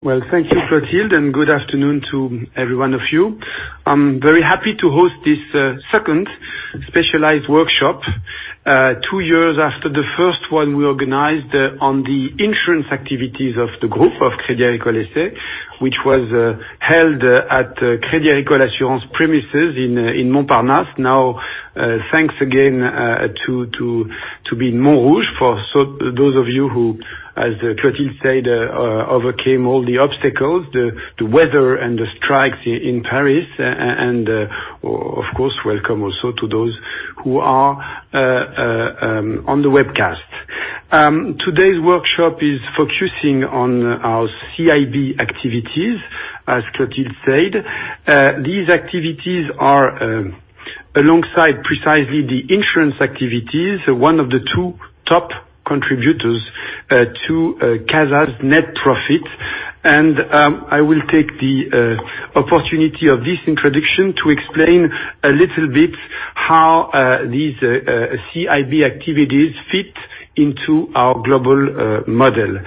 Well, thank you Clotilde, and good afternoon to every one of you. I'm very happy to host this second specialized workshop, two years after the first one we organized on the insurance activities of the group of Crédit Agricole S.A., which was held at Crédit Agricole Assurances premises in Montparnasse. Now, thanks again, to be in Montrouge for those of you who, as Clotilde said, overcame all the obstacles, the weather, and the strikes in Paris, and of course, welcome also to those who are on the webcast. Today's workshop is focusing on our CIB activities, as Clotilde said. These activities are, alongside precisely the insurance activities, one of the two top contributors to CASA's net profit. I will take the opportunity of this introduction to explain a little bit how these CIB activities fit into our global model.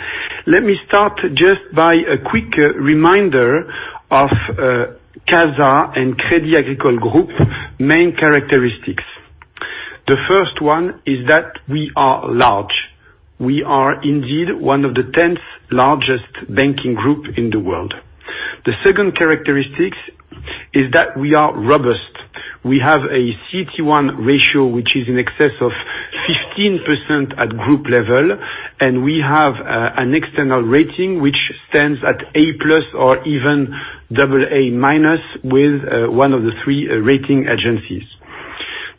Let me start just by a quick reminder of CASA and Crédit Agricole Group main characteristics. The first one is that we are large. We are indeed one of the 10th largest banking group in the world. The second characteristic is that we are robust. We have a CET1 ratio which is in excess of 15% at group level, and we have an external rating which stands at A+ or even AA-, with one of the three rating agencies.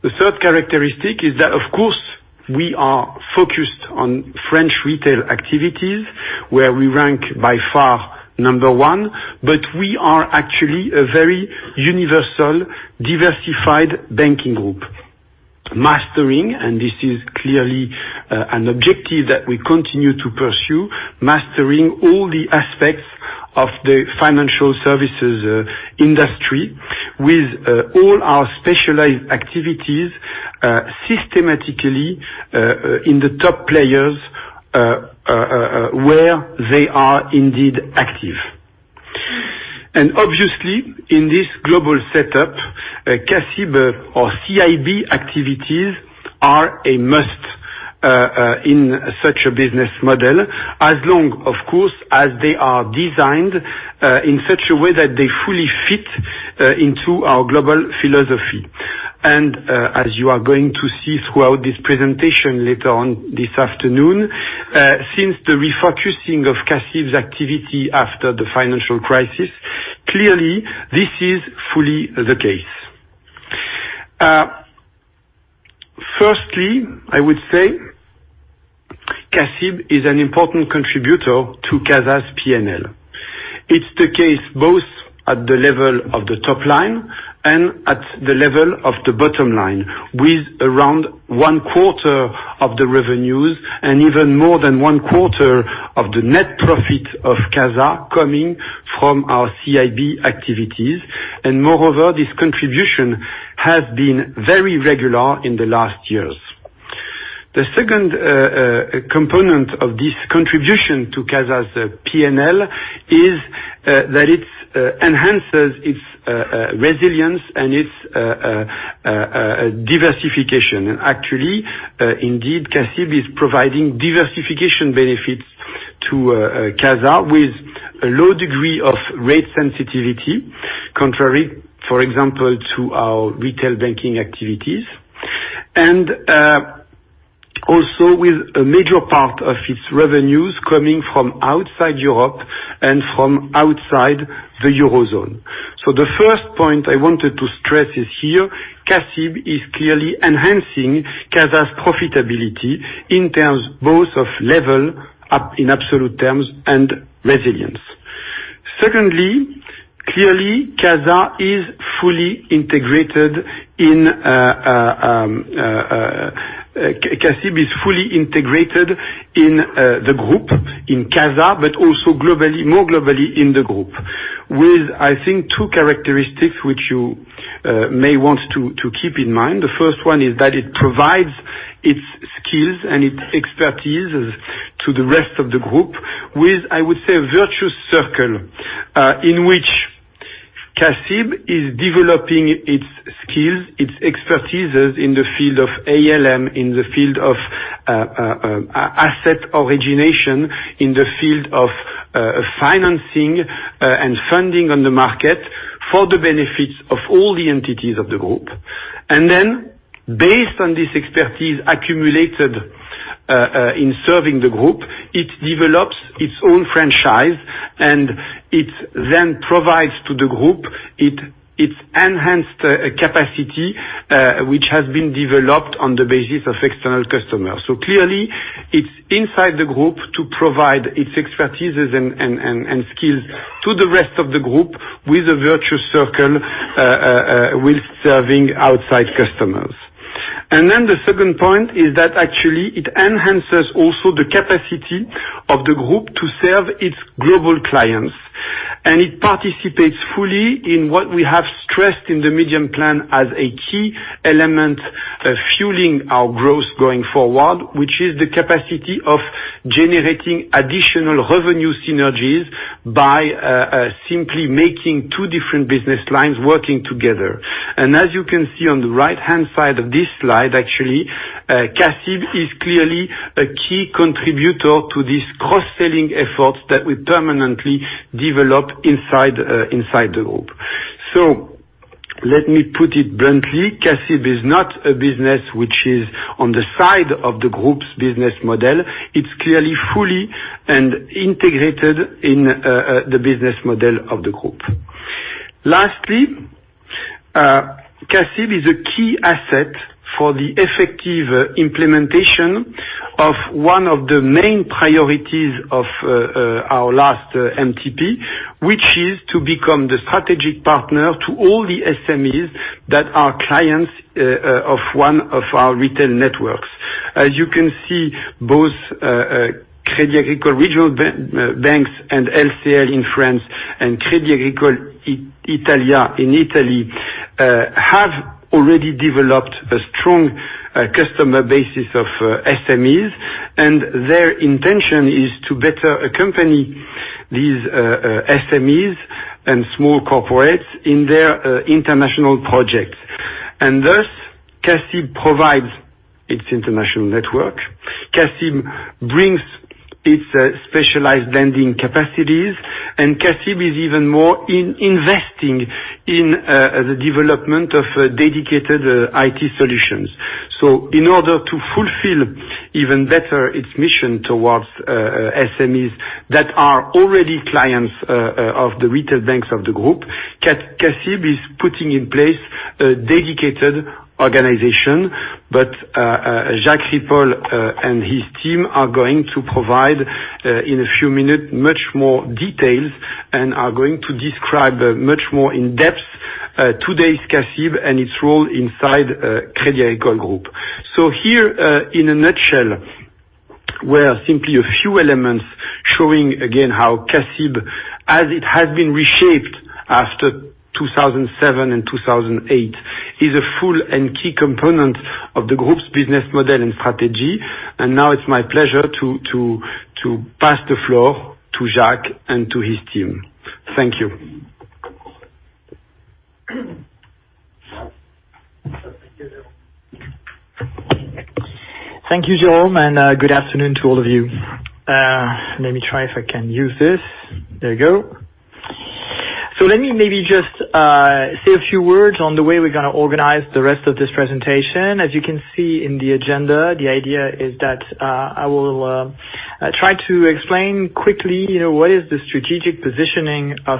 The third characteristic is that, of course, we are focused on French retail activities, where we rank by far number one. We are actually a very universal, diversified banking group. Mastering, and this is clearly an objective that we continue to pursue, mastering all the aspects of the financial services industry with all our specialized activities, systematically in the top players, where they are indeed active. Obviously, in this global setup, CACIB or CIB activities are a must in such a business model, as long, of course, as they are designed in such a way that they fully fit into our global philosophy. As you are going to see throughout this presentation later on this afternoon, since the refocusing of CACIB's activity after the financial crisis, clearly this is fully the case. Firstly, I would say CACIB is an important contributor to CASA's P&L. It's the case both at the level of the top line and at the level of the bottom line, with around 1/4 of the revenues and even more than 1/4 of the net profit of CASA coming from our CIB activities. Moreover, this contribution has been very regular in the last years. The second component of this contribution to CASA's P&L is that it enhances its resilience and its diversification. Actually, indeed, CACIB is providing diversification benefits to CASA with a low degree of rate sensitivity, contrary, for example, to our retail banking activities. Also with a major part of its revenues coming from outside Europe and from outside the Eurozone. The first point I wanted to stress is here, CACIB is clearly enhancing CASA's profitability in terms both of level in absolute terms and resilience. Secondly, clearly, CACIB is fully integrated in the group, in CASA, but also more globally in the group, with, I think, two characteristics which you may want to keep in mind. The first one is that it provides its skills and its expertise to the rest of the group with, I would say, a virtuous circle, in which CACIB is developing its skills, its expertises in the field of ALM, in the field of asset origination, in the field of financing, and funding on the market for the benefits of all the entities of the group. Based on this expertise accumulated in serving the group, it develops its own franchise, and it then provides to the group its enhanced capacity, which has been developed on the basis of external customers. Clearly, it's inside the group to provide its expertises and skills to the rest of the group with a virtuous circle with serving outside customers. The second point is that actually it enhances also the capacity of the group to serve its global clients. It participates fully in what we have stressed in the Medium-Term Plan as a key element, fueling our growth going forward, which is the capacity of generating additional revenue synergies by simply making two different business lines working together. As you can see on the right-hand side of this slide, actually, CACIB is clearly a key contributor to these cross-selling efforts that we permanently develop inside the group. Let me put it bluntly, CACIB is not a business which is on the side of the group's business model. It's clearly fully and integrated in the business model of the group. CACIB is a key asset for the effective implementation of one of the main priorities of our last MTP, which is to become the strategic partner to all the SMEs that are clients of one of our retail networks. As you can see, both Crédit Agricole regional banks and LCL in France, and Crédit Agricole Italia in Italy, have already developed a strong customer base of SMEs, and their intention is to better accompany these SMEs and small corporates in their international projects. Thus, CACIB provides its international network. CACIB brings its specialized lending capacities, and CACIB is even more in investing in the development of dedicated IT solutions. In order to fulfill even better its mission towards SMEs that are already clients of the retail banks of the group, CACIB is putting in place a dedicated organization. Jacques Ripoll and his team are going to provide, in a few minutes, much more details, and are going to describe much more in depth today's CACIB and its role inside Crédit Agricole Group. Here, in a nutshell, were simply a few elements showing again how CACIB, as it has been reshaped after 2007 and 2008, is a full and key component of the group's business model and strategy. Now it's my pleasure to pass the floor to Jacques and to his team. Thank you. Thank you, Jérôme. Good afternoon to all of you. Let me try if I can use this. There you go. Let me maybe just say a few words on the way we're going to organize the rest of this presentation. As you can see in the agenda, the idea is that I will try to explain quickly, what is the strategic positioning of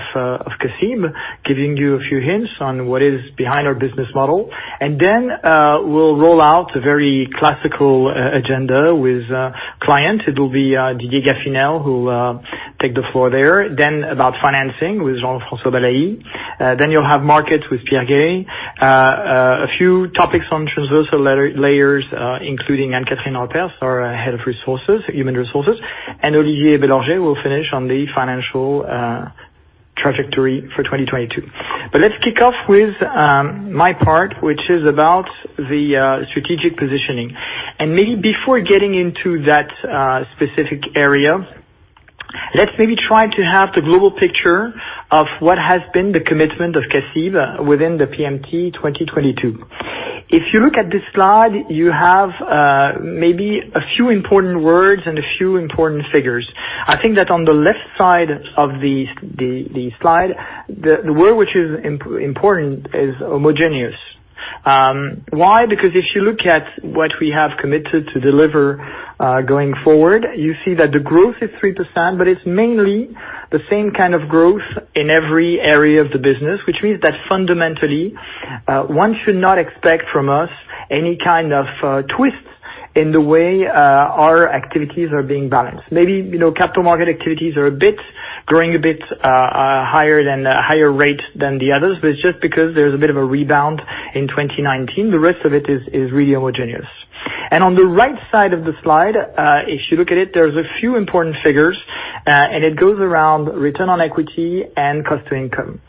CACIB, giving you a few hints on what is behind our business model. We'll roll out a very classical agenda with clients. It will be Didier Gaffinel, who will take the floor there. About financing with Jean-François Balaÿ. You'll have markets with Pierre Gay. A few topics on transversal layers, including Anne-Catherine Berters, our Head of Human Resources, and Olivier Bélorgey will finish on the financial trajectory for 2022. Let's kick off with my part, which is about the strategic positioning. Maybe before getting into that specific area, let's maybe try to have the global picture of what has been the commitment of CACIB within the MTP 2022. If you look at this slide, you have maybe a few important words and a few important figures. I think that on the left side of the slide, the word which is important is homogeneous. Why? If you look at what we have committed to deliver going forward, you see that the growth is 3%, but it's mainly the same kind of growth in every area of the business, which means that fundamentally, one should not expect from us any kind of twists in the way our activities are being balanced. Maybe, capital market activities are growing a bit higher rate than the others, but it's just because there's a bit of a rebound in 2019. The rest of it is really homogeneous. On the right side of the slide, if you look at it, there's a few important figures, and it goes around return on equity and cost to income.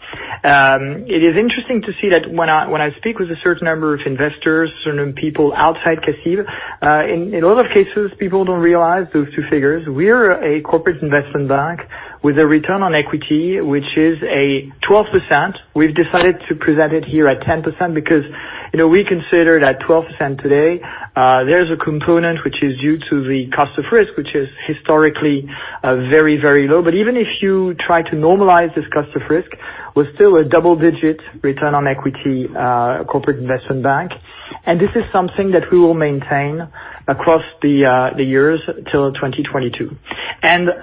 It is interesting to see that when I speak with a certain number of investors, certain people outside CACIB, in a lot of cases, people don't realize those two figures. We're a corporate investment bank with a return on equity, which is a 12%. We've decided to present it here at 10% because we consider that 12% today, there's a component which is due to the cost of risk, which is historically very low. Even if you try to normalize this cost of risk, we're still a double-digit return on equity corporate investment bank, and this is something that we will maintain across the years till 2022.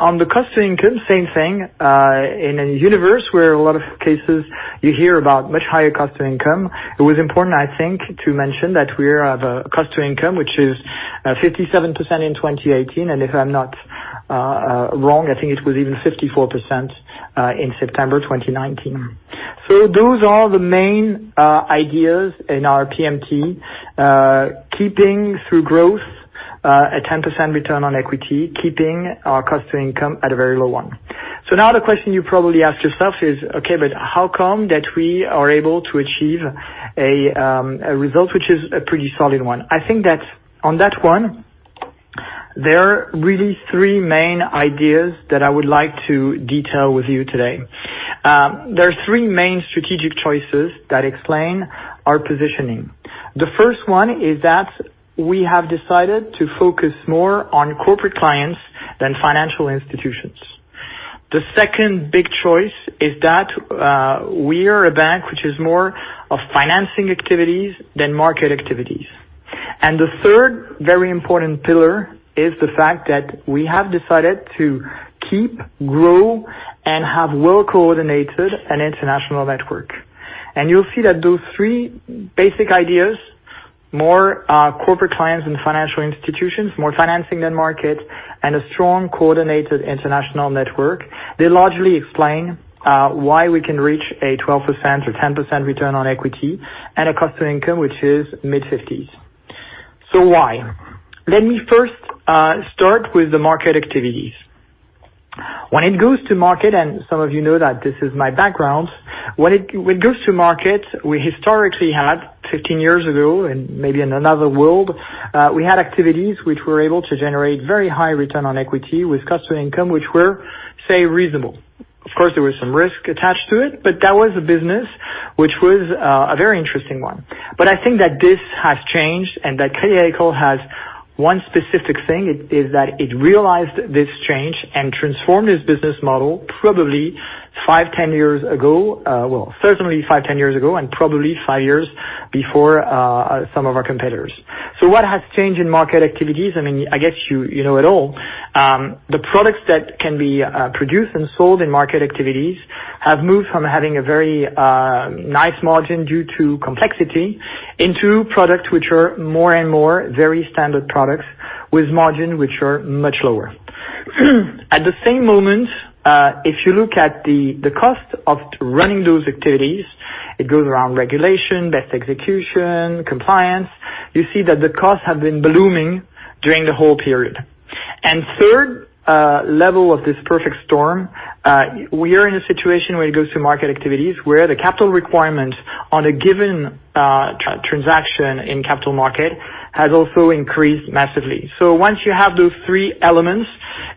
On the cost to income, same thing. In a universe where a lot of cases you hear about much higher cost to income, it was important, I think, to mention that we have a cost to income, which is 57% in 2018. If I'm not wrong, I think it was even 54% in September 2019. Those are the main ideas in our MTP, keeping through growth a 10% return on equity, keeping our cost to income at a very low one. Now the question you probably ask yourself is, okay, but how come that we are able to achieve a result which is a pretty solid one? I think that on that one, there are really three main ideas that I would like to detail with you today. There are three main strategic choices that explain our positioning. The first one is that we have decided to focus more on corporate clients than financial institutions. The second big choice is that we are a bank which is more of financing activities than market activities. The third very important pillar is the fact that we have decided to keep growing and have well-coordinated an international network. You'll see that those three basic ideas, more corporate clients and financial institutions, more financing than market, and a strong, coordinated international network, they largely explain why we can reach a 12% or 10% return on equity and a cost to income, which is mid-50s. Why? Let me first start with the market activities. When it goes to market, and some of you know that this is my background. When it goes to market, we historically had, 15 years ago and maybe in another world, we had activities which were able to generate very high return on equity with cost to income, which were, say, reasonable. Of course, there was some risk attached to it, but that was a business which was a very interesting one. I think that this has changed and that Crédit Agricole has one specific thing, is that it realized this change and transformed its business model probably five, 10 years ago. Well, certainly five, 10 years ago, and probably five years before some of our competitors. What has changed in market activities? I guess you know it all. The products that can be produced and sold in market activities have moved from having a very nice margin due to complexity into products which are more and more very standard products with margin, which are much lower. At the same moment, if you look at the cost of running those activities, it goes around regulation, best execution, compliance. You see that the costs have been blooming during the whole period. Third level of this perfect storm, we are in a situation where it goes to market activities, where the capital requirement on a given transaction in capital market has also increased massively. Once you have those three elements,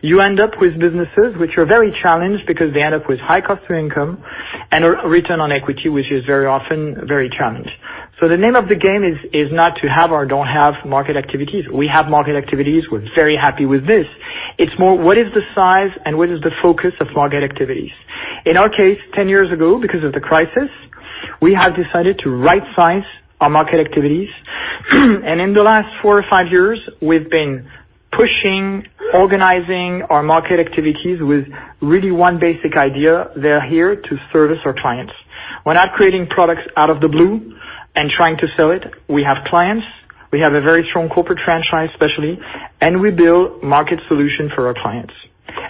you end up with businesses which are very challenged because they end up with high cost to income and a return on equity, which is very often very challenged. The name of the game is not to have or don't have market activities. We have market activities. We're very happy with this. It's more, what is the size and what is the focus of market activities? In our case, 10 years ago, because of the crisis, we have decided to right-size our market activities. In the last four or five years, we've been pushing, organizing our market activities with really one basic idea. They're here to service our clients. We're not creating products out of the blue and trying to sell it. We have clients. We have a very strong corporate franchise, especially, and we build market solution for our clients.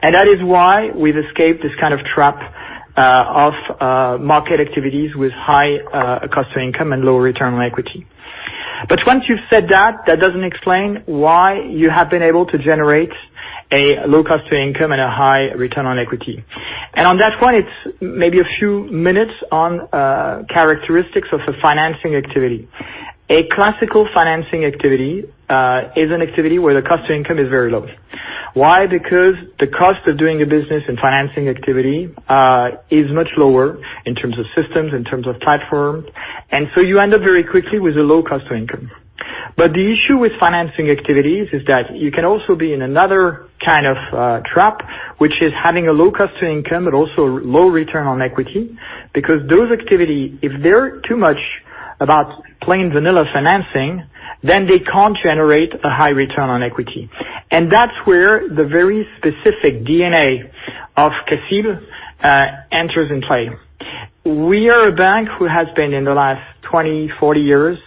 That is why we've escaped this kind of trap of market activities with high cost to income and low return on equity. Once you've said that doesn't explain why you have been able to generate a low cost to income and a high return on equity. On that point, it's maybe a few minutes on characteristics of a financing activity. A classical financing activity is an activity where the cost to income is very low. Why? The cost of doing a business in financing activity is much lower in terms of systems, in terms of platforms, you end up very quickly with a low cost to income. The issue with financing activities is that you can also be in another kind of trap, which is having a low cost to income, but also low return on equity. Those activity, if they're too much about plain vanilla financing, they can't generate a high return on equity. That's where the very specific DNA of CACIB enters in play. We are a bank who has been, in the last 20, 40 years,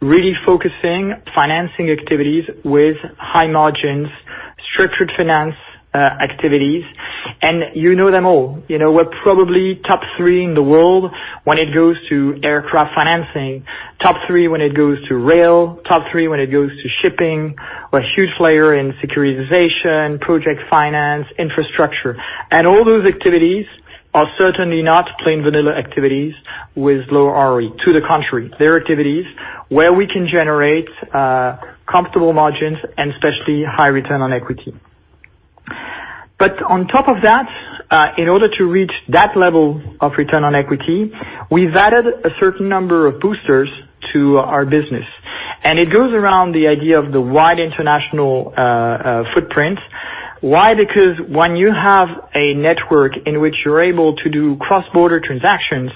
really focusing financing activities with high margins, structured finance activities, and you know them all. You know we're probably top three in the world when it goes to aircraft financing, top three when it goes to rail, top three when it goes to shipping. We're a huge player in securitization, project finance, infrastructure, and all those activities are certainly not plain vanilla activities with low ROE. To the contrary, they're activities where we can generate comfortable margins and especially high return on equity. On top of that, in order to reach that level of return on equity, we've added a certain number of boosters to our business, and it goes around the idea of the wide international footprint. Why? When you have a network in which you're able to do cross-border transactions,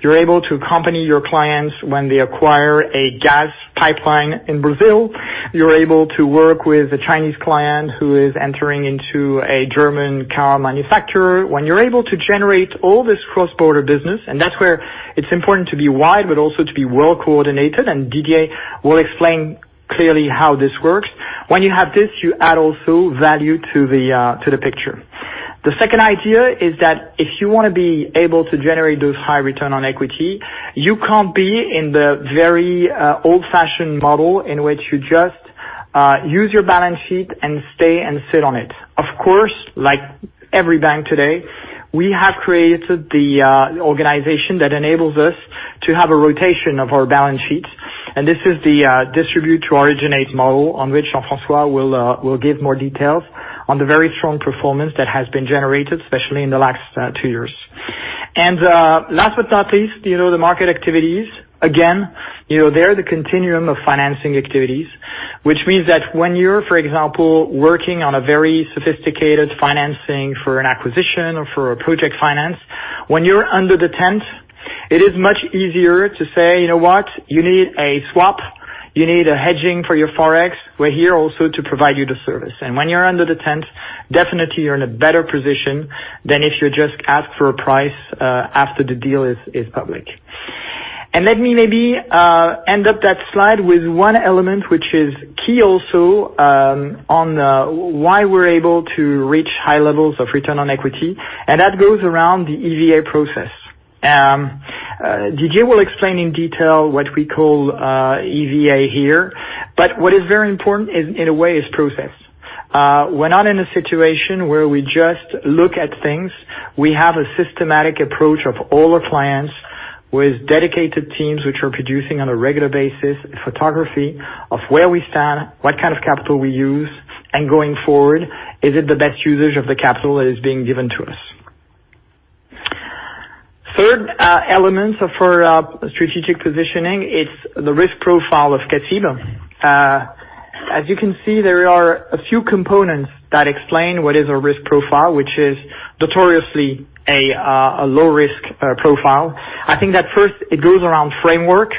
you're able to accompany your clients when they acquire a gas pipeline in Brazil, you're able to work with a Chinese client who is entering into a German car manufacturer. When you're able to generate all this cross-border business, and that's where it's important to be wide, but also to be well coordinated, and Didier will explain clearly how this works. When you have this, you add also value to the picture. The second idea is that if you want to be able to generate those high return on equity, you can't be in the very old-fashioned model in which you just use your balance sheet and stay and sit on it. Of course, like every bank today, we have created the organization that enables us to have a rotation of our balance sheets, and this is the distribute to originate model on which Jean-François will give more details on the very strong performance that has been generated, especially in the last two years. Last but not least, the market activities. They're the continuum of financing activities, which means that when you're, for example, working on a very sophisticated financing for an acquisition or for a project finance, when you're under the tent, it is much easier to say, "You know what? You need a swap. You need a hedging for your Forex." We're here also to provide you the service. When you're under the tent, definitely you're in a better position than if you just ask for a price after the deal is public. Let me maybe end up that slide with one element, which is key also on why we're able to reach high levels of return on equity, and that goes around the EVA process. Didier will explain in detail what we call EVA here, but what is very important, in a way, is process. We're not in a situation where we just look at things. We have a systematic approach of all our clients with dedicated teams, which are producing on a regular basis, photography of where we stand, what kind of capital we use, and going forward, is it the best usage of the capital that is being given to us? Third element for strategic positioning, it's the risk profile of CACIB. As you can see, there are a few components that explain what is a risk profile, which is notoriously a low risk profile. I think that first it goes around framework.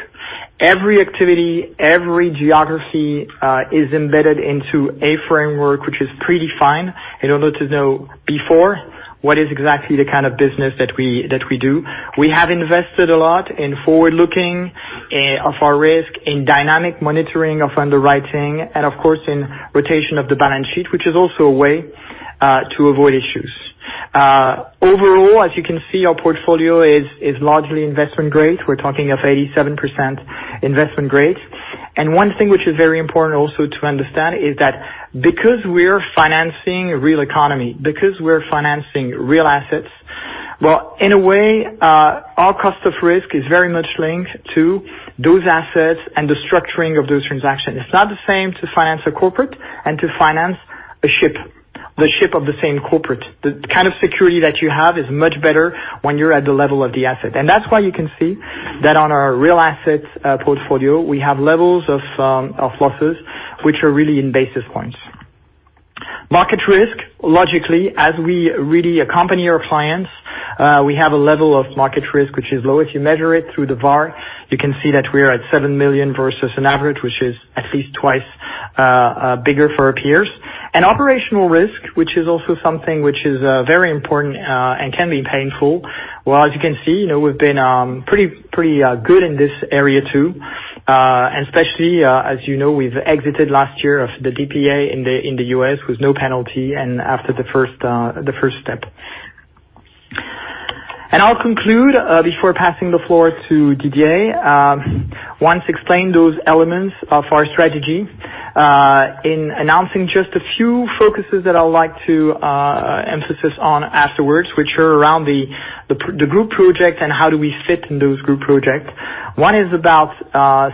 Every activity, every geography, is embedded into a framework which is pretty fine in order to know before what is exactly the kind of business that we do. We have invested a lot in forward-looking of our risk, in dynamic monitoring of underwriting, and of course, in rotation of the balance sheet, which is also a way to avoid issues. Overall, as you can see, our portfolio is largely investment grade. We're talking of 87% investment grade. One thing which is very important also to understand is that because we're financing real economy, because we're financing real assets, well, in a way, our cost of risk is very much linked to those assets and the structuring of those transactions. It's not the same to finance a corporate and to finance a ship, the ship of the same corporate. The kind of security that you have is much better when you're at the level of the asset. That's why you can see that on our real assets portfolio, we have levels of losses which are really in basis points. Market risk, logically, as we really accompany our clients, we have a level of market risk, which is low. If you measure it through the VaR, you can see that we are at 7 million versus an average, which is at least twice bigger for our peers. Operational risk, which is also something which is very important, and can be painful. Well, as you can see, we've been pretty good in this area, too. Especially, as you know, we've exited last year of the DPA in the U.S. with no penalty and after the first step. I'll conclude before passing the floor to Didier. Once explained those elements of our strategy, in announcing just a few focuses that I would like to emphasize on afterwards, which are around the group project and how do we fit in those group projects. One is about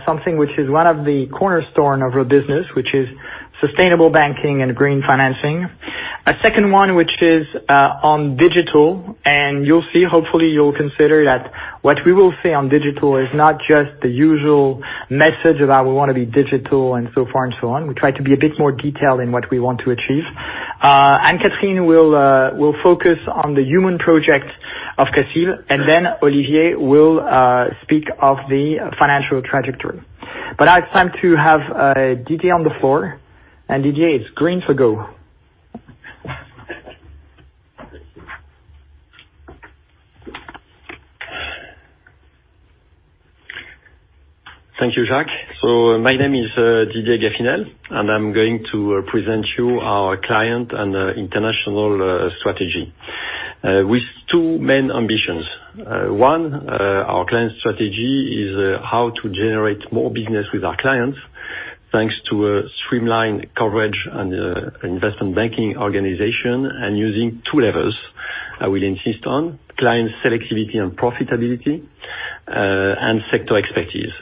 something which is one of the cornerstones of our business, which is sustainable banking and green financing. A second one, which is on digital, you'll see, hopefully, you'll consider that what we will say on digital is not just the usual message about we want to be digital and so far and so on. We try to be a bit more detailed in what we want to achieve. Catherine will focus on the human project of CACIB, and then Olivier will speak of the financial trajectory. Now it's time to have Didier on the floor. Didier, it's green for go. Thank you, Jacques. My name is Didier Gaffinel, and I'm going to present you our client and international strategy with two main ambitions. One, our client strategy is how to generate more business with our clients, thanks to a streamlined coverage and investment banking organization, and using two levers I will insist on, client selectivity and profitability, and sector expertise.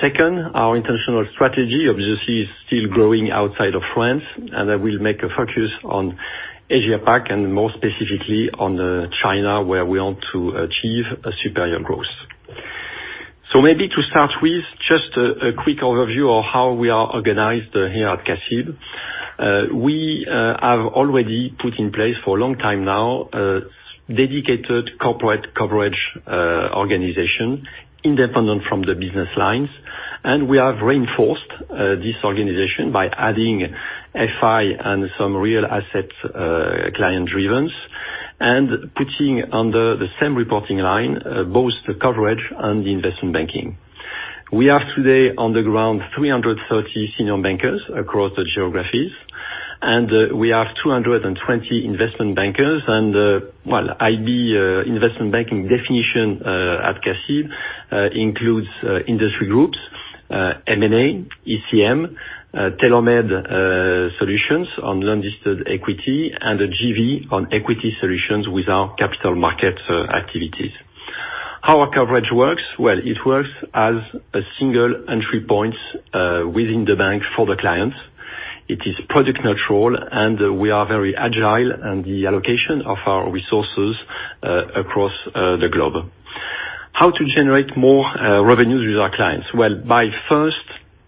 Second, our international strategy obviously is still growing outside of France, and I will make a focus on Asia-Pac and more specifically on China, where we want to achieve a superior growth. Maybe to start with just a quick overview of how we are organized here at CACIB. We have already put in place for a long time now a dedicated corporate coverage organization independent from the business lines. We have reinforced this organization by adding FI and some real asset client drivens, and putting under the same reporting line both the coverage and the investment banking. We have today on the ground 330 senior bankers across the geographies, and we have 220 investment bankers. IB, investment banking definition at CACIB includes industry groups, M&A, ECM, tailor-made solutions on registered equity, and a JV on equity solutions with our capital market activities. How our coverage works, well, it works as single entry points within the bank for the clients. It is product neutral, and we are very agile in the allocation of our resources across the globe. How to generate more revenues with our clients? Well, by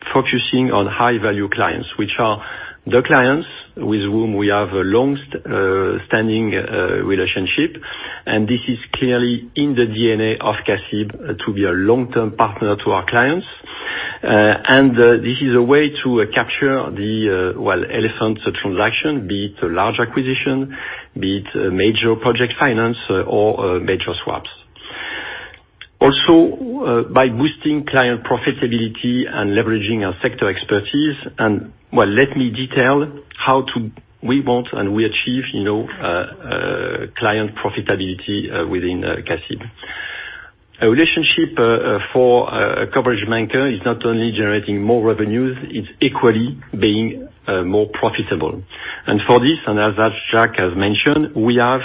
first focusing on high-value clients, which are the clients with whom we have a long-standing relationship, and this is clearly in the DNA of CACIB to be a long-term partner to our clients. This is a way to capture the elephant transaction, be it a large acquisition, be it a major project finance or major swaps. Also, by boosting client profitability and leveraging our sector expertise. Let me detail how we want and we achieve client profitability within CACIB. A relationship for a coverage banker is not only generating more revenues, it's equally being more profitable. For this, and as Jacques has mentioned, we have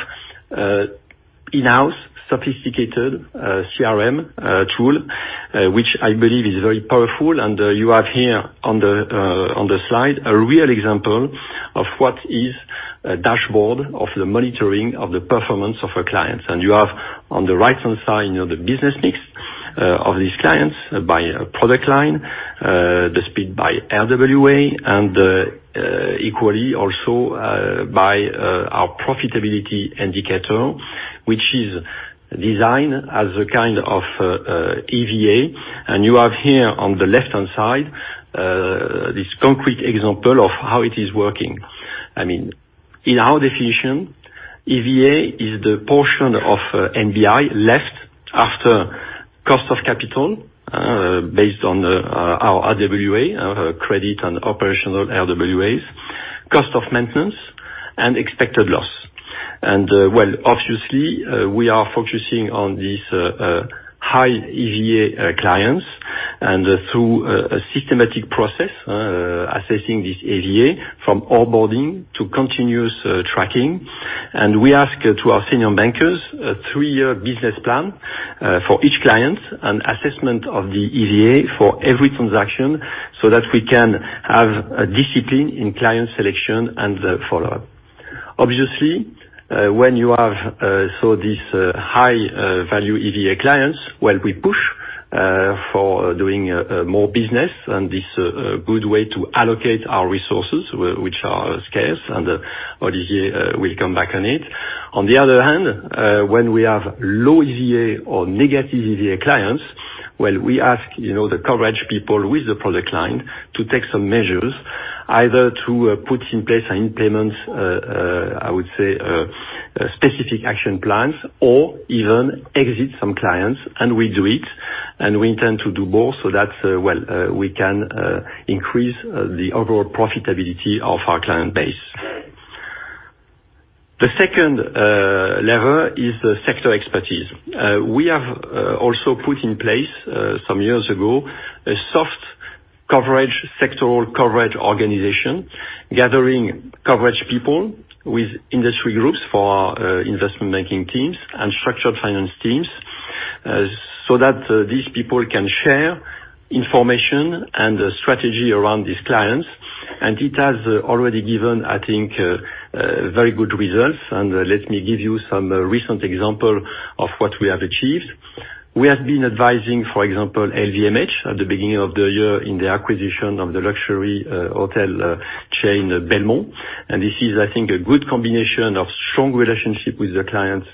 in-house sophisticated CRM tool, which I believe is very powerful. You have here on the slide, a real example of what is a dashboard of the monitoring of the performance of a client. You have on the right-hand side, the business mix of these clients by product line, the split by RWA, and equally also by our profitability indicator, which is designed as a kind of EVA. You have here on the left-hand side, this concrete example of how it is working. In our definition, EVA is the portion of NBI left after cost of capital, based on our RWA, our credit and operational RWAs, cost of maintenance, and expected loss. Obviously, we are focusing on these high EVA clients, and through a systematic process, assessing this EVA from onboarding to continuous tracking. We ask to our senior bankers, a three-year business plan, for each client, an assessment of the EVA for every transaction, so that we can have a discipline in client selection and follow-up. Obviously, when you have this high value EVA clients, we push for doing more business, and this a good way to allocate our resources, which are scarce, and Olivier will come back on it. On the other hand, when we have low EVA or negative EVA clients, we ask the coverage people with the product line to take some measures, either to put in place and implement, I would say, specific action plans, or even exit some clients, and we do it, and we intend to do more, so that we can increase the overall profitability of our client base. The second lever is the sector expertise. We have also put in place, some years ago, a soft sectoral coverage organization, gathering coverage people with industry groups for our investment banking teams and structured finance teams, so that these people can share information and the strategy around these clients. It has already given, I think, very good results. Let me give you some recent example of what we have achieved. We have been advising, for example, LVMH at the beginning of the year in the acquisition of the luxury hotel chain, Belmond. This is, I think, a good combination of strong relationship with the clients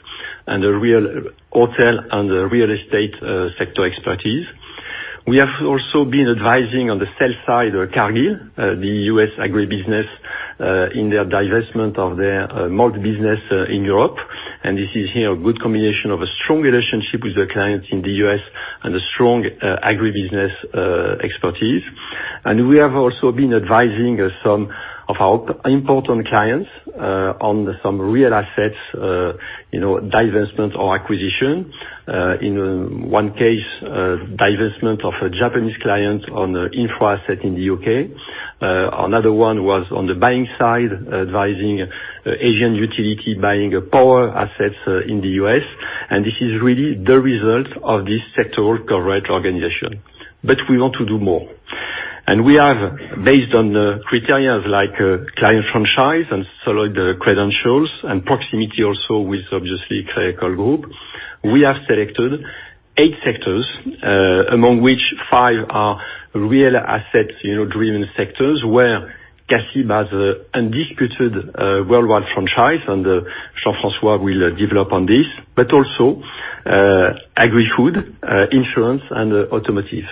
and the real hotel and the real estate sector expertise. We have also been advising on the sell side, Cargill, the U.S. agribusiness, in their divestment of their malt business in Europe. This is here a good combination of a strong relationship with the clients in the U.S. and a strong agribusiness expertise. We have also been advising some of our important clients, on some real assets divestment or acquisition. In one case, divestment of a Japanese client on a infra asset in the U.K. Another one was on the buying side, advising Asian utility buying power assets in the U.S. This is really the result of this sectoral coverage organization. We want to do more. We have, based on the criteria like client franchise and solid credentials and proximity also with obviously Crédit Agricole Group, we have selected eight sectors, among which five are real asset-driven sectors, where CACIB has undisputed worldwide franchise, and Jean-François will develop on this, but also agri-food, insurance and automotive.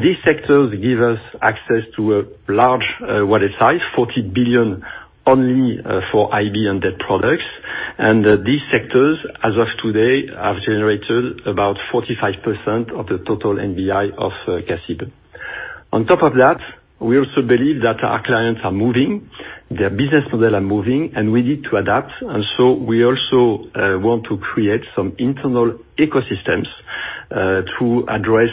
These sectors give us access to a large wallet size, 40 billion Only for IB and debt products. These sectors, as of today, have generated about 45% of the total NBI of CACIB. On top of that, we also believe that our clients are moving, their business model are moving, and we need to adapt. We also want to create some internal ecosystems to address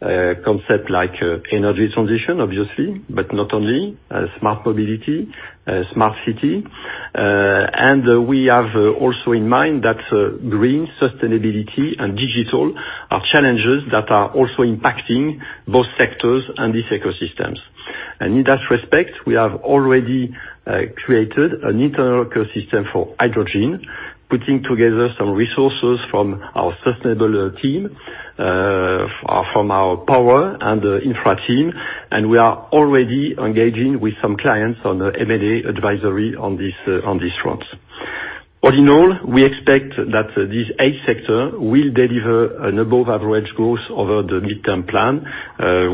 concept like energy transition, obviously, but not only, smart mobility, smart city. We have also in mind that green sustainability and digital are challenges that are also impacting both sectors and these ecosystems. In that respect, we have already created an internal ecosystem for hydrogen, putting together some resources from our sustainable team, from our power and infra team, and we are already engaging with some clients on M&A advisory on this front. All in all, we expect that this A sector will deliver an above-average growth over the Medium-Term Plan,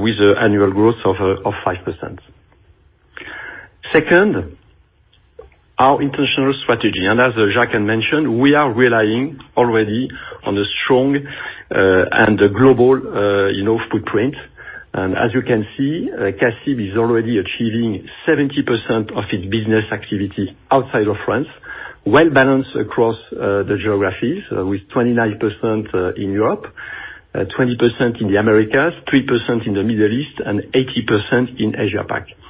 with annual growth of 5%. Second, our international strategy, and as Jacques mentioned, we are relying already on a strong and global enough footprint. As you can see, CACIB is already achieving 70% of its business activity outside of France, well-balanced across the geographies, with 29% in Europe, 20% in the Americas, 3% in the Middle East, and 80% in Asia-Pac. I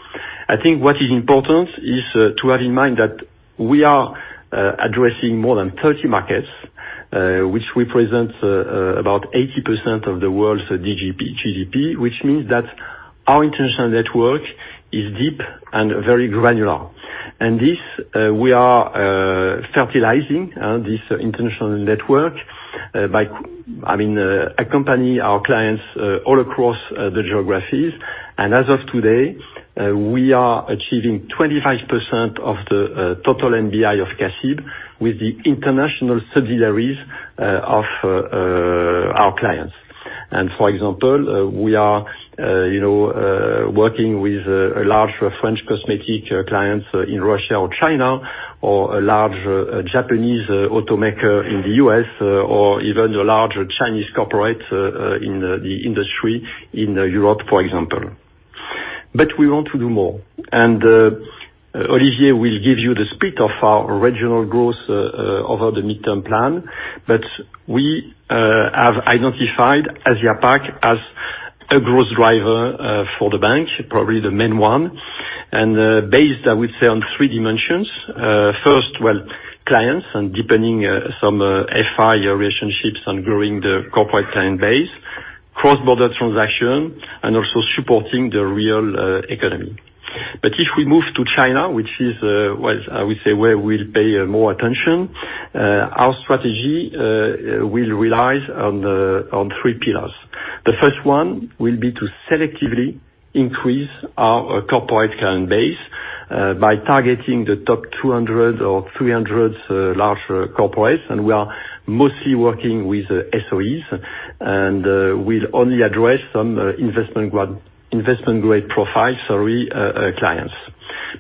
think what is important is to have in mind that we are addressing more than 30 markets, which represents about 80% of the world's GDP, which means that our international network is deep and very granular. This we are fertilizing, this international network, by accompanying our clients all across the geographies. As of today, we are achieving 25% of the total NBI of CACIB with the international subsidiaries of our clients. For example, we are working with a large French cosmetic client in Russia or China, or a large Japanese automaker in the U.S., or even the large Chinese corporate in the industry in Europe, for example. We want to do more, and Olivier will give you the split of our regional growth over the midterm plan. We have identified Asia-Pac as a growth driver for the bank, probably the main one, and based, I would say, on three dimensions. First, clients and deepening some FI relationships and growing the corporate client base, cross-border transaction, and also supporting the real economy. If we move to China, which is I would say, where we'll pay more attention, our strategy will relies on three pillars. The first one will be to selectively increase our corporate client base by targeting the top 200 or 300 large corporates, and we are mostly working with SOEs, and we'll only address some investment grade profile clients.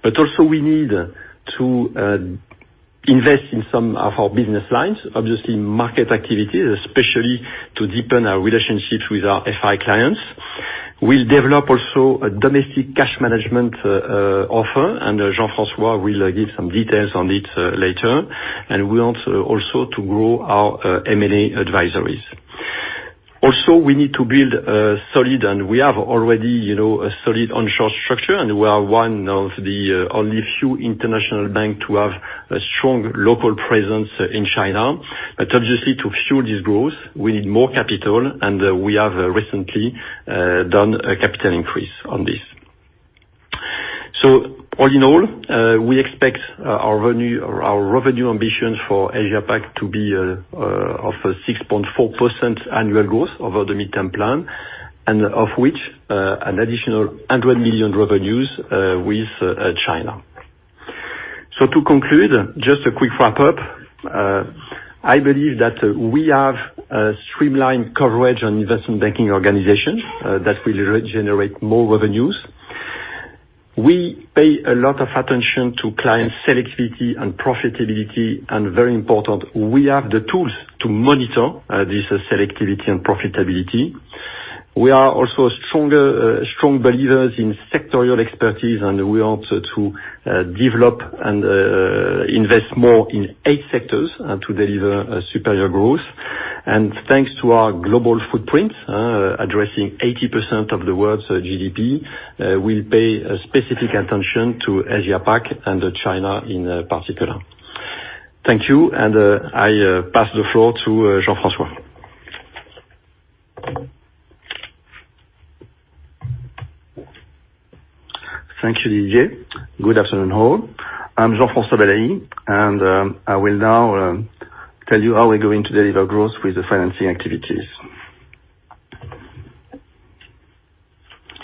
Also we need to invest in some of our business lines, obviously market activities, especially to deepen our relationships with our FI clients. We'll develop also a domestic cash management offer. Jean-François will give some details on it later. We want also to grow our M&A advisories. Also, we need to build a solid onshore structure. We are one of the only few international bank to have a strong local presence in China. Obviously, to fuel this growth, we need more capital. We have recently done a capital increase on this. All in all, we expect our revenue ambition for Asia-Pac to be of 6.4% annual growth over the midterm plan. Of which an additional 100 million revenues with China. To conclude, just a quick wrap-up. I believe that we have a streamlined coverage on investment banking organization that will generate more revenues. We pay a lot of attention to client selectivity and profitability. Very important, we have the tools to monitor this selectivity and profitability. We are also strong believers in sectorial expertise. We want to develop and invest more in eight sectors to deliver superior growth. Thanks to our global footprint, addressing 80% of the world's GDP, we'll pay specific attention to Asia-Pac, and China in particular. Thank you. I pass the floor to Jean-François. Thank you, Olivier. Good afternoon, all. I'm Jean-François Balaÿ, I will now tell you how we're going to deliver growth with the financing activities.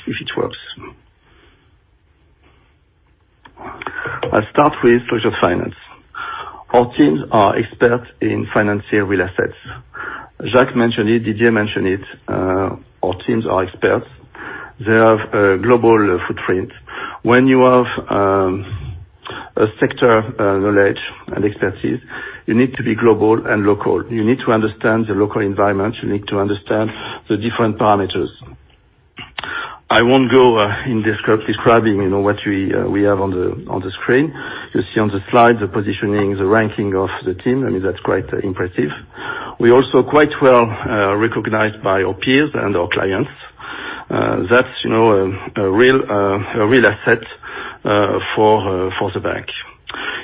If it works. I'll start with treasury finance. Our teams are experts in financial real assets. Jacques mentioned it, Didier mentioned it, our teams are experts. They have a global footprint. When you have a sector knowledge and expertise, you need to be global and local. You need to understand the local environment. You need to understand the different parameters. I won't go in describing what we have on the screen. You see on the slide, the positioning, the ranking of the team. That's quite impressive. We're also quite well recognized by our peers and our clients. That's a real asset for the bank.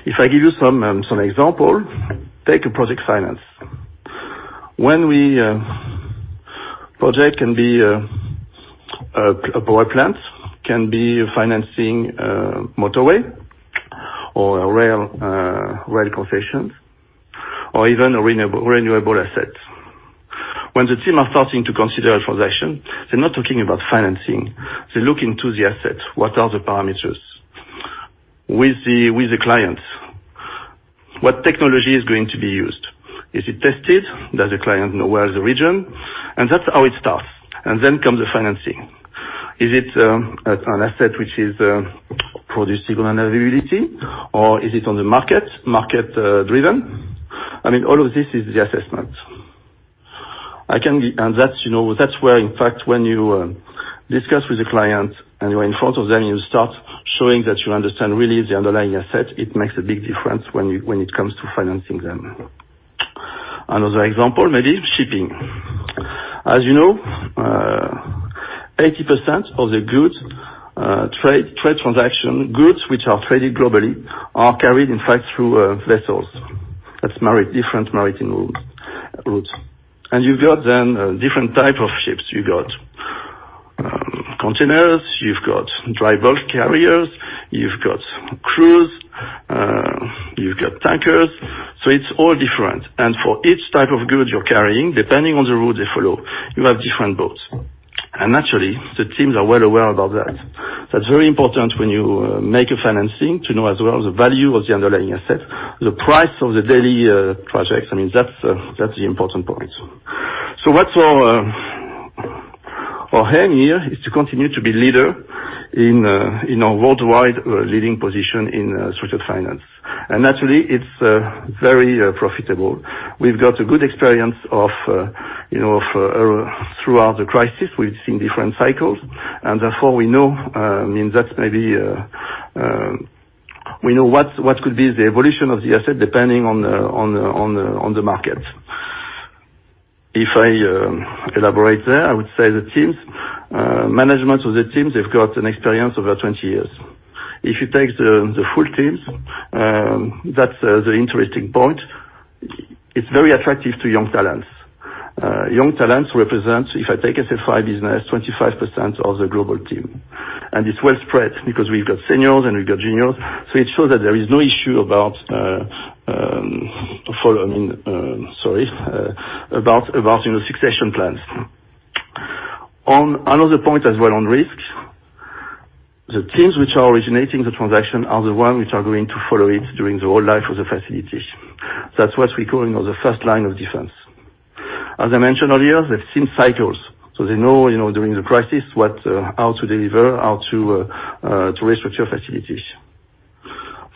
If I give you some example, take a project finance. Project can be a power plant, can be financing a motorway or a rail concession, or even a renewable asset. When the team are starting to consider a transaction, they're not talking about financing. They look into the asset. What are the parameters? With the clients, what technology is going to be used? Is it tested? Does the client know where is the region? That's how it starts. Then comes the financing. Is it an asset which is producing reliability or is it on the market driven? All of this is the assessment. That's where, in fact, when you discuss with the client, and you're in front of them, you start showing that you understand really the underlying asset. It makes a big difference when it comes to financing them. Another example, maybe shipping. As you know, 80% of the goods, trade transaction goods which are traded globally, are carried, in fact, through vessels. That's different maritime routes. You've got then different type of ships. You've got containers, you've got dry bulk carriers, you've got cruise, you've got tankers. It's all different. For each type of good you're carrying, depending on the route they follow, you have different boats. Naturally, the teams are well aware about that. That's very important when you make a financing, to know as well the value of the underlying asset, the price of the daily projects. That's the important point. What's our hang here is to continue to be leader in our worldwide leading position in structured finance. Naturally, it's very profitable. We've got a good experience of throughout the crisis, we've seen different cycles. Therefore we know what could be the evolution of the asset depending on the market. If I elaborate there, I would say the management of the teams, they've got an experience over 20 years. If you take the full teams, that's the interesting point. It's very attractive to young talents. Young talents represent, if I take SFI business, 25% of the global team. It's well spread because we've got seniors and we've got juniors. It shows that there is no issue about succession plans. Another point as well on risks, the teams which are originating the transaction are the ones which are going to follow it during the whole life of the facilities. That's what we're calling the first line of defense. As I mentioned earlier, they've seen cycles, so they know during the crisis how to deliver, how to restructure facilities.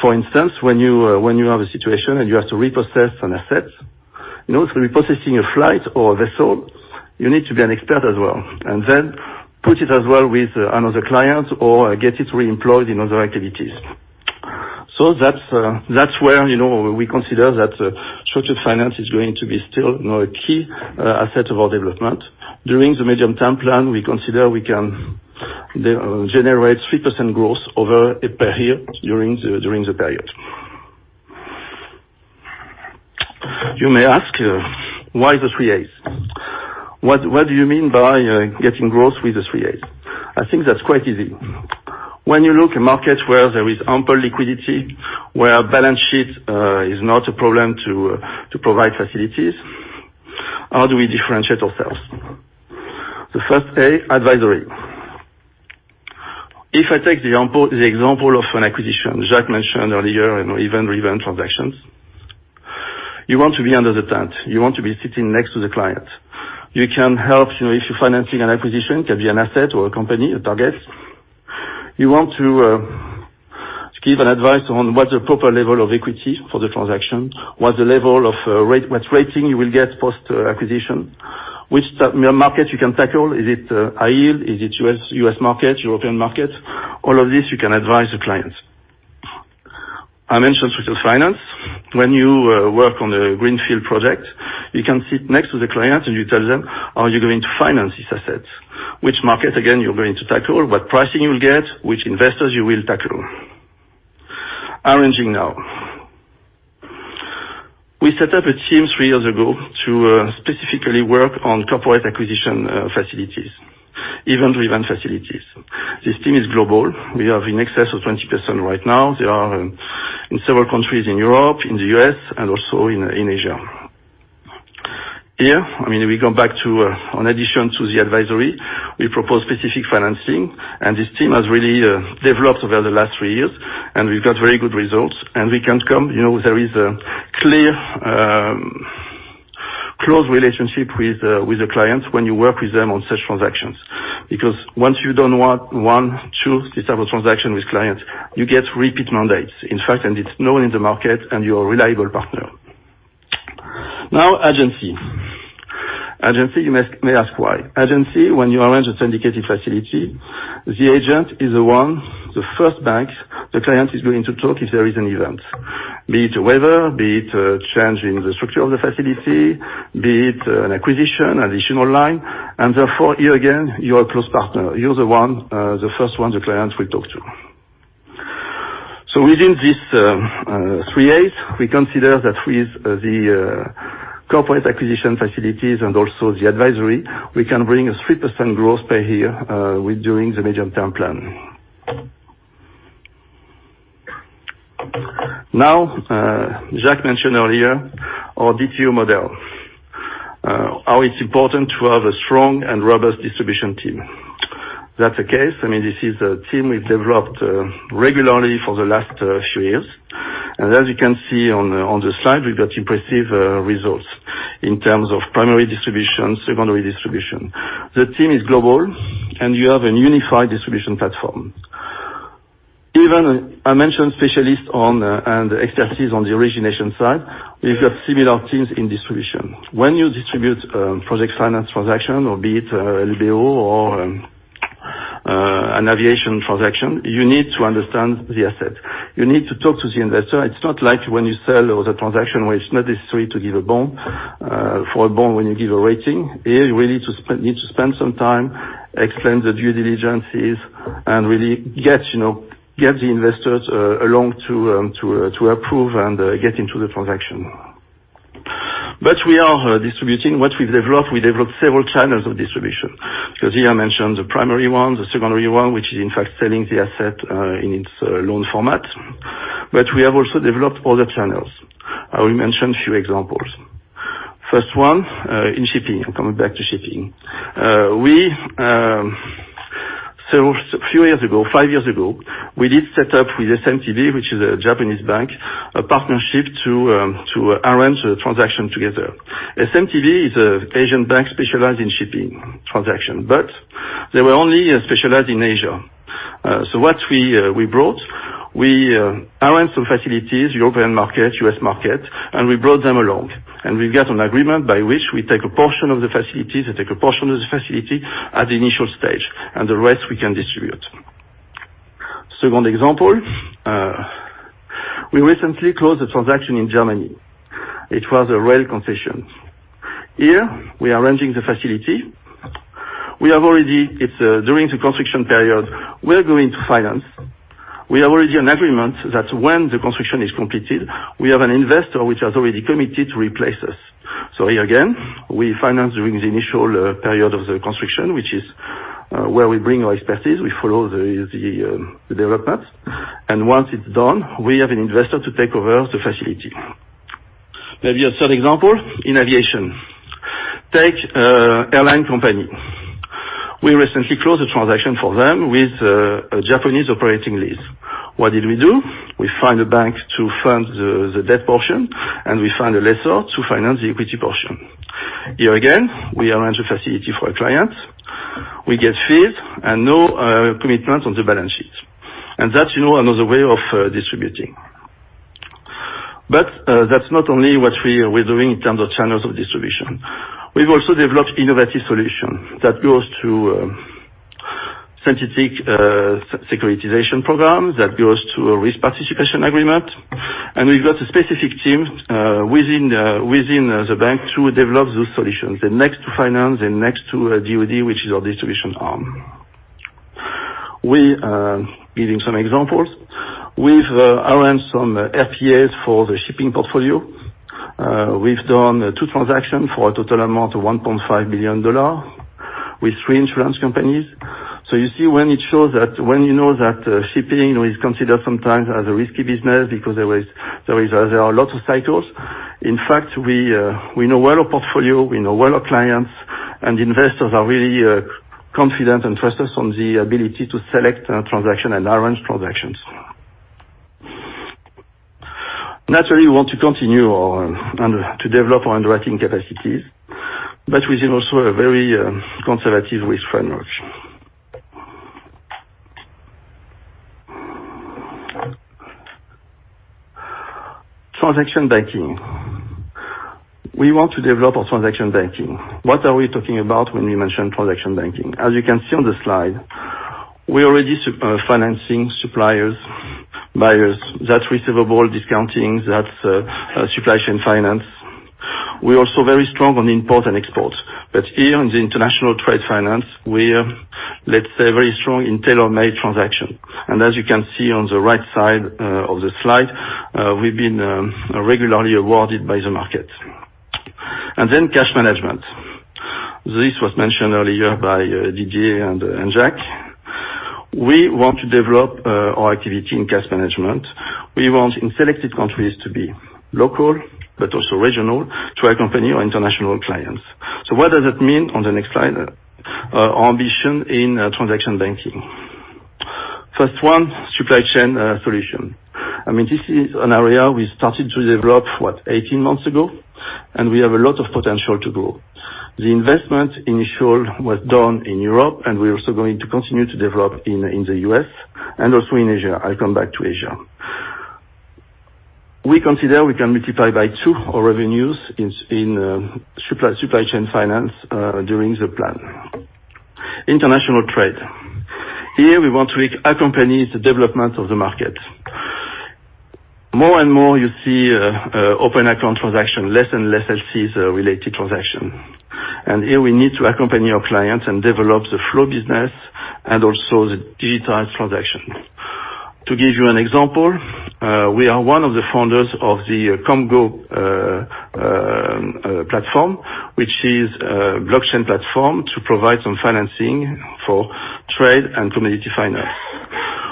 For instance, when you have a situation and you have to repossess an asset, in order to repossessing a flight or a vessel, you need to be an expert as well, and then put it as well with another client or get it reemployed in other activities. That's where we consider that structured finance is going to be still a key asset of our development. During the Medium-Term Plan, we consider we can generate 3% growth over a per year during the period. You may ask, why the 3 A's? What do you mean by getting growth with the 3 A's? I think that's quite easy. When you look at markets where there is ample liquidity, where balance sheet is not a problem to provide facilities, how do we differentiate ourselves? The first A, advisory. If I take the example of an acquisition, Jacques mentioned earlier, even event transactions, you want to be under the tent. You want to be sitting next to the client. You can help if you're financing an acquisition, can be an asset or a company, a target. You want to give an advice on what's the proper level of equity for the transaction, what's rating you will get post-acquisition, which market you can tackle. Is it high yield? Is it U.S. market, European market? All of this, you can advise the clients. I mentioned social finance. When you work on the greenfield project, you can sit next to the client and you tell them, "Are you going to finance this asset? Which market, again, you're going to tackle, what pricing you'll get, which investors you will tackle. Arranging now. We set up a team three years ago to specifically work on corporate acquisition facilities, event to event facilities. This team is global. We have in excess of 20% right now. They are in several countries in Europe, in the U.S., and also in Asia. Here, we go back to, in addition to the advisory, we propose specific financing, and this team has really developed over the last three years, and we've got very good results. There is a clear, close relationship with the clients when you work with them on such transactions. Because once you don't want one, two, this type of transaction with clients, you get repeat mandates, in fact, and it's known in the market, and you're a reliable partner. Now, agency. Agency, you may ask why. Agency, when you arrange a syndicated facility, the agent is the one, the first bank the client is going to talk if there is an event, be it weather, be it a change in the structure of the facility, be it an acquisition, additional line. Therefore, here again, you're a close partner. You're the first one the client will talk to. Within these three As, we consider that with the corporate acquisition facilities and also the advisory, we can bring a 3% growth per year during the Medium-Term Plan. Now, Jacques mentioned earlier our D2O model. How it's important to have a strong and robust distribution team. That's the case. This is a team we've developed regularly for the last few years. As you can see on the slide, we've got impressive results in terms of primary distribution, secondary distribution. The team is global and you have a unified distribution platform. I mentioned specialists and expertise on the origination side, we've got similar teams in distribution. When you distribute project finance transaction, or be it LBO or an aviation transaction, you need to understand the asset. You need to talk to the investor. It's not like when you sell, or the transaction where it's not necessary to give a bond, for a bond when you give a rating. Here, you really need to spend some time, explain the due diligences, and really get the investors along to approve and get into the transaction. We are distributing what we've developed. We developed several channels of distribution. Here I mentioned the primary one, the secondary one, which is in fact selling the asset, in its loan format. We have also developed other channels. I will mention a few examples. First one, in shipping. I'm coming back to shipping. A few years ago, five years ago, we did set up with SMTB, which is a Japanese bank, a partnership to arrange a transaction together. SMTB is an Asian bank specialized in shipping transactions. They were only specialized in Asia. What we brought, we arranged some facilities, European market, U.S. market, and we brought them along. We got an agreement by which we take a portion of the facilities, they take a portion of the facility at the initial stage, and the rest we can distribute. Second example, we recently closed a transaction in Germany. It was a rail concession. Here, we are arranging the facility. During the construction period, we're going to finance. We have already an agreement that when the construction is completed, we have an investor which has already committed to replace us. Here again, we finance during the initial period of the construction, which is where we bring our expertise. We follow the development. Once it's done, we have an investor to take over the facility. Maybe a third example, in aviation. Take airline company. We recently closed a transaction for them with a Japanese operating lease. What did we do? We find a bank to fund the debt portion, and we find a lessor to finance the equity portion. Here again, we arrange a facility for a client. We get fees and no commitment on the balance sheet. That's another way of distributing. That's not only what we're doing in terms of channels of distribution. We've also developed innovative solution that goes to synthetic securitization program, that goes to a risk participation agreement. We've got a specific team within the bank to develop those solutions. They're next to finance, they're next to D2D, which is our distribution arm. We are giving some examples. We've arranged some FPAs for the shipping portfolio. We've done two transactions for a total amount of $1.5 billion with three insurance companies. You see when it shows that, when you know that shipping is considered sometimes as a risky business because there are lots of cycles. In fact, we know well our portfolio, we know well our clients, and investors are really confident and trust us on the ability to select a transaction and arrange transactions. Naturally, we want to continue to develop our underwriting capacities, but within also a very conservative risk framework. Transaction banking. We want to develop our transaction banking. What are we talking about when we mention transaction banking? As you can see on the slide, we're already financing suppliers, buyers. That's receivable discounting, that's supply chain finance. We're also very strong on import and export. Here in the international trade finance, we're, let's say, very strong in tailor-made transaction. As you can see on the right side of the slide, we've been regularly awarded by the market. Cash management. This was mentioned earlier by Didier and Jacques. We want to develop our activity in cash management. We want in selected countries to be local, but also regional, to accompany our international clients. What does that mean on the next slide? Our ambition in transaction banking. First one, supply chain solution. This is an area we started to develop 18 months ago, and we have a lot of potential to grow. The investment initial was done in Europe, and we're also going to continue to develop in the U.S. and also in Asia. I'll come back to Asia. We consider we can multiply by two our revenues in supply chain finance, during the plan. International trade. Here, we want to accompany the development of the market. More and more you see open account transaction, less and less LC related transaction. Here we need to accompany our clients and develop the flow business and also the digitized transaction. To give you an example, we are one of the founders of the komgo platform, which is a blockchain platform to provide some financing for trade and commodities finance.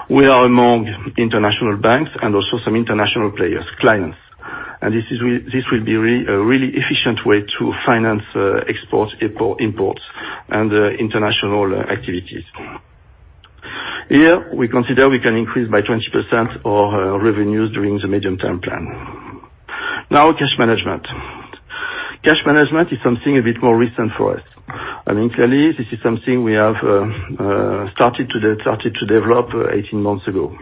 We are among international banks and also some international players, clients. This will be a really efficient way to finance exports, imports, and international activities. Here, we consider we can increase by 20% our revenues during the Medium-Term Plan. Cash management. Cash management is something a bit more recent for us. Clearly this is something we have started to develop 18 months ago.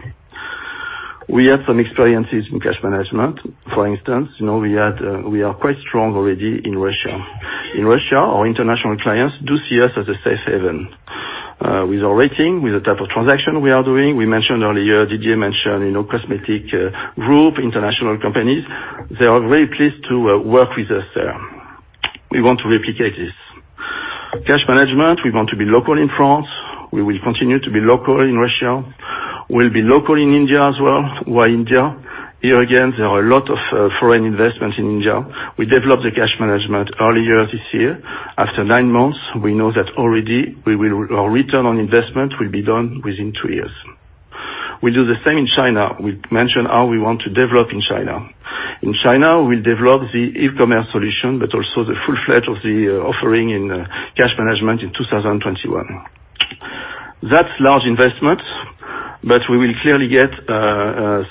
We had some experiences in cash management. For instance, we are quite strong already in Russia. In Russia, our international clients do see us as a safe haven. With our rating, with the type of transaction we are doing. We mentioned earlier, Didier mentioned Cosmetic Group, international companies, they are very pleased to work with us there. We want to replicate this. Cash management, we want to be local in France. We will continue to be local in Russia. We'll be local in India as well. Why India? Here again, there are a lot of foreign investments in India. We developed the cash management earlier this year. After nine months, we know that already our return on investment will be done within two years. We'll do the same in China. We mentioned how we want to develop in China. In China, we'll develop the e-commerce solution, but also the full-fledged of the offering in cash management in 2021. That's large investments, but we will clearly get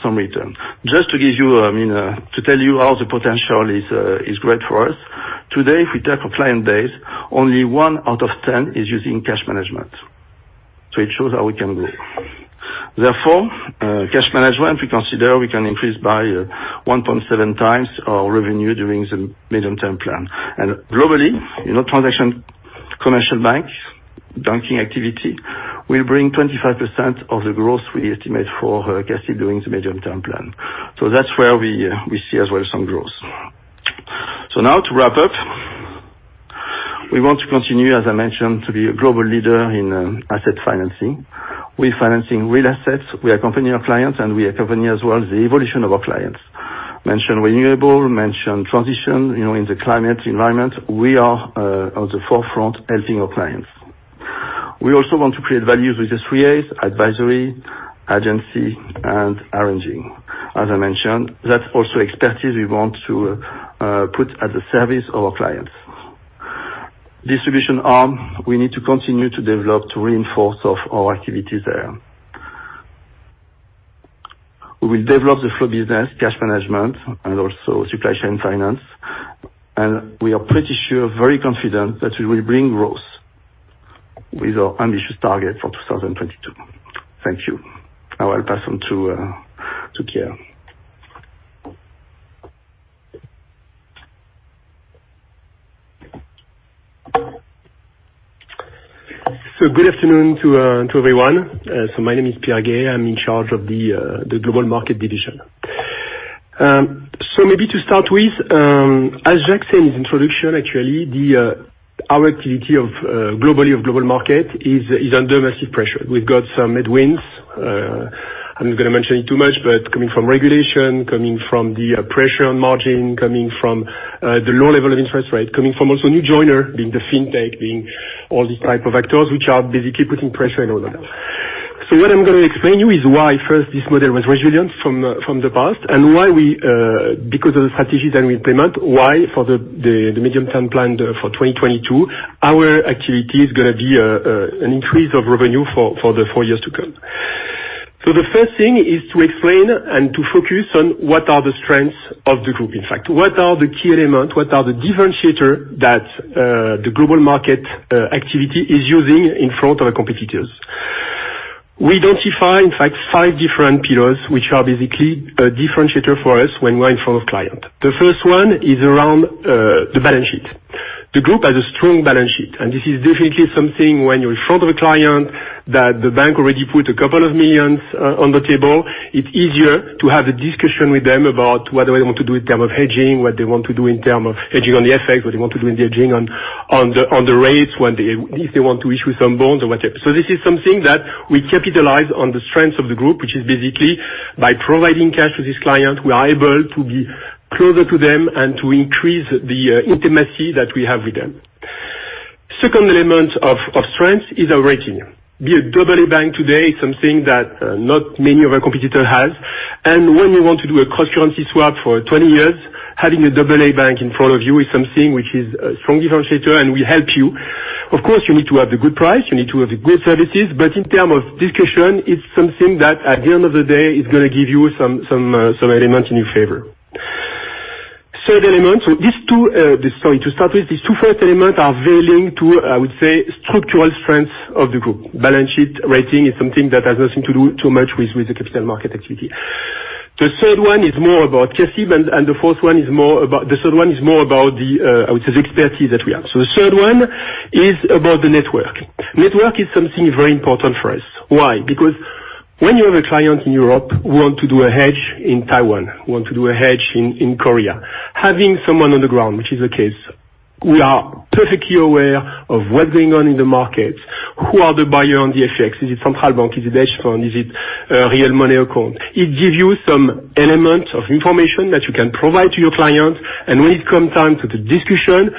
some return. Just to tell you how the potential is great for us. Today, if we check our client base, only one out of 10 is using cash management. It shows how we can grow. Therefore, cash management, we consider we can increase by 1.7 times our revenue during the Medium-Term Plan. Globally, transaction commercial banking activity will bring 25% of the growth we estimate for CACIB during the medium-term plan. That's where we see as well some growth. Now to wrap up, we want to continue, as I mentioned, to be a global leader in asset financing. We're financing real assets. We accompany our clients, and we accompany as well the evolution of our clients. Mentioned renewable, mentioned transition, in the climate environment, we are on the forefront helping our clients. We also want to create values with the three A's, advisory, agency, and arranging. As I mentioned, that's also expertise we want to put at the service of our clients. Distribution arm, we need to continue to develop, to reinforce our activity there. We will develop the flow business, cash management, and also supply chain finance. We are pretty sure, very confident, that we will bring growth with our ambitious target for 2022. Thank you. Now I'll pass on to Pierre. Good afternoon to everyone. My name is Pierre Gay. I'm in charge of the Global Markets Division. Maybe to start with, as Jacques said in his introduction, actually, our activity globally of Global Markets is under massive pressure. We've got some headwinds. I'm not going to mention it too much, but coming from regulation, coming from the pressure on margin, coming from the low level of interest rate, coming from also new joiner, being the fintech, being all these type of actors, which are basically putting pressure and all that. What I'm going to explain you is why, first, this model was resilient from the past, and why we, because of the strategies that we implement, why for the Medium-Term Plan for 2022, our activity is going to be an increase of revenue for the four years to come. The first thing is to explain and to focus on what are the strengths of the group. In fact, what are the key elements, what are the differentiator that the global market activity is using in front of the competitors? We identify, in fact, five different pillars, which are basically a differentiator for us when we're in front of client. The first one is around the balance sheet. The group has a strong balance sheet. This is definitely something when you're in front of a client that the bank already put a couple of million on the table. It's easier to have a discussion with them about what do they want to do in terms of hedging, what they want to do in terms of hedging on the FX, what they want to do in the hedging on the rates, if they want to issue some bonds or whatever. This is something that we capitalize on the strength of the group, which is basically by providing cash to this client, we are able to be closer to them and to increase the intimacy that we have with them. Second element of strength is our rating. Be a double-A bank today is something that not many of our competitors have. When you want to do a cross-currency swap for 20 years, having a double-A bank in front of you is something which is a strong differentiator, and will help you. Of course, you need to have a good price, you need to have good services, but in term of discussion, it's something that at the end of the day, is going to give you some element in your favor. Third element. To start with, these two first elements are very linked to, I would say, structural strengths of the group. Balance sheet rating is something that has nothing to do too much with the capital market activity. The third one is more about cash, even, and the third one is more about the, I would say, the expertise that we have. The third one is about the network. Network is something very important for us. Why? When you have a client in Europe who want to do a hedge in Taiwan, who want to do a hedge in Korea, having someone on the ground, which is the case, we are perfectly aware of what's going on in the market, who are the buyer on the FX. Is it central bank? Is it hedge fund? Is it a real money account? It gives you some element of information that you can provide to your client, and when it comes time for the discussion,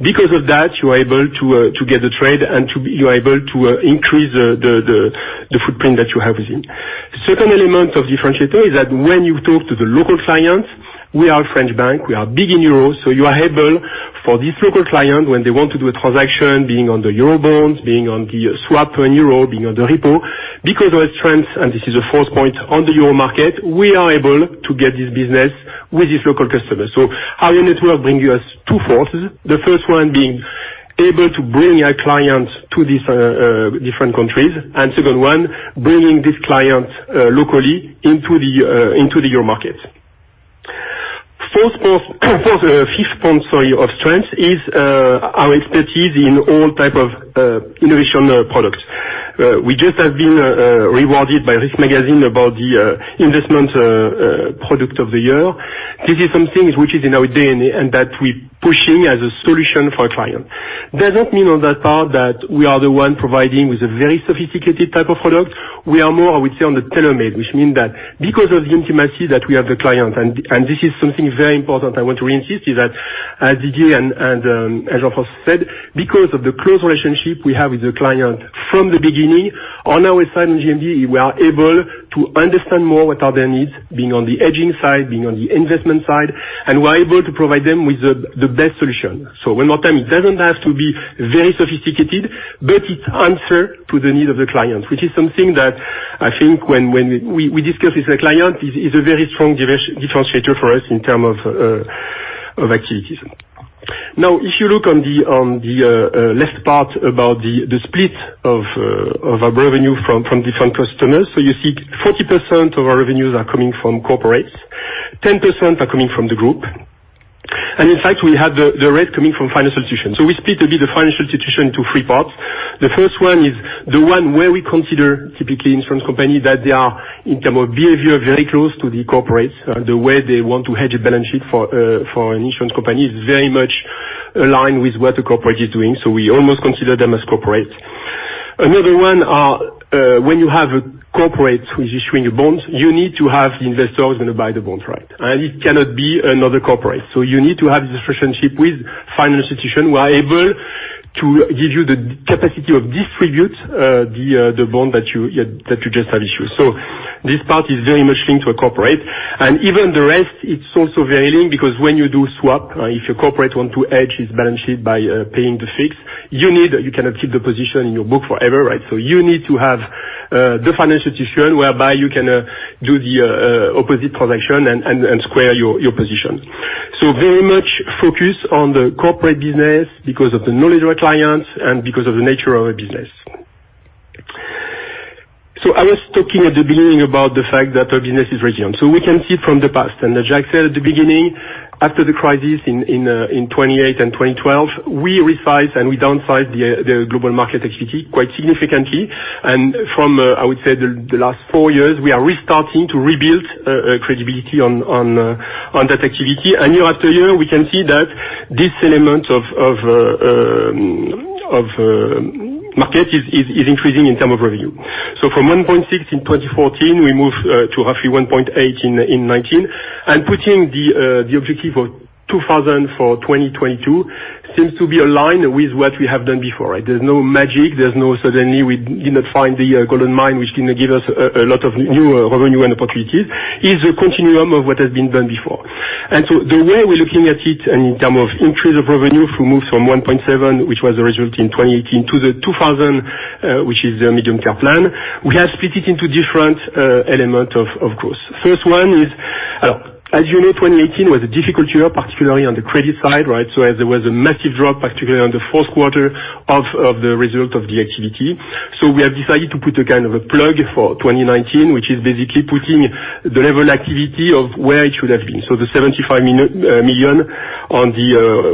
because of that, you are able to get the trade, and you are able to increase the footprint that you have with him. The second element of differentiator is that when you talk to the local clients, we are a French bank, we are big in euros, you are able, for this local client, when they want to do a transaction, being on the EUR bonds, being on the swap to EUR, being on the repo, because of our strength, and this is a fourth point, on the EUR market, we are able to get this business with this local customer. Our network bring us two forces. The first one being able to bring our clients to these different countries, and second one, bringing this client locally into the EUR market. Fifth point of strength is our expertise in all type of innovation products. We just have been rewarded by Risk Magazine about the Investment Product of the Year. This is something which is in our DNA, and that we're pushing as a solution for our client. Doesn't mean on that part that we are the one providing with a very sophisticated type of product. We are more, I would say, on the tailor-made, which mean that because of the intimacy that we have with the client, and this is something very important, I want to re-insist, is that as Didier and as Jacques said, because of the close relationship we have with the client from the beginning, on our side, in GMD, we are able to understand more what are their needs, being on the hedging side, being on the investment side, and we're able to provide them with the best solution. One more time, it doesn't have to be very sophisticated, but it answer to the need of the client, which is something that I think when we discuss with the client, is a very strong differentiator for us in term of activities. If you look on the left part about the split of our revenue from different customers. You see 40% of our revenues are coming from corporates, 10% are coming from the group. In fact, we have the rest coming from financial institutions. We split the financial institution into three parts. The first one is the one where we consider, typically insurance company, that they are, in term of behavior, very close to the corporates. The way they want to hedge a balance sheet for an insurance company is very much aligned with what a corporate is doing, so we almost consider them as corporate. Another one are, when you have a corporate who's issuing a bond, you need to have the investor who's going to buy the bond, right? It cannot be another corporate. You need to have this relationship with financial institution who are able to give you the capacity of distribute the bond that you just have issued. This part is very much linked to a corporate. Even the rest, it's also very linked, because when you do swap, if a corporate want to hedge his balance sheet by paying the fix, you cannot keep the position in your book forever, right? You need to have the financial institution whereby you can do the opposite transaction and square your position. Very much focused on the corporate business because of the knowledge of our clients and because of the nature of our business. I was talking at the beginning about the fact that our business is resilient, so we can see from the past. As Jacques said at the beginning, after the crisis in 2008 and 2012, we resized and we downsized the global market activity quite significantly. From, I would say, the last four years, we are restarting to rebuild credibility on that activity. Year after year, we can see that this element of market is increasing in terms of revenue. From 1.6 in 2014, we moved to roughly 1.8 in 2019. Putting the objective of 2 billion for 2022 seems to be aligned with what we have done before. There's no magic. There's no suddenly we did not find the gold mine, which did not give us a lot of new revenue and opportunities. It's a continuum of what has been done before. The way we're looking at it in term of increase of revenue from moves from 1.7, which was the result in 2018, to 2 billion, which is the Medium-Term Plan, we have split it into different element, of course. First one is, as you know, 2018 was a difficult year, particularly on the credit side, right? There was a massive drop, particularly on the fourth quarter of the result of the activity. We have decided to put a kind of a plug for 2019, which is basically putting the level activity of where it should have been. The 75 million on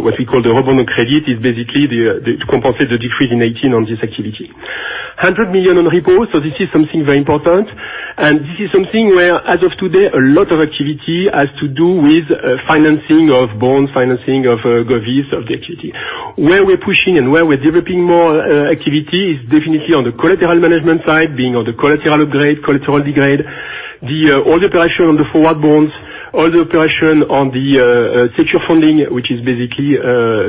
what we call the revenue credit, is basically to compensate the decrease in 2018 on this activity. 100 million on repo. This is something very important. This is something where, as of today, a lot of activity has to do with financing of bond, financing of govies, of the activity. Where we're pushing and where we're developing more activity is definitely on the collateral management side, being on the collateral grade, collateral degrade. All the operation on the forward bonds, all the operation on the secure funding, which is basically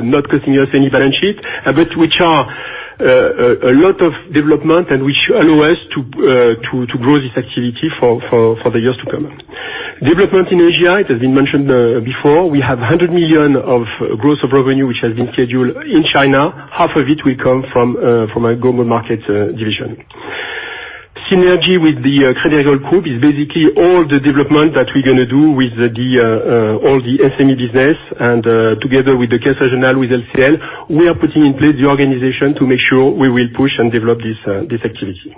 not costing us any balance sheet, but which are a lot of development and which allow us to grow this activity for the years to come. Development in Asia, it has been mentioned before, we have 100 million of growth of revenue, which has been scheduled in China. Half of it will come from our Global Markets Division. Synergy with the Crédit Agricole Group is basically all the development that we're going to do with all the SME business and, together with the Caisse Régionale, with LCL, we are putting in place the organization to make sure we will push and develop this activity.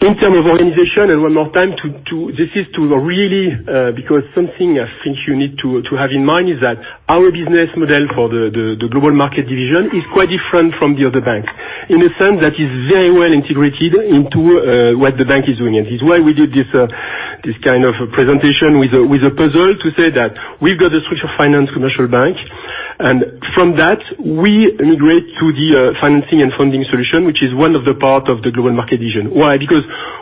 In terms of organization, and one more time, this is to really because something I think you need to have in mind is that our business model for the Global Markets Division is quite different from the other banks. In a sense, that is very well integrated into what the bank is doing, and this is why we did this kind of presentation with a puzzle to say that we've got a switch of finance commercial bank. From that, we integrate to the financing and funding solution, which is one of the part of the Global Markets Division. Why?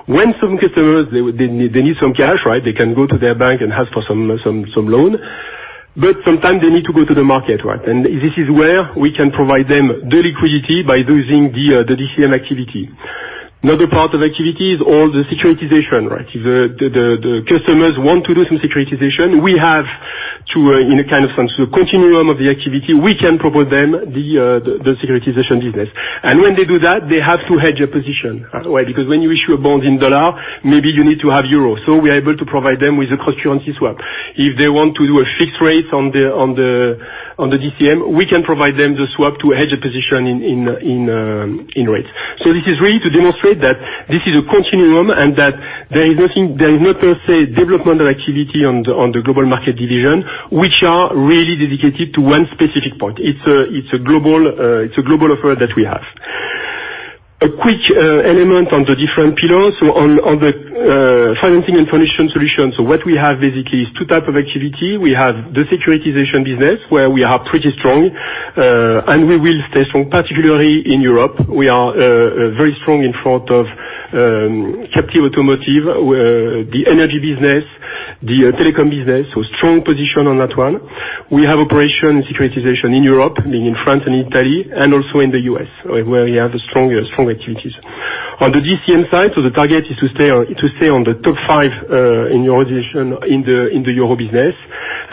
When some customers, they need some cash, they can go to their bank and ask for some loan. Sometime they need to go to the market. This is where we can provide them the liquidity by using the DCM activity. Another part of activity is all the securitization. If the customers want to do some securitization, we have to, in a kind of sense, a continuum of the activity, we can propose them the securitization business. When they do that, they have to hedge a position. Why? Because when you issue a bond in USD, maybe you need to have EUR. We are able to provide them with a currency swap. If they want to do a fixed rate on the DCM, we can provide them the swap to hedge a position in rates. This is really to demonstrate that this is a continuum, and that there is no per se developmental activity on the Global Markets Division, which are really dedicated to one specific point. It's a global offer that we have. A quick element on the different pillars. On the financing and funding solution. What we have basically is 2 type of activity. We have the securitization business, where we are pretty strong, and we will stay strong, particularly in Europe. We are very strong in front of captive automotive, the energy business, the telecom business, so strong position on that one. We have operation securitization in Europe, meaning in France and in Italy, and also in the U.S., where we have strong activities. On the DCM side, the target is to stay on the top 5 in the organization in the EUR business,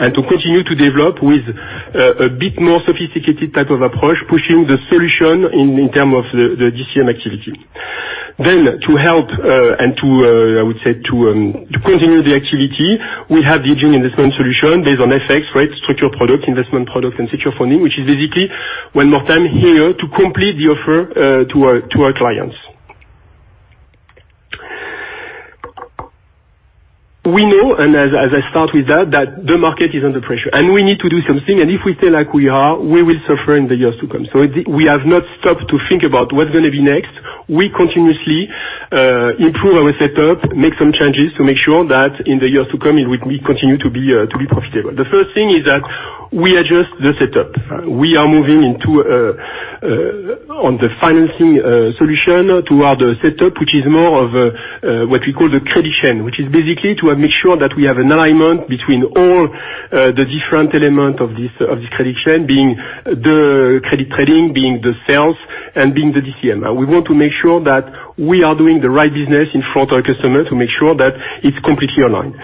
and to continue to develop with a bit more sophisticated type of approach, pushing the solution in terms of the DCM activity. To help, and to, I would say, to continue the activity, we have the hedging investment solution based on FX, structured product, investment product, and secure funding, which is basically, one more time here, to complete the offer to our clients. We know, and as I start with that the market is under pressure, and we need to do something, and if we stay like we are, we will suffer in the years to come. We have not stopped to think about what's going to be next. We continuously improve our setup, make some changes to make sure that in the years to come, we continue to be profitable. The first thing is that we adjust the setup. We are moving on the financing solution toward a setup which is more of what we call the credit chain, which is basically to make sure that we have an alignment between all the different element of this credit chain, being the credit trading, being the sales, and being the DCM. We want to make sure that we are doing the right business in front our customer to make sure that it's completely aligned.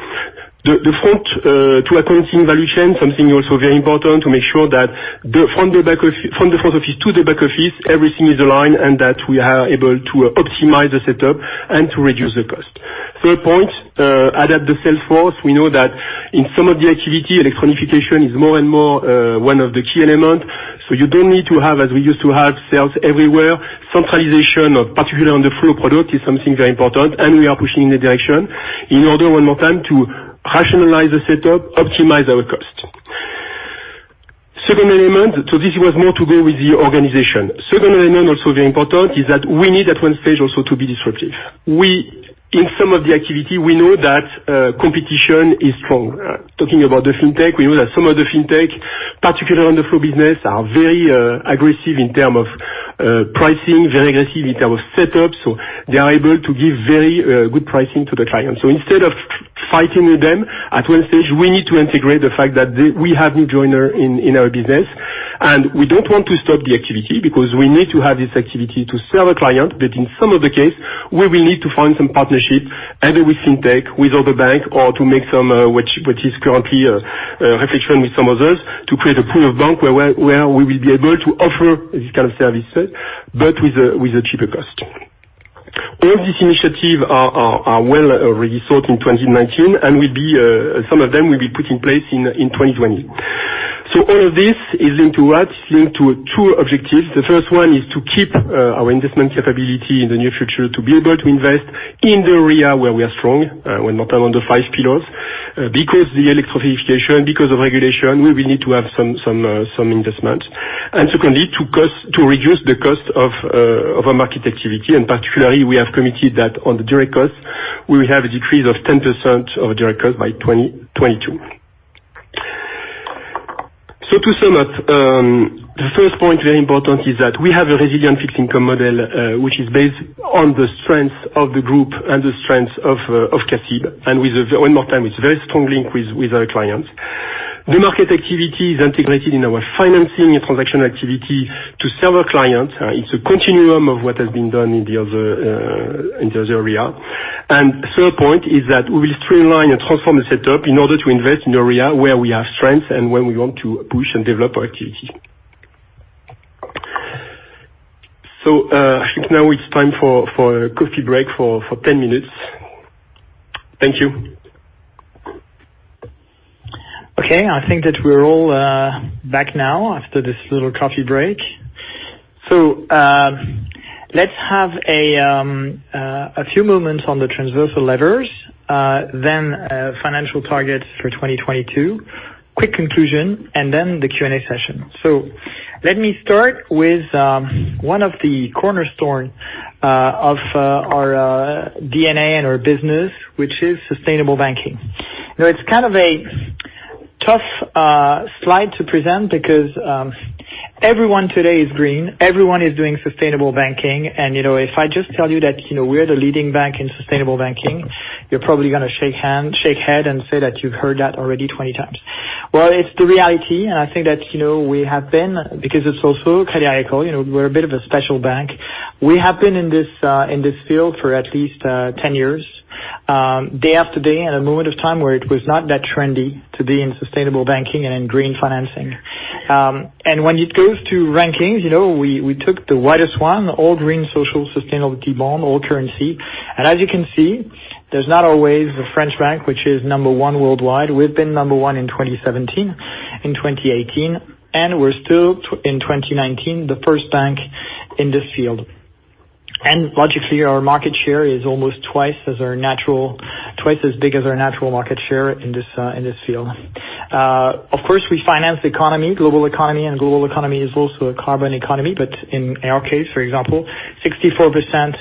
The front-to-back valuation, something also very important, to make sure that from the front office to the back office, everything is aligned, and that we are able to optimize the setup and to reduce the cost. Third point, adapt the sales force. We know that in some of the activity, electronification is more and more one of the key elements. You don't need to have, as we used to have, sales everywhere. Centralization, particularly on the flow product, is something very important, and we are pushing in that direction in order, one more time, to rationalize the setup, optimize our cost. Second element, this was more to do with the organization. Second element, also very important, is that we need at one stage also to be disruptive. In some of the activity, we know that competition is strong. Talking about the fintech, we know that some of the fintech, particularly on the flow business, are very aggressive in term of pricing, very aggressive in term of setup. They are able to give very good pricing to the client. Instead of fighting with them, at one stage, we need to integrate the fact that we have new joiner in our business, and we don't want to stop the activity, because we need to have this activity to serve a client. In some of the case, we will need to find some partnership, either with fintech, with other bank, or to make some, which is currently a reflection with some others, to create a pool of bank where we will be able to offer this kind of service, but with a cheaper cost. All these initiative are well resourced in 2019, and some of them will be put in place in 2020. All of this is linked to what? It's linked to two objectives. The first one is to keep our investment capability in the near future, to be able to invest in the area where we are strong, one more time, on the five pillars. The electronification, because of regulation, we will need to have some investment. Secondly, to reduce the cost of our market activity, particularly, we have committed that on the direct cost, we will have a decrease of 10% of direct cost by 2022. To sum up, the first point, very important, is that we have a resilient fixed income model, which is based on the strength of the group and the strength of CACIB. One more time, it's very strong link with our clients. The market activity is integrated in our financing and transaction activity to serve our clients. It's a continuum of what has been done in the other area. Third point is that we will streamline and transform the setup in order to invest in the area where we have strengths and where we want to push and develop our activity. I think now it's time for a coffee break for 10 minutes. Thank you. I think that we're all back now after this little coffee break. Let's have a few moments on the transversal levers, then financial targets for 2022, quick conclusion, and then the Q&A session. Let me start with one of the cornerstone of our DNA and our business, which is sustainable banking. Now, it's kind of a tough slide to present because everyone today is green. Everyone is doing sustainable banking. If I just tell you that we're the leading bank in sustainable banking, you're probably going to shake head and say that you've heard that already 20 times. Well, it's the reality, and I think that we have been, because it's also Crédit Agricole, we're a bit of a special bank. We have been in this field for at least 10 years, day after day, at a moment of time where it was not that trendy to be in sustainable banking and in green financing. When it goes to rankings, we took the widest one, all green social sustainability bond, all currency. As you can see, there's not always a French bank which is number one worldwide. We've been number one in 2017, in 2018, and we're still, in 2019, the first bank in this field. Logically, our market share is almost twice as big as our natural market share in this field. Of course, we finance the economy, global economy, and global economy is also a carbon economy. In our case, for example, 64%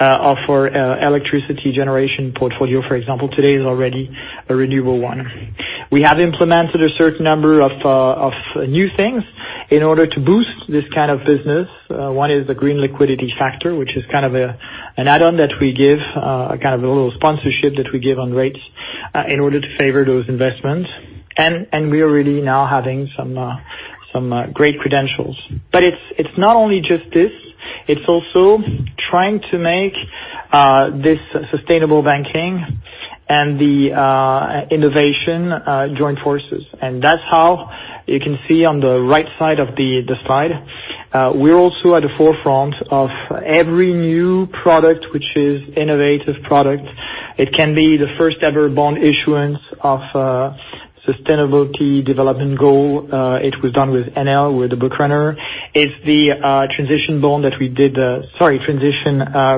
of our electricity generation portfolio, for example, today is already a renewable one. We have implemented a certain number of new things in order to boost this kind of business. One is the green liquidity factor, which is kind of an add-on that we give, a kind of a little sponsorship that we give on rates, in order to favor those investments. We're really now having some great credentials. It's not only just this. It's also trying to make this sustainable banking and the innovation join forces. That's how you can see on the right side of the slide, we're also at the forefront of every new product, which is innovative product. It can be the first ever bond issuance of sustainability development goal. It was done with Enel, with the book runner. It's the transition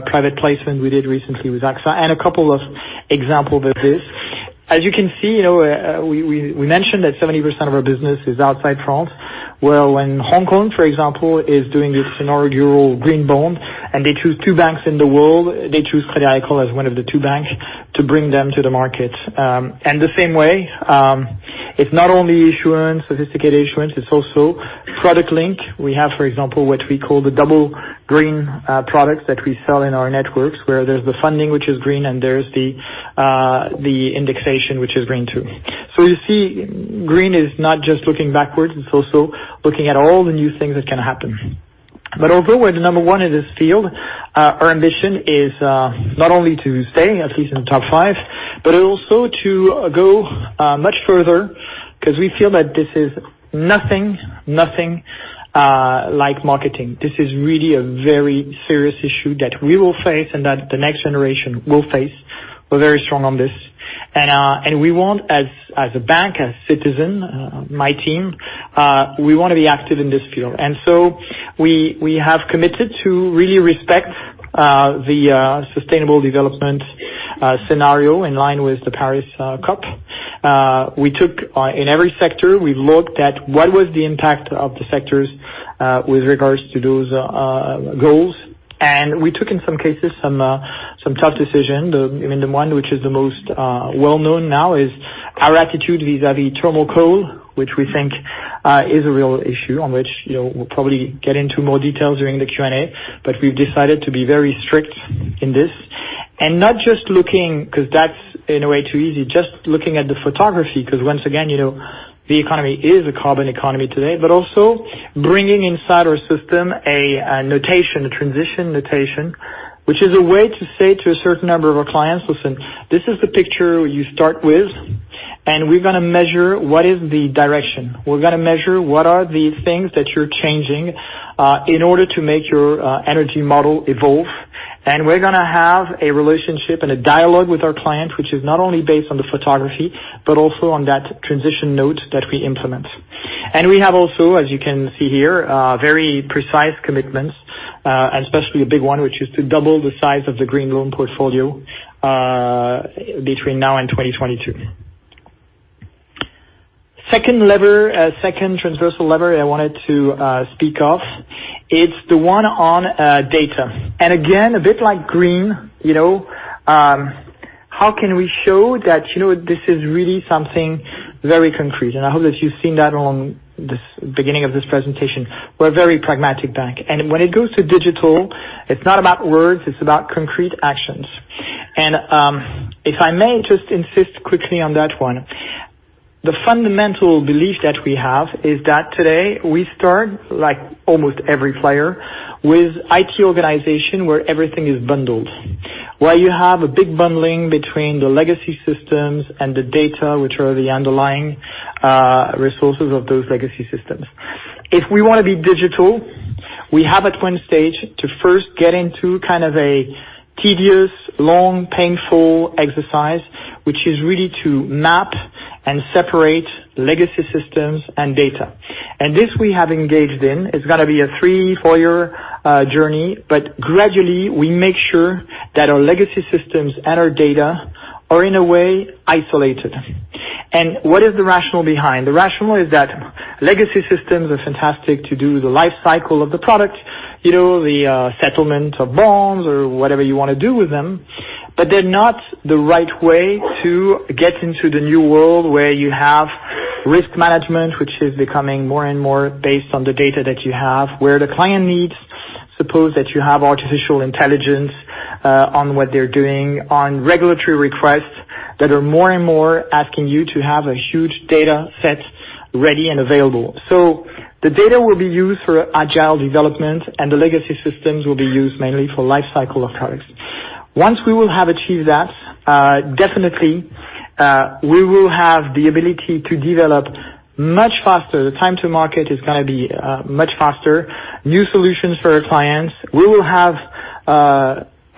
private placement we did recently with AXA, and a couple of examples of this. As you can see, we mentioned that 70% of our business is outside France. Well, when Hong Kong, for example, is doing its inaugural green bond, and they choose two banks in the world, they choose Crédit Agricole as one of the two banks to bring them to the market. The same way, it's not only issuance, sophisticated issuance, it's also product link. We have, for example, what we call the double green products that we sell in our networks, where there's the funding, which is green, and there's the indexation, which is green, too. You see, green is not just looking backwards, it's also looking at all the new things that can happen. Although we're the number one in this field, our ambition is not only to stay at least in the top five, but also to go much further, because we feel that this is nothing like marketing. This is really a very serious issue that we will face, and that the next generation will face. We're very strong on this. We want, as a bank, as citizen, my team, we want to be active in this field. We have committed to really respect the sustainable development scenario in line with the Paris Agreement. In every sector, we looked at what was the impact of the sectors, with regards to those goals. We took, in some cases, some tough decisions. The one which is the most well-known now is our attitude vis-à-vis thermal coal, which we think is a real issue on which we'll probably get into more details during the Q&A. We've decided to be very strict in this, and not just looking, because that's in a way too easy, just looking at the photography, because once again, the economy is a carbon economy today. Also bringing inside our system a notation, a transition notation, which is a way to say to a certain number of our clients, "Listen, this is the picture you start with, and we're going to measure what is the direction. We're going to measure what are the things that you're changing, in order to make your energy model evolve. We're going to have a relationship and a dialogue with our client, which is not only based on the photography, but also on that transition note that we implement. We have also, as you can see here, very precise commitments, especially a big one, which is to double the size of the green loan portfolio between now and 2022. Second lever, second transversal lever I wanted to speak of. It's the one on data. Again, a bit like green, how can we show that this is really something very concrete? I hope that you've seen that on this beginning of this presentation. We're a very pragmatic bank. When it goes to digital, it's not about words, it's about concrete actions. If I may just insist quickly on that one. The fundamental belief that we have is that today we start, like almost every player, with IT organization where everything is bundled, where you have a big bundling between the legacy systems and the data, which are the underlying resources of those legacy systems. If we want to be digital, we have at one stage to first get into kind of a tedious, long, painful exercise, which is really to map and separate legacy systems and data. This, we have engaged in, is going to be a three, four-year journey, but gradually we make sure that our legacy systems and our data are in a way isolated. What is the rationale behind? The rationale is that legacy systems are fantastic to do the life cycle of the product, the settlement of bonds or whatever you want to do with them, but they're not the right way to get into the new world where you have risk management, which is becoming more and more based on the data that you have, where the client needs, suppose that you have artificial intelligence, on what they're doing, on regulatory requests that are more and more asking you to have a huge data set ready and available. The data will be used for agile development, and the legacy systems will be used mainly for life cycle of products. Once we will have achieved that, definitely, we will have the ability to develop much faster. The time to market is going to be much faster, new solutions for our clients. We will have,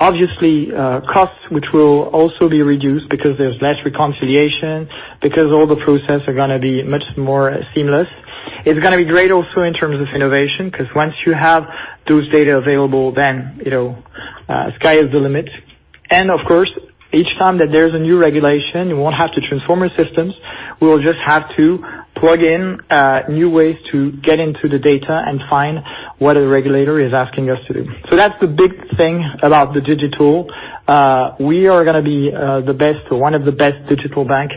obviously, costs which will also be reduced because there's less reconciliation, because all the process are going to be much more seamless. It's going to be great also in terms of innovation, because once you have those data available, sky is the limit. Of course, each time that there's a new regulation, you won't have to transform your systems. We will just have to plug in new ways to get into the data and find what a regulator is asking us to do. That's the big thing about the digital. We are going to be one of the best digital bank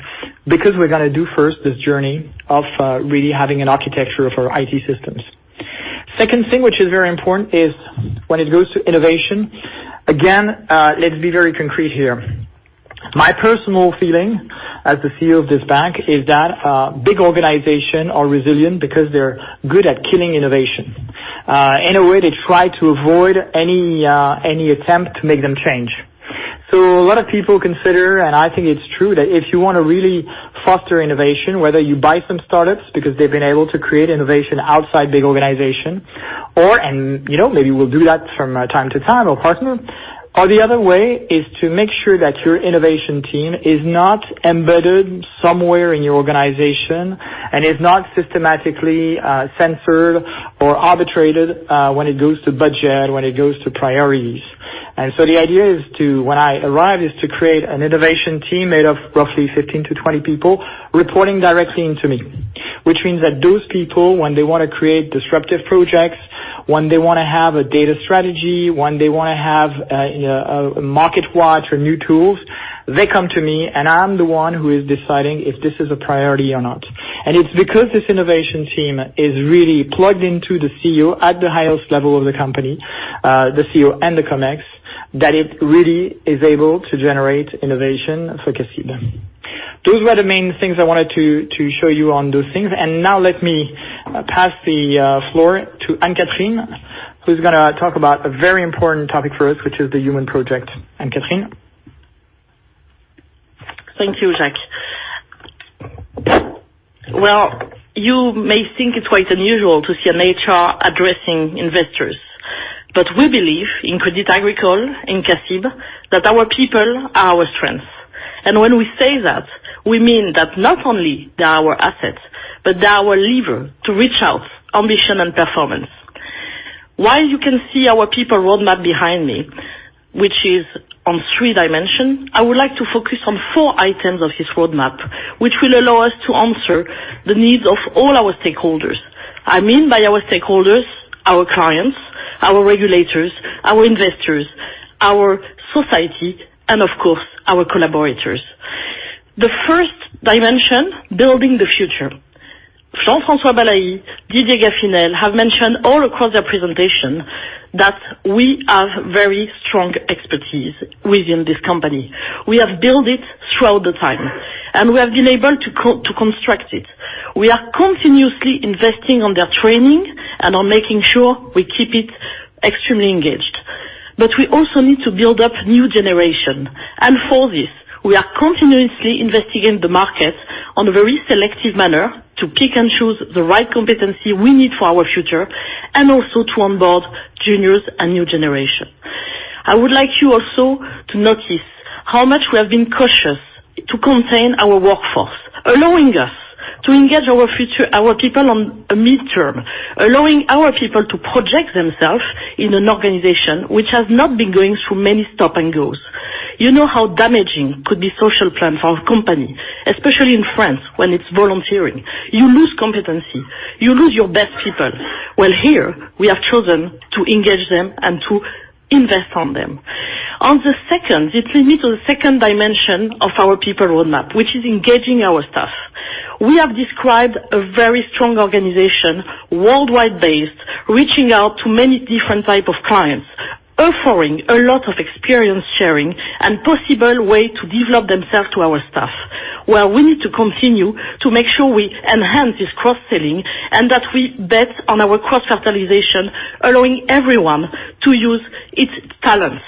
because we're going to do first this journey of really having an architecture of our IT systems. Second thing which is very important is when it goes to innovation, again, let's be very concrete here. My personal feeling as the CEO of this bank is that big organization are resilient because they're good at killing innovation. In a way, they try to avoid any attempt to make them change. A lot of people consider, and I think it's true, that if you want to really foster innovation, whether you buy some startups, because they've been able to create innovation outside big organization, or and maybe we'll do that from time to time or partner. The other way is to make sure that your innovation team is not embedded somewhere in your organization and is not systematically censored or arbitrated, when it goes to budget, when it goes to priorities. The idea when I arrive, is to create an innovation team made of roughly 15 to 20 people reporting directly into me, which means that those people, when they want to create disruptive projects, when they want to have a data strategy, when they want to have a market watch or new tools, they come to me and I'm the one who is deciding if this is a priority or not. It's because this innovation team is really plugged into the CEO at the highest level of the company, the CEO and the Comex, that it really is able to generate innovation for CACIB. Those were the main things I wanted to show you on those things. Now let me pass the floor to Anne-Catherine, who's going to talk about a very important topic for us, which is the human project. Anne-Catherine? Thank you, Jacques. Well, you may think it's quite unusual to see an HR addressing investors, but we believe in Crédit Agricole, in CACIB, that our people are our strength. When we say that, we mean that not only they're our assets, but they're our lever to reach our ambition and performance. While you can see our people roadmap behind me, which is on three dimension, I would like to focus on four items of this roadmap, which will allow us to answer the needs of all our stakeholders. I mean by our stakeholders, our clients, our regulators, our investors, our society, and of course, our collaborators. The first dimension, building the future. Jean-François Balaÿ, Didier Gaffinel, have mentioned all across their presentation that we have very strong expertise within this company. We have built it throughout the time, and we have been able to construct it. We are continuously investing on their training and on making sure we keep it extremely engaged. We also need to build up new generation. For this, we are continuously investigating the market on a very selective manner to pick and choose the right competency we need for our future, and also to onboard juniors and new generation. I would like you also to notice how much we have been cautious to contain our workforce, allowing us to engage our people on a midterm, allowing our people to project themselves in an organization which has not been going through many stop and goes. You know how damaging could be social plan for a company, especially in France, when it's volunteering. You lose competency. You lose your best people. Well here, we have chosen to engage them and to invest on them. On the second, it leads me to the second dimension of our people roadmap, which is engaging our staff. We have described a very strong organization, worldwide-based, reaching out to many different type of clients, offering a lot of experience sharing and possible way to develop themselves to our staff. Where we need to continue to make sure we enhance this cross-selling, and that we bet on our cross-fertilization, allowing everyone to use its talents.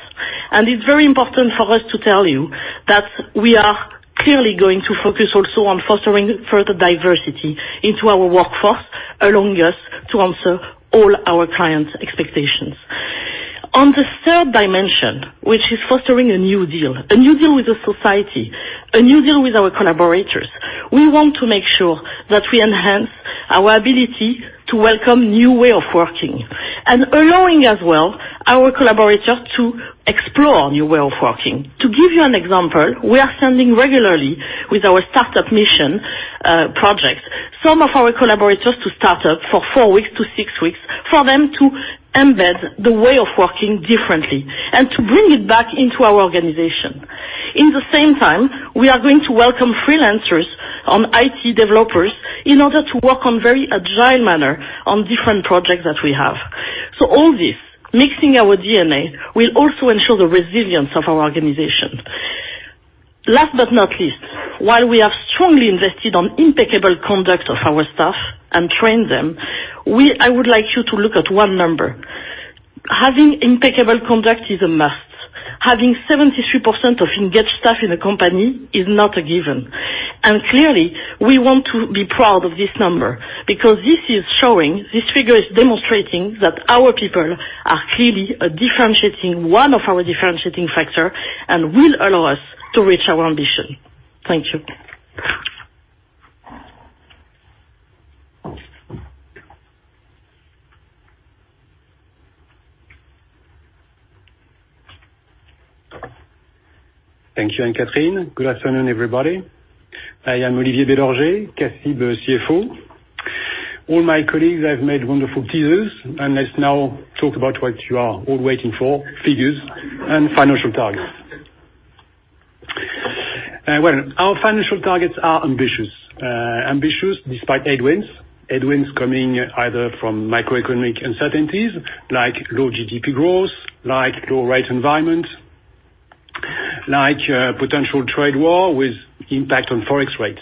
It's very important for us to tell you that we are clearly going to focus also on fostering further diversity into our workforce, allowing us to answer all our clients' expectations. On the third dimension, which is fostering a new deal, a new deal with the society, a new deal with our collaborators. We want to make sure that we enhance our ability to welcome new way of working, and allowing as well our collaborators to explore new way of working. To give you an example, we are sending regularly with our startup mission projects, some of our collaborators to start up for four weeks to six weeks, for them to embed the way of working differently, and to bring it back into our organization. In the same time, we are going to welcome freelancers on IT developers in order to work on very agile manner on different projects that we have. All this, mixing our DNA, will also ensure the resilience of our organization. Last but not least, while we have strongly invested on impeccable conduct of our staff and train them, I would like you to look at one number. Having impeccable conduct is a must. Having 73% of engaged staff in a company is not a given. Clearly, we want to be proud of this number, because this is showing, this figure is demonstrating that our people are clearly one of our differentiating factor and will allow us to reach our ambition. Thank you. Thank you, Anne-Catherine. Good afternoon, everybody. I am Olivier Bélorgey, CIB CFO. All my colleagues have made wonderful teasers. Let's now talk about what you are all waiting for, figures and financial targets. Well, our financial targets are ambitious. Ambitious despite headwinds. Headwinds coming either from macroeconomic uncertainties, like low GDP growth, like low rate environment, like potential trade war with impact on Forex rates.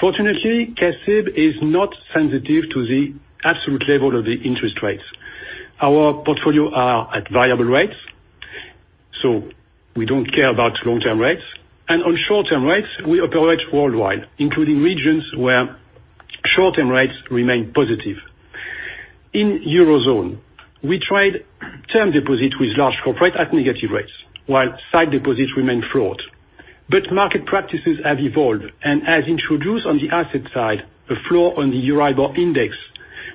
Fortunately, CIB is not sensitive to the absolute level of the interest rates. Our portfolio are at variable rates, so we don't care about long-term rates. On short-term rates, we operate worldwide, including regions where short-term rates remain positive. In Eurozone, we tried term deposit with large corporate at negative rates, while sight deposits remain flat. Market practices have evolved, and have introduced on the asset side, a floor on the EURIBOR index,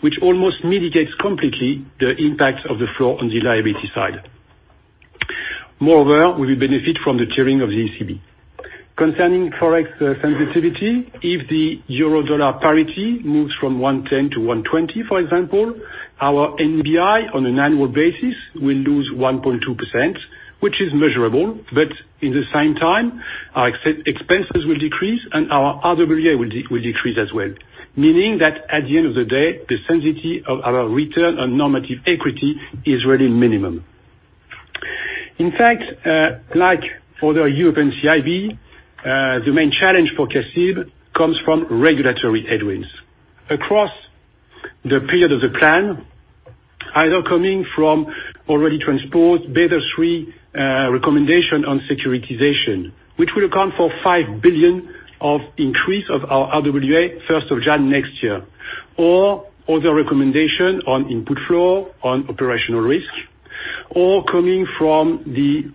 which almost mitigates completely the impact of the floor on the liability side. Moreover, we will benefit from the tiering of the ECB. Concerning Forex sensitivity, if the euro dollar parity moves from 110 to 120, for example, our NBI on an annual basis will lose 1.2%, which is measurable, but at the same time, our expenses will decrease and our RWA will decrease as well. Meaning that at the end of the day, the sensitivity of our Return on Normative Equity is really minimum. In fact, like other European CIB, the main challenge for CIB comes from regulatory headwinds. Across the period of the plan, either coming from already transport Basel III recommendation on securitization, which will account for 5 billion of increase of our RWA, 1st of Jan next year. Other recommendation on input flow, on operational risk, or coming from the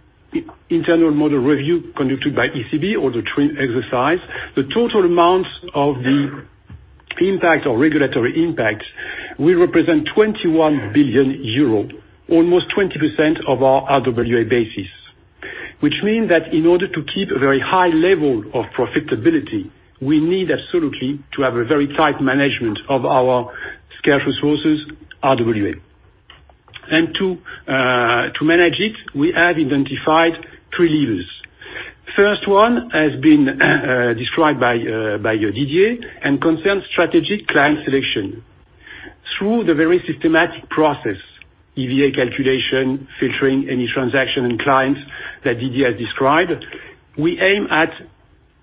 internal model review conducted by ECB or the TRIM exercise. The total amount of the impact or regulatory impact will represent 21 billion euro, almost 20% of our RWA basis. Which mean that in order to keep a very high level of profitability, we need absolutely to have a very tight management of our scarce resources, RWA. To manage it, we have identified three levers. First one has been described by Didier and concerns strategic client selection. Through the very systematic process, EVA calculation, filtering any transaction and clients that Didier has described, we aim at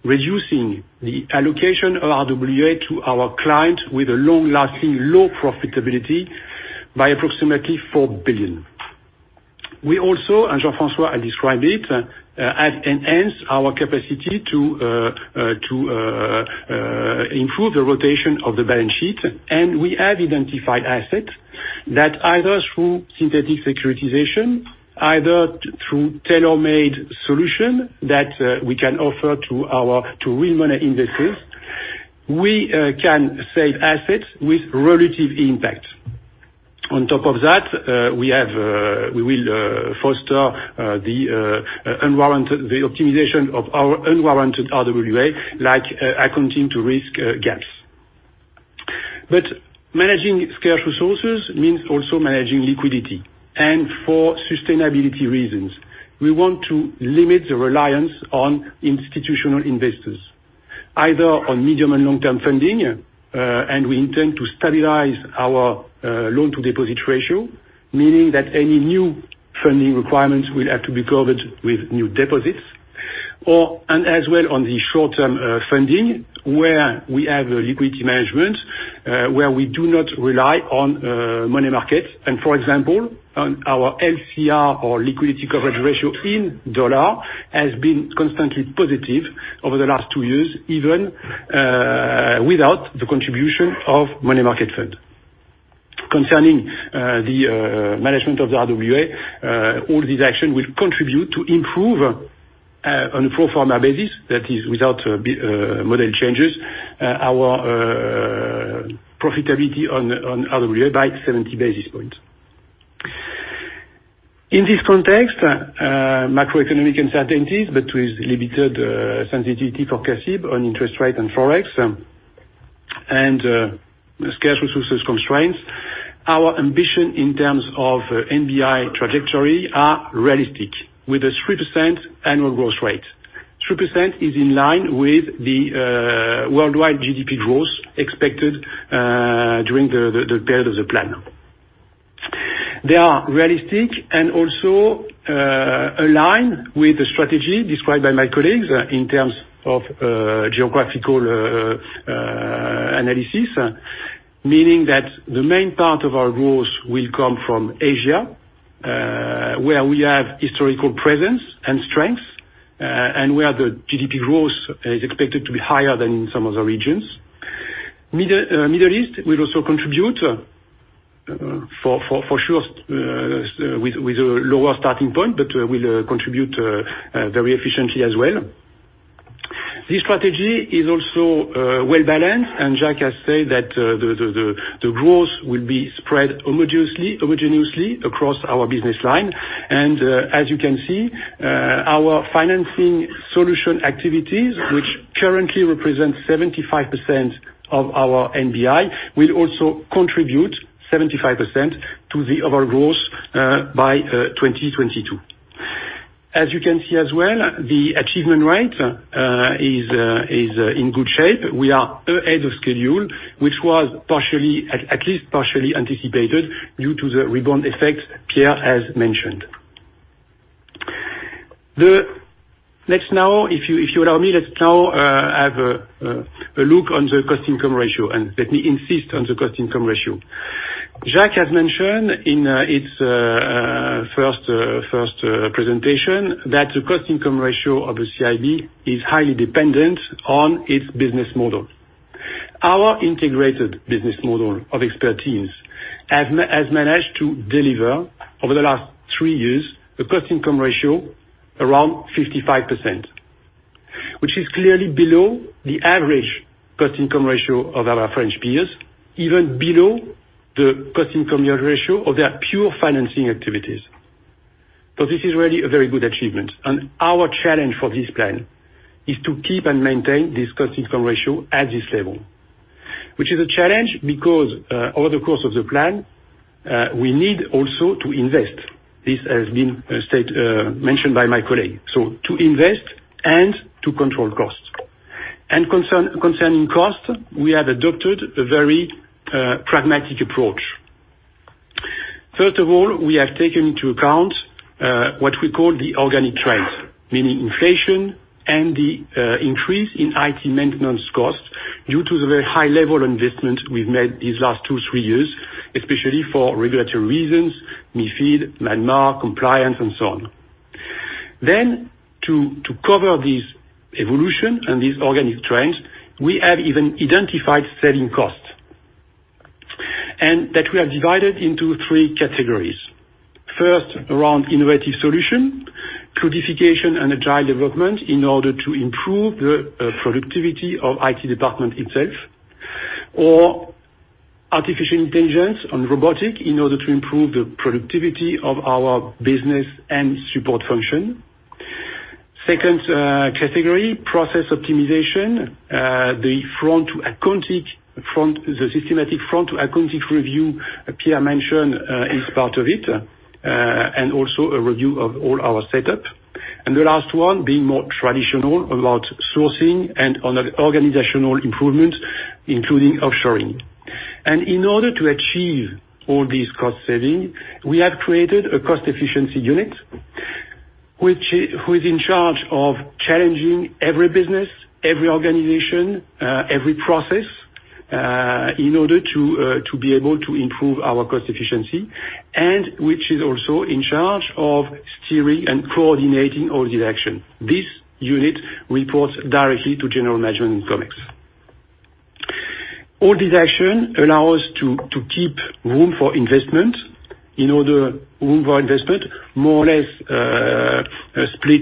reducing the allocation of RWA to our clients with a long-lasting, low profitability by approximately 4 billion. We also, and Jean-François has described it, have enhanced our capacity to improve the rotation of the balance sheet. We have identified assets that either through synthetic securitization, either through tailor-made solution that we can offer to real money investors, we can save assets with relative impact. On top of that, we will foster the optimization of our unwarranted RWA, like accounting to risk gaps. Managing scarce resources means also managing liquidity. For sustainability reasons, we want to limit the reliance on institutional investors, either on medium and long-term funding, and we intend to stabilize our loan-to-deposit ratio, meaning that any new funding requirements will have to be covered with new deposits. As well on the short-term funding, where we have a liquidity management, where we do not rely on money markets. For example, on our LCR or liquidity coverage ratio in USD, has been constantly positive over the last two years, even without the contribution of money market fund. Concerning the management of the RWA, all these action will contribute to improve, on a pro forma basis, that is without model changes, our profitability on RWA by 70 basis points. In this context, macroeconomic uncertainties, but with limited sensitivity for CIB on interest rate and Forex, and scarce resources constraints. Our ambition in terms of NBI trajectory are realistic, with a 3% annual growth rate. 3% is in line with the worldwide GDP growth expected during the period of the plan. They are realistic and also align with the strategy described by my colleagues in terms of geographical analysis. Meaning that the main part of our growth will come from Asia, where we have historical presence and strength, and where the GDP growth is expected to be higher than in some other regions. Middle East will also contribute, for sure with a lower starting point, but will contribute very efficiently as well. This strategy is also well-balanced, and Jacques has said that the growth will be spread homogeneously across our business line. As you can see, our financing solution activities, which currently represent 75% of our NBI, will also contribute 75% to the overall growth by 2022. As you can see as well, the achievement rate is in good shape. We are ahead of schedule, which was at least partially anticipated due to the rebound effect Pierre has mentioned. If you allow me, let's now have a look on the cost-income ratio, and let me insist on the cost-income ratio. Jacques has mentioned in his first presentation that the cost-income ratio of the CIB is highly dependent on its business model. Our integrated business model of expertise has managed to deliver, over the last three years, a cost-income ratio around 55%, which is clearly below the average cost-income ratio of our French peers, even below the cost-income ratio of their pure financing activities. This is really a very good achievement. Our challenge for this plan is to keep and maintain this cost-income ratio at this level. Which is a challenge because, over the course of the plan, we need also to invest. This has been mentioned by my colleague. To invest and to control costs. Concerning cost, we have adopted a very pragmatic approach. First of all, we have taken into account what we call the organic trends, meaning inflation and the increase in IT maintenance costs due to the very high level investment we've made these last two, three years, especially for regulatory reasons, MiFID, EMIR, compliance, and so on. To cover this evolution and these organic trends, we have even identified selling costs. That we have divided into 3 categories. First, around innovative solution, cloudification and agile development in order to improve the productivity of IT department itself, or artificial intelligence and robotics, in order to improve the productivity of our business and support function. Second category, process optimization, the systematic front-to-back review Pierre mentioned is part of it, and also a review of all our setup. The last one, being more traditional about sourcing and on organizational improvements, including offshoring. In order to achieve all these cost-saving, we have created a cost efficiency unit, who is in charge of challenging every business, every organization, every process, in order to be able to improve our cost efficiency, and which is also in charge of steering and coordinating all these actions. This unit reports directly to general management in Comex. All these action allow us to keep room for investment, more or less split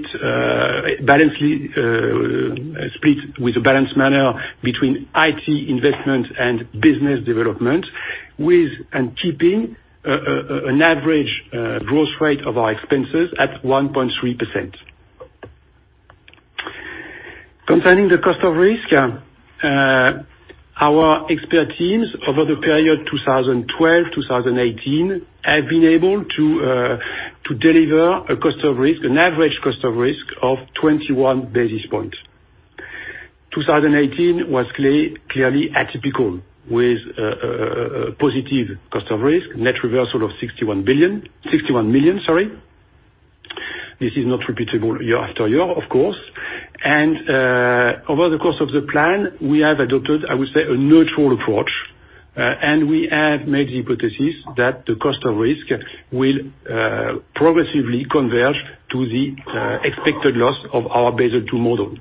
with a balanced manner between IT investment and business development, and keeping an average growth rate of our expenses at 1.3%. Concerning the cost of risk, our expert teams over the period 2012-2018, have been able to deliver an average cost of risk of 21 basis points. 2018 was clearly atypical, with a positive cost of risk, net reversal of 61 million. This is not repeatable year after year, of course. Over the course of the plan, we have adopted, I would say, a neutral approach, we have made the hypothesis that the cost of risk will progressively converge to the expected loss of our Basel III model.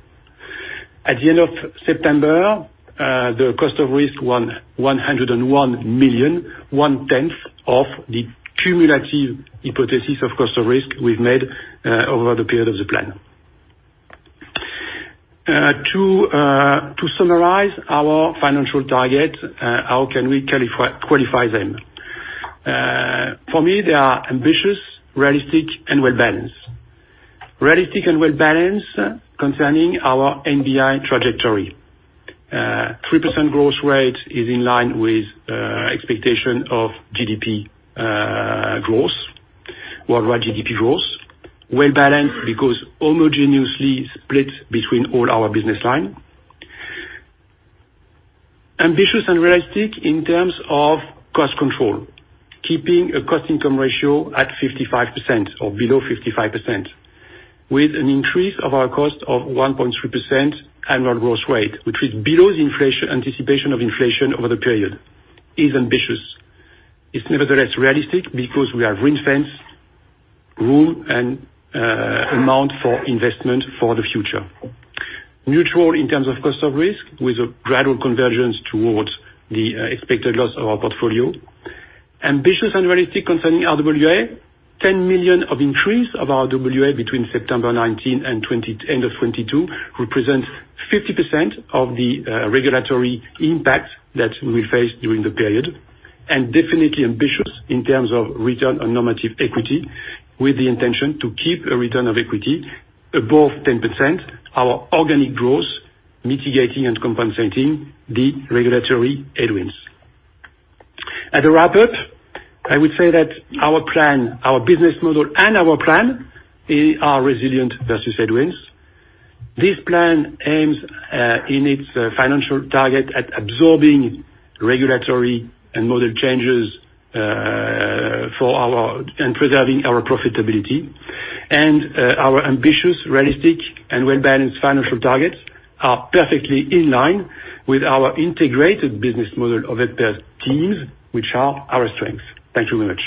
At the end of September, the cost of risk, 101 million, one tenth of the cumulative hypothesis of cost of risk we've made over the period of the plan. To summarize our financial targets, how can we qualify them? For me, they are ambitious, realistic, and well-balanced. Realistic and well-balanced concerning our NBI trajectory. 3% growth rate is in line with expectation of worldwide GDP growth. Well-balanced because homogeneously split between all our business line. Ambitious and realistic in terms of cost control, keeping a cost-income ratio at 55% or below 55%, with an increase of our cost of 1.3% annual growth rate, which is below the anticipation of inflation over the period, is ambitious. It is nevertheless realistic because we have ring-fence room and amount for investment for the future. Neutral in terms of cost of risk, with a gradual convergence towards the expected loss of our portfolio. Ambitious and realistic concerning RWA, 10 million of increase of RWA between September 2019 and end of 2022 represents 50% of the regulatory impact that we face during the period, and definitely ambitious in terms of return on normative equity, with the intention to keep a return of equity above 10%, our organic growth mitigating and compensating the regulatory headwinds. At a wrap-up, I would say that our business model and our plan are resilient versus headwinds. This plan aims, in its financial target, at absorbing regulatory and model changes and preserving our profitability. Our ambitious, realistic, and well-balanced financial targets are perfectly in line with our integrated business model of experts teams, which are our strengths. Thank you very much.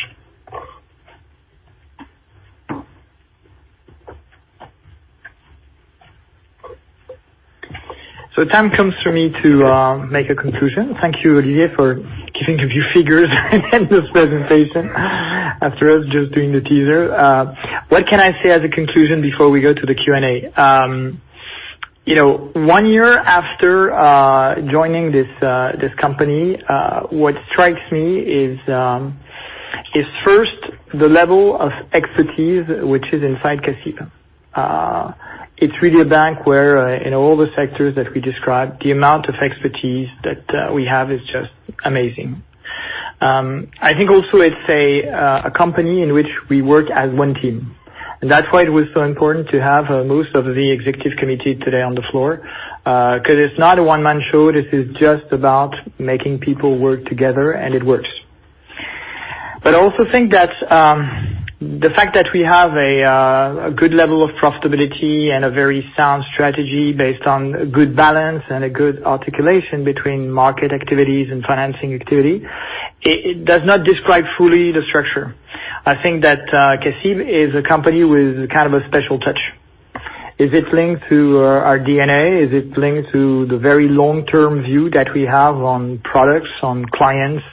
Time comes for me to make a conclusion. Thank you, Olivier, for giving a few figures in this presentation after us just doing the teaser. What can I say as a conclusion before we go to the Q&A? One year after joining this company, what strikes me is first, the level of expertise which is inside CACIB. It's really a bank where, in all the sectors that we described, the amount of expertise that we have is just amazing. I think also it's a company in which we work as one team, and that's why it was so important to have most of the Executive Committee today on the floor, because it's not a one-man show. This is just about making people work together, and it works. I also think that the fact that we have a good level of profitability and a very sound strategy based on good balance and a good articulation between market activities and financing activity, it does not describe fully the structure. I think that CACIB is a company with kind of a special touch. Is it linked to our DNA? Is it linked to the very long-term view that we have on products, on clients,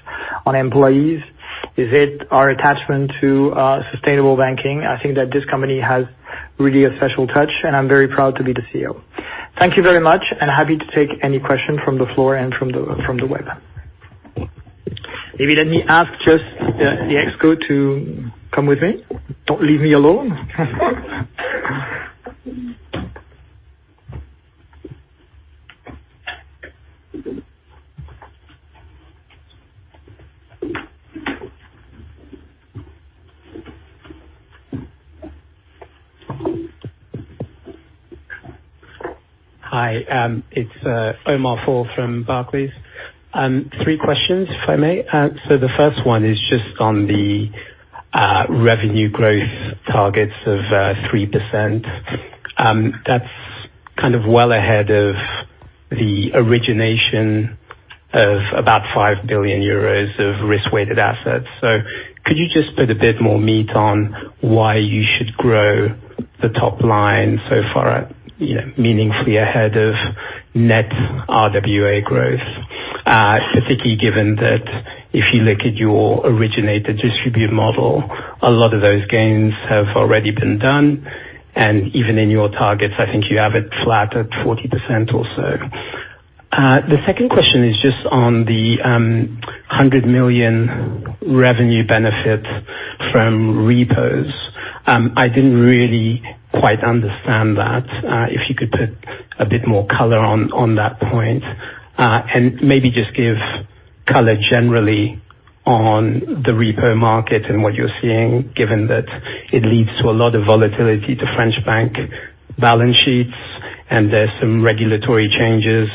on employees? Is it our attachment to sustainable banking? I think that this company has really a special touch, and I'm very proud to be the CEO. Thank you very much, and happy to take any questions from the floor and from the web. Maybe let me ask just the Comex to come with me. Don't leave me alone. Hi, it's Omar Fall from Barclays. Three questions, if I may. The first one is just on the revenue growth targets of 3%. That's kind of well ahead of the origination of about 5 billion euros of risk-weighted assets. Could you just put a bit more meat on why you should grow the top line so far meaningfully ahead of net RWA growth, specifically given that if you look at your originate-to-distribute model, a lot of those gains have already been done. Even in your targets, I think you have it flat at 40% or so. The second question is just on the 100 million revenue benefit from repos. I didn't really quite understand that. If you could put a bit more color on that point, and maybe just give color generally on the repo market and what you're seeing, given that it leads to a lot of volatility to French bank balance sheets, and there's some regulatory changes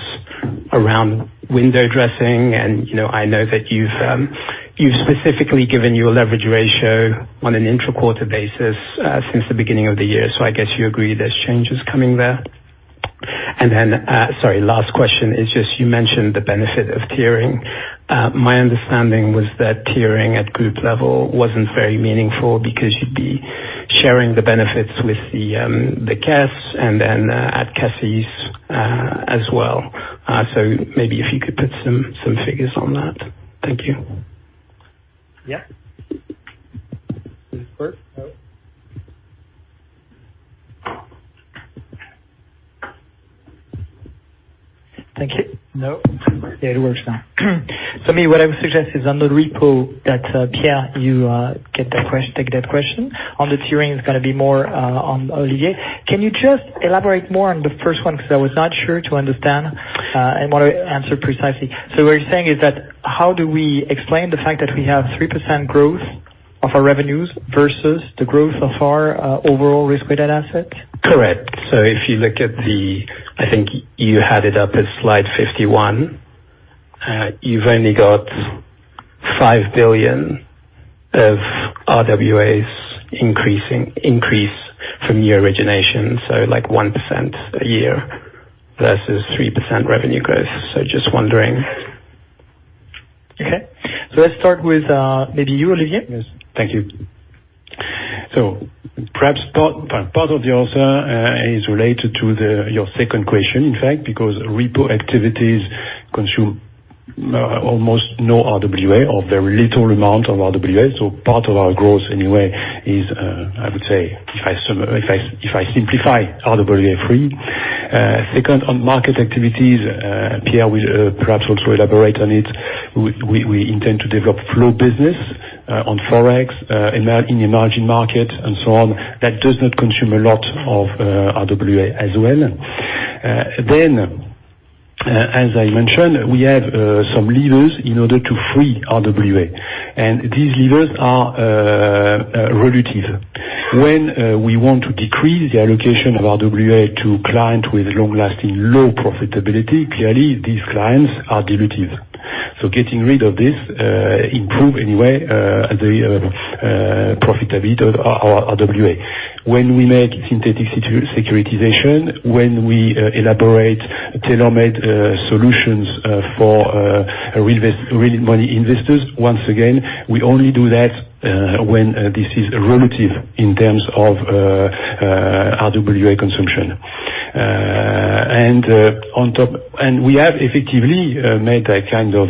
around window dressing. I know that you've specifically given your leverage ratio on an intra-quarter basis since the beginning of the year, so I guess you agree there's changes coming there. Sorry, last question is just, you mentioned the benefit of tiering. My understanding was that tiering at group level wasn't very meaningful because you'd be sharing the benefits with the CRs and then at CACIB, as well. Maybe if you could put some figures on that. Thank you. Yeah. Does it work? Oh. Thank you. No. There, it works now. Me, what I would suggest is on the repo that, Pierre, you take that question. On the tiering, it's gonna be more on Olivier. Can you just elaborate more on the first one, because I was not sure to understand, and want to answer precisely. What you're saying is that how do we explain the fact that we have 3% growth of our revenues versus the growth of our overall risk-weighted asset? Correct. If you look at the I think you had it up at slide 51. You've only got 5 billion of RWAs increase from new origination, like 1% a year versus 3% revenue growth, just wondering. Okay. Let's start with, maybe you, Olivier? Yes. Thank you. Perhaps part of the answer is related to your second question, in fact, because repo activities consume almost no RWA or very little amount of RWA, part of our growth anyway is, I would say, if I simplify RWA free. Second, on market activities, Pierre will perhaps also elaborate on it. We intend to develop flow business on Forex, in emerging market and so on. That does not consume a lot of RWA as well. As I mentioned, we have some levers in order to free RWA, and these levers are relative. When we want to decrease the allocation of RWA to client with long-lasting low profitability, clearly these clients are dilutive. Getting rid of this improve anyway the profitability of our RWA. When we make synthetic securitization, when we elaborate tailor-made solutions for real money investors, once again, we only do that when this is relative in terms of RWA consumption. We have effectively made a kind of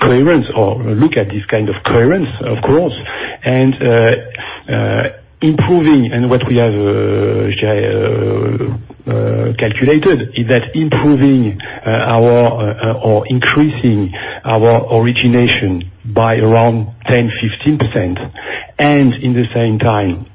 clearance, or look at this kind of clearance, of course. What we have calculated is that improving or increasing our origination by around 10%-15%, and in the same time,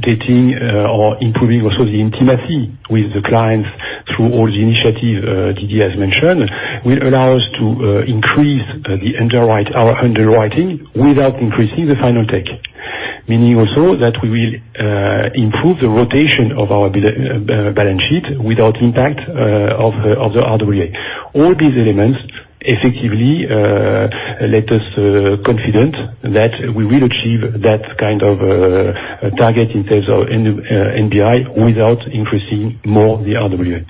getting or improving also the intimacy with the clients through all the initiatives Didier has mentioned, will allow us to increase our underwriting without increasing the final take. Meaning also that we will improve the rotation of our balance sheet without impact of the RWA. All these elements effectively let us confident that we will achieve that kind of target in terms of NBI without increasing more the RWA.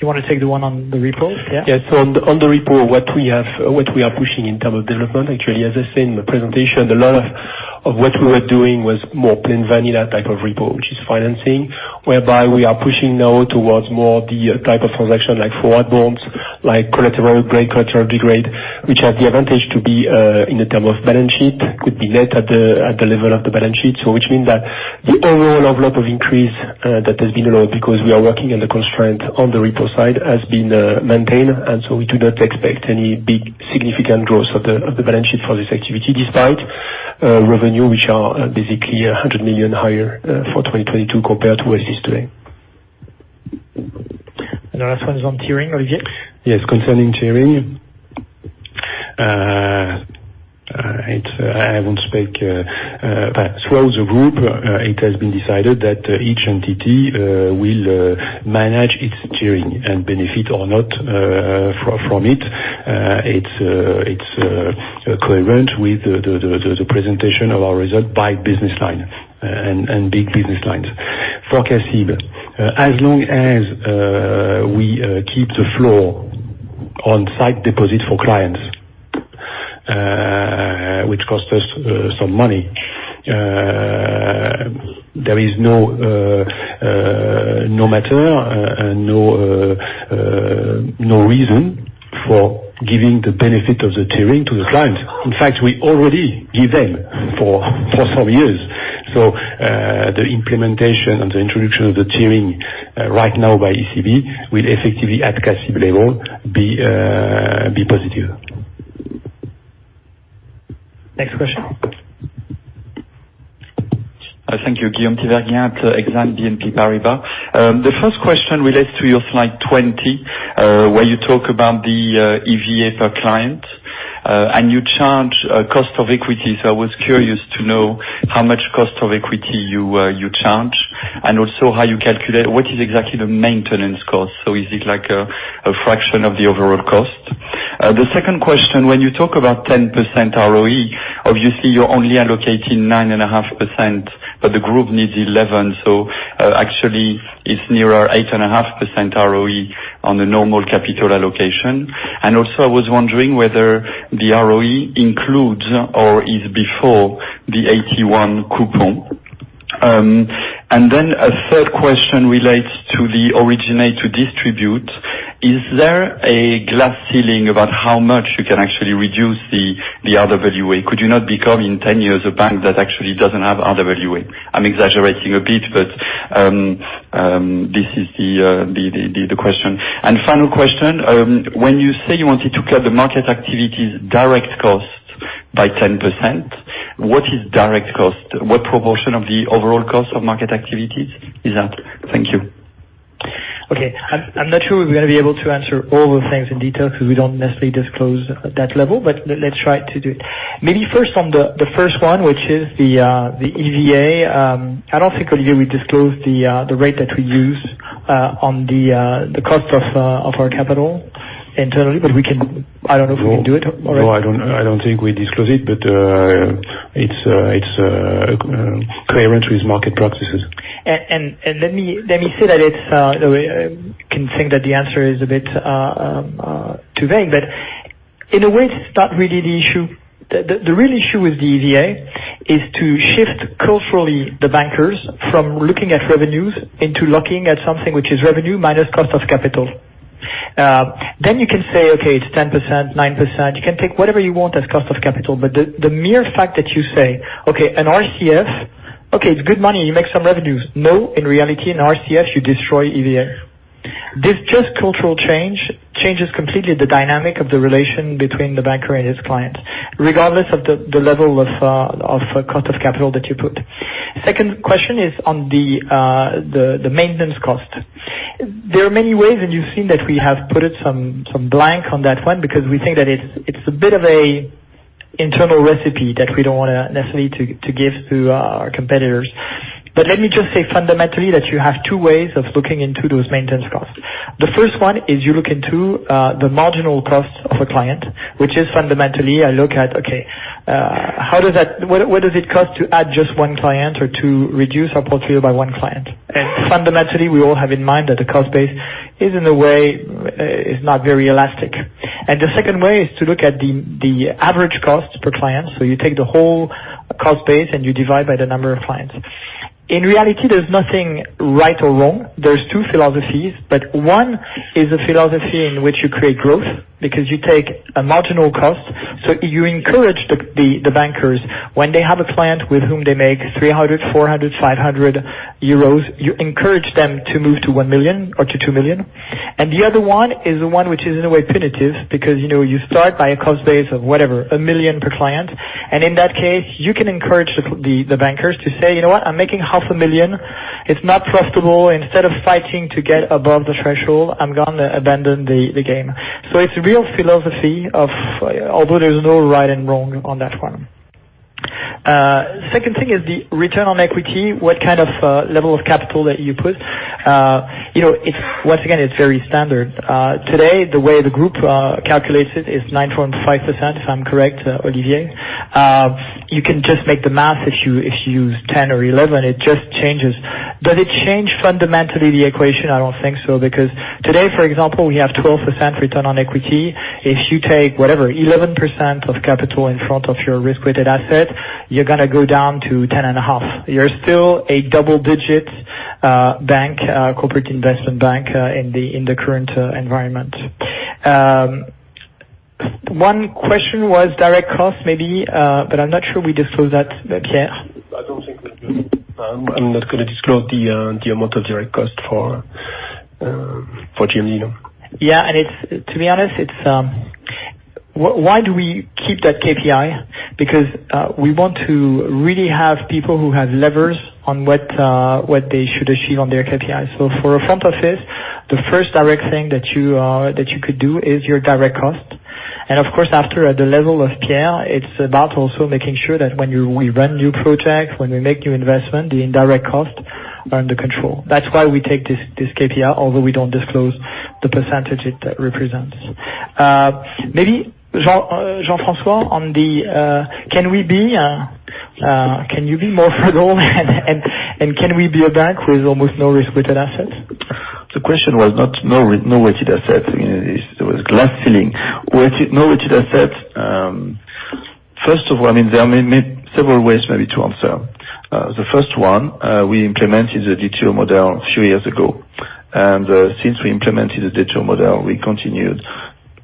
You want to take the one on the repo, Pierre? Yes. On the repo, what we are pushing in terms of development, actually, as I said in the presentation, a lot of what we were doing was more plain vanilla type of repo, which is financing, whereby we are pushing now towards more the type of transaction like forward bonds, like collateral grade, which have the advantage to be, in terms of balance sheet, could be net at the level of the balance sheet. Which mean that the overall envelope of increase that has been allowed, because we are working in the constraint on the repo side, has been maintained, we do not expect any big significant growth of the balance sheet for this activity, despite revenue which are basically 100 million higher for 2022 compared to where it is today. The last one is on tiering, Olivier. Yes, concerning tiering. I won't speak Throughout the group, it has been decided that each entity will manage its tiering and benefit or not from it. It's coherent with the presentation of our result by business line and big business lines. For CACIB, as long as we keep the floor on site deposit for clients, which cost us some money, there is no matter and no reason for giving the benefit of the tiering to the clients. In fact, we already give them for some years. The implementation and the introduction of the tiering right now by ECB will effectively at CACIB level be positive. Next question. Thank you. Guillaume Tiberghien at Exane BNP Paribas. The first question relates to your slide 20, where you talk about the EVA per client, and you charge cost of equity. I was curious to know how much cost of equity you charge, and also how you calculate what is exactly the maintenance cost. Is it like a fraction of the overall cost? The second question, when you talk about 10% ROE, obviously you're only allocating 9.5%, but the group needs 11. Actually, it's nearer 8.5% ROE on a normal capital allocation. Also, I was wondering whether the ROE includes or is before the AT1 coupon. A third question relates to the originate-to-distribute. Is there a glass ceiling about how much you can actually reduce the RWA? Could you not become, in 10 years, a bank that actually doesn't have RWA? I'm exaggerating a bit, but this is the question. Final question, when you say you wanted to cut the market activities direct cost by 10%, what is direct cost? What proportion of the overall cost of market activities is that? Thank you. Okay. I'm not sure we're going to be able to answer all the things in detail because we don't necessarily disclose that level. Let's try to do it. Maybe first on the first one, which is the EVA. I don't think, Olivier, we disclose the rate that we use on the cost of our capital internally, but I don't know if we can do it. No, I don't think we disclose it. It's clear entries market practices. Let me say that can think that the answer is a bit too vague, but in a way, it's not really the issue. The real issue with the EVA is to shift culturally the bankers from looking at revenues into looking at something which is revenue minus cost of capital. You can say, okay, it's 10%, 9%. You can take whatever you want as cost of capital. The mere fact that you say, okay, an RCF, okay, it's good money, you make some revenues. No, in reality, in RCF, you destroy EVA. This just cultural change, changes completely the dynamic of the relation between the banker and his client, regardless of the level of cost of capital that you put. Second question is on the maintenance cost. There are many ways, and you've seen that we have put it some blank on that one because we think that it's a bit of a internal recipe that we don't want to necessarily to give to our competitors. Let me just say fundamentally, that you have two ways of looking into those maintenance costs. The first one is you look into the marginal cost of a client, which is fundamentally, I look at, okay, what does it cost to add just one client or to reduce our portfolio by one client? Fundamentally, we all have in mind that the cost base is in a way, is not very elastic. The second way is to look at the average cost per client. You take the whole cost base, and you divide by the number of clients. In reality, there's nothing right or wrong. There's two philosophies, but one is a philosophy in which you create growth because you take a marginal cost. You encourage the bankers, when they have a client with whom they make 300, 400, 500 euros, you encourage them to move to 1 million or to 2 million. The other one is the one which is in a way punitive because you start by a cost base of whatever, 1 million per client. In that case, you can encourage the bankers to say, "You know what? I'm making half a million EUR. It's not profitable. Instead of fighting to get above the threshold, I'm going to abandon the game." It's a real philosophy of, although there's no right and wrong on that one. Second thing is the return on equity, what kind of level of capital that you put. Once again, it's very standard. Today, the way the group calculates it is 9.5%, if I'm correct, Olivier. You can just make the math if you use 10 or 11, it just changes. Does it change fundamentally the equation? I don't think so, because today, for example, we have 12% return on equity. If you take whatever, 11% of capital in front of your risk-weighted asset, you're going to go down to 10.5. You're still a double-digit bank, corporate investment bank, in the current environment. One question was direct cost maybe, but I'm not sure we disclose that, Pierre. I don't think we do. I'm not going to disclose the amount of direct cost for GMD. To be honest, why do we keep that KPI? We want to really have people who have levers on what they should achieve on their KPI. For a front office, the first direct thing that you could do is your direct cost. Of course, after, at the level of Pierre, it's about also making sure that when we run new projects, when we make new investment, the indirect costs are under control. That's why we take this KPI, although we don't disclose the percentage it represents. Maybe, Jean-François, can you be more frugal and can we be a bank with almost no risk-weighted assets? The question was not no weighted assets. It was glass ceiling. No weighted assets. First of all, there are several ways maybe to answer. The first one, we implemented the D2 model three years ago. Since we implemented the D2 model, we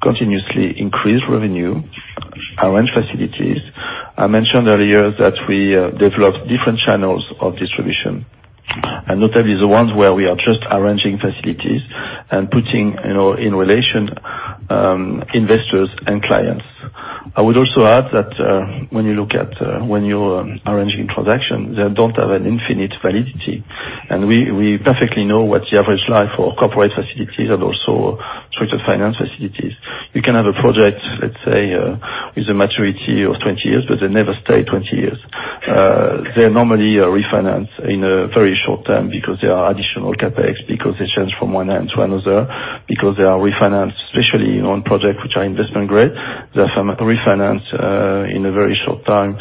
continuously increased revenue, arrange facilities. I mentioned earlier that we developed different channels of distribution, and notably the ones where we are just arranging facilities and putting in relation investors and clients. I would also add that when you're arranging transactions, they don't have an infinite validity, and we perfectly know what the average life for corporate facilities and also structured finance facilities. We can have a project, let's say, with a maturity of 20 years, they never stay 20 years. They normally are refinanced in a very short time because there are additional CapEx, because they change from one hand to another, because they are refinanced, especially on projects which are investment grade. They're refinanced in a very short time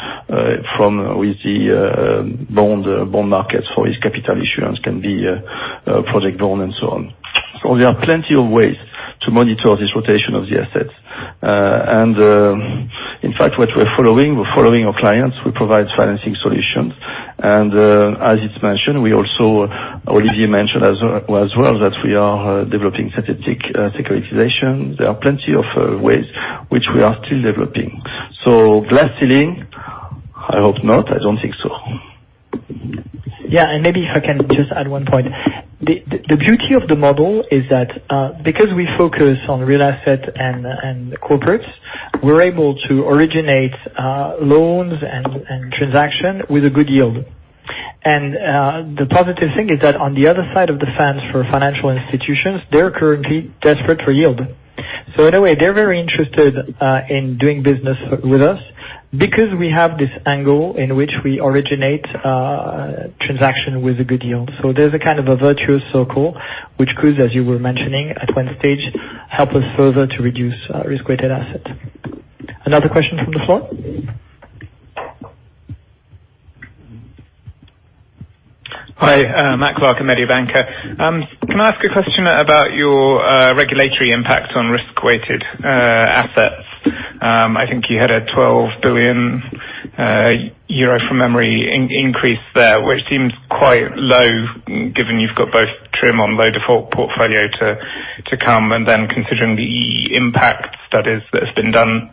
with the bond markets for its capital issuance, can be project bond, and so on. There are plenty of ways to monitor this rotation of the assets. In fact, what we're following, we're following our clients. We provide financing solutions. As it's mentioned, Olivier mentioned as well that we are developing strategic securitization. There are plenty of ways which we are still developing. Glass ceiling, I hope not. I don't think so. Maybe if I can just add one point. The beauty of the model is that, because we focus on real asset and corporates, we're able to originate loans and transaction with a good yield. The positive thing is that on the other side of the fence for financial institutions, they're currently desperate for yield. In a way, they're very interested in doing business with us because we have this angle in which we originate transaction with a good yield. There's a kind of a virtuous circle, which could, as you were mentioning, at one stage, help us further to reduce risk-weighted assets. Another question from the floor? Hi, Matt Clark, Mediobanca. Can I ask a question about your regulatory impact on risk-weighted assets? I think you had a 12 billion euro from memory increase there, which seems quite low given you've got both TRIM on low default portfolio to come, considering the EBA impact studies that have been done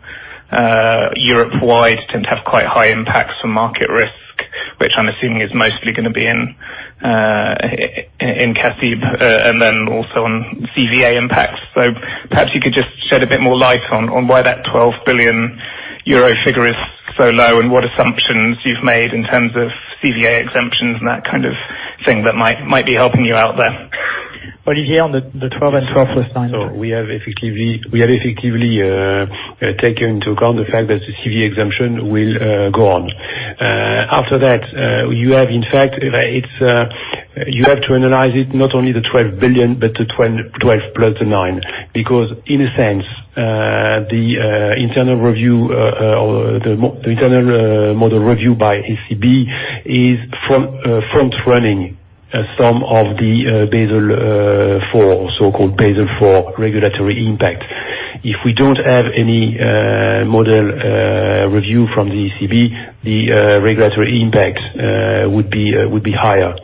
Europe-wide tend to have quite high impacts on market risk, which I'm assuming is mostly going to be in CACIB, and then also on CVA impacts. Perhaps you could just shed a bit more light on why that 12 billion euro figure is so low and what assumptions you've made in terms of CVA exemptions and that kind of thing that might be helping you out there. Olivier, on the 12 and 12 plus nine. We have effectively taken into account the fact that the CVA exemption will go on. After that, you have to analyze it, not only the 12 billion, but the 12 plus the 9. In a sense, the internal model review by ECB is front-running some of the so-called Basel IV regulatory impact. If we don't have any model review from the ECB, the regulatory impact would be higher.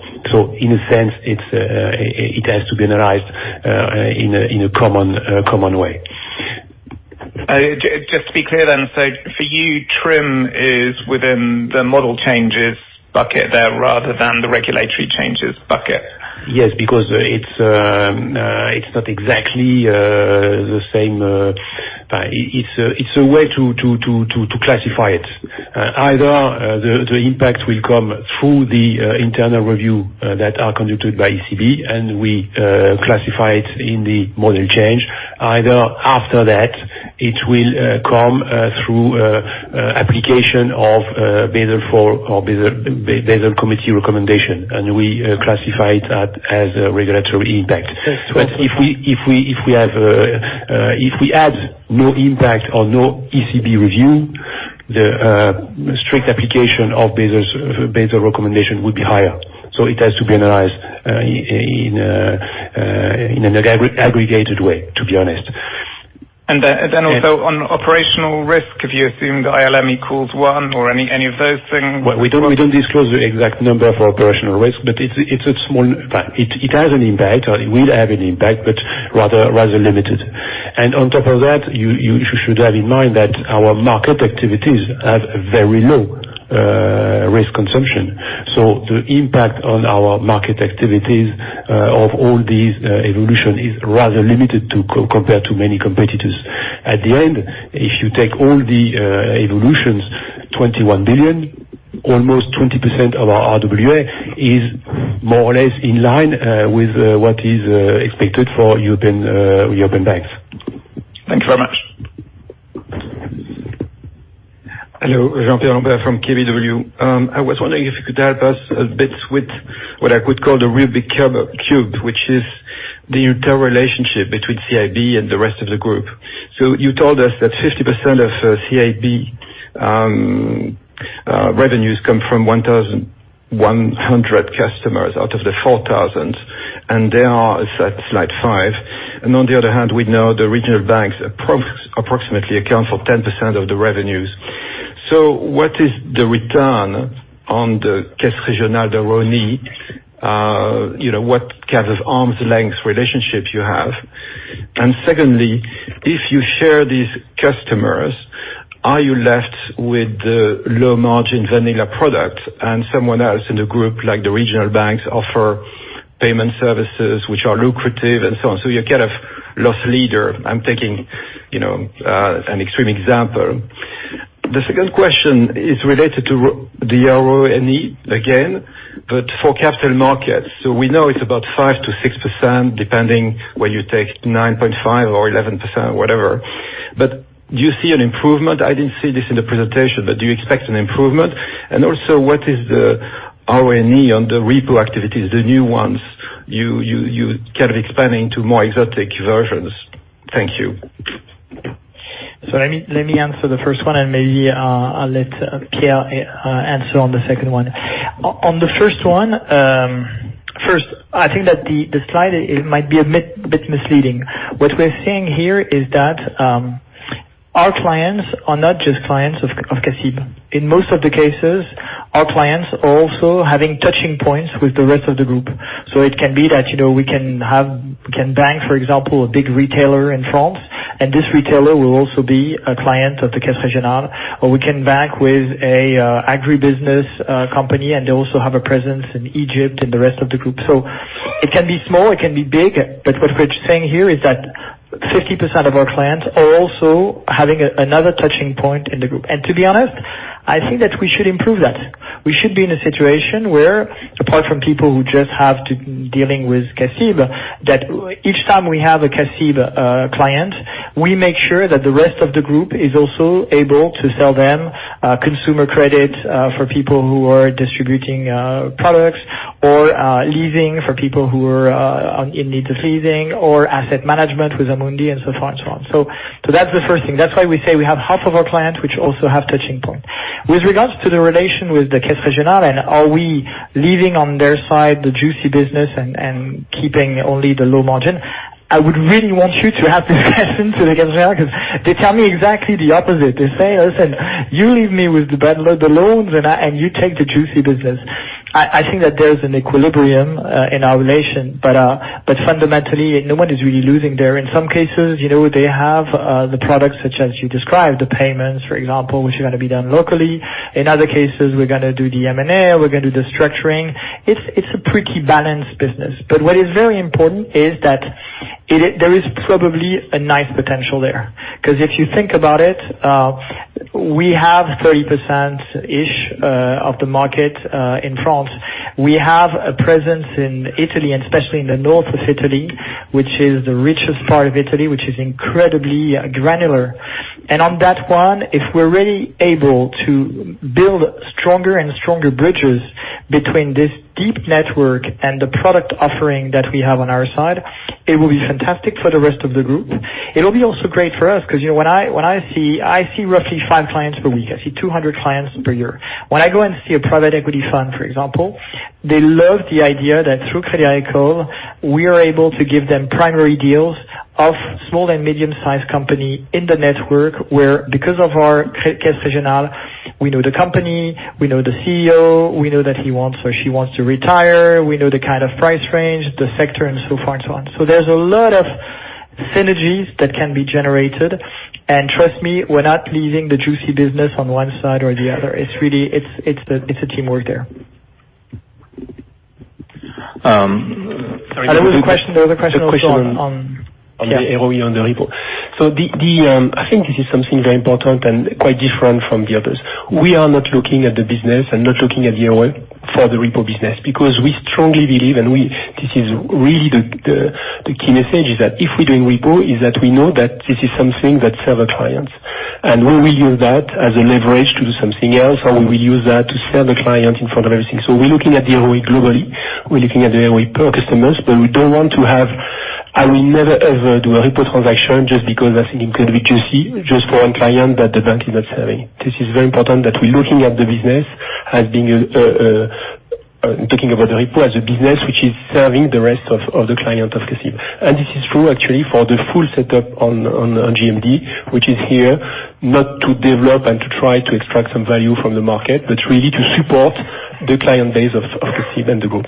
In a sense, it has to be analyzed in a common way. Just to be clear then, so for you, TRIM is within the model changes bucket there rather than the regulatory changes bucket? It's not exactly the same. It's a way to classify it. The impact will come through the internal review that are conducted by ECB, and we classify it in the model change. After that, it will come through application of Basel Committee recommendation, and we classify it as a regulatory impact. If we had no impact or no ECB review, the strict application of Basel recommendation would be higher. It has to be analyzed in an aggregated way, to be honest. Also on operational risk, have you assumed ILM equals one or any of those things? We don't disclose the exact number for operational risk, but it has an impact, or it will have an impact, but rather limited. On top of that, you should have in mind that our market activities have very low risk consumption. The impact on our market activities of all these evolution is rather limited compared to many competitors. At the end, if you take all the evolutions, 21 billion, almost 20% of our RWA, is more or less in line with what is expected for European banks. Thank you very much. Hello, Jean Pierre Lambert from KBW. I was wondering if you could help us a bit with what I could call the Rubik cube, which is the interrelationship between CIB and the rest of the group. You told us that 50% of CIB. revenues come from 1,100 customers out of the 4,000, it's at slide five. On the other hand, we know the regional banks approximately account for 10% of the revenues. What is the return on the Caisse Régionale de Rhône-Alpes? What kind of arm's length relationship you have? Secondly, if you share these customers, are you left with the low margin vanilla product and someone else in the group, like the regional banks, offer payment services which are lucrative and so on. You're kind of loss leader. I'm taking an extreme example. The second question is related to the RONE again, but for capital markets. We know it's about 5%-6%, depending whether you take 9.5% or 11%, whatever. Do you see an improvement? I didn't see this in the presentation, do you expect an improvement? Also, what is the RONE on the repo activities, the new ones, you kind of expanding to more exotic versions. Thank you. Let me answer the first one, and maybe I'll let Pierre answer on the second one. On the first one, first, I think that the slide might be a bit misleading. What we're saying here is that our clients are not just clients of CACIB. In most of the cases, our clients are also having touching points with the rest of the group. It can be that we can bank, for example, a big retailer in France, and this retailer will also be a client of the Caisse Régionale, or we can bank with a agribusiness company, and they also have a presence in Egypt and the rest of the group. It can be small, it can be big, but what we're saying here is that 50% of our clients are also having another touching point in the group. To be honest, I think that we should improve that. We should be in a situation where, apart from people who just have to dealing with CACIB, that each time we have a CACIB client, we make sure that the rest of the group is also able to sell them consumer credit for people who are distributing products, or leasing for people who are in need of leasing, or asset management with Amundi, and so forth and so on. That's the first thing. That's why we say we have half of our clients which also have touching point. With regards to the relation with the Caisse Régionale and are we leaving on their side the juicy business and keeping only the low margin, I would really want you to have this lesson to the customer because they tell me exactly the opposite. They say, "Listen, you leave me with the bad load, the loans, and you take the juicy business." I think that there's an equilibrium in our relation, but fundamentally, no one is really losing there. In some cases, they have the products such as you described, the payments, for example, which are gonna be done locally. In other cases, we're gonna do the M&A, we're gonna do the structuring. It's a pretty balanced business. What is very important is that there is probably a nice potential there. If you think about it, we have 30%-ish of the market in France. We have a presence in Italy, and especially in the north of Italy, which is the richest part of Italy, which is incredibly granular. On that one, if we're really able to build stronger and stronger bridges between this deep network and the product offering that we have on our side, it will be fantastic for the rest of the group. It will be also great for us because when I see roughly five clients per week, I see 200 clients per year. When I go and see a private equity fund, for example, they love the idea that through Crédit Agricole, we are able to give them primary deals of small and medium-sized company in the network where, because of our Caisse Régionale, we know the company, we know the CEO, we know that he wants or she wants to retire, we know the kind of price range, the sector, and so forth and so on. There's a lot of synergies that can be generated, and trust me, we're not leaving the juicy business on one side or the other. It's a teamwork there. Sorry- There was a question on- The question on the ROE on the repo. I think this is something very important and quite different from the others. We are not looking at the business and not looking at the ROE for the repo business because we strongly believe, and this is really the key message, is that if we're doing repo, is that we know that this is something that serve a client. We will use that as a leverage to do something else, and we will use that to sell the client in front of everything. We're looking at the ROE globally. We're looking at the ROE per customers, but I will never, ever do a repo transaction just because I think it could be juicy just for one client that the bank is not serving. This is very important that we're looking at the business as talking about the repo as a business which is serving the rest of the client of CACIB. This is true actually for the full setup on GMD, which is here not to develop and to try to extract some value from the market, but really to support the client base of CACIB and the group.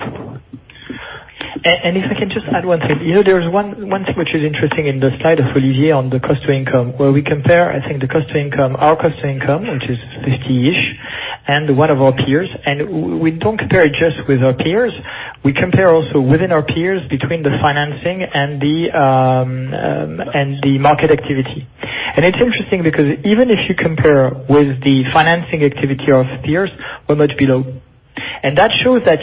If I can just add one thing. There is one thing which is interesting in the slide of Olivier on the cost to income, where we compare, I think the cost to income, our cost to income, which is 50-ish, and one of our peers. We don't compare it just with our peers. We compare also within our peers between the financing and the market activity. It's interesting because even if you compare with the financing activity of peers, we're much below. That shows that,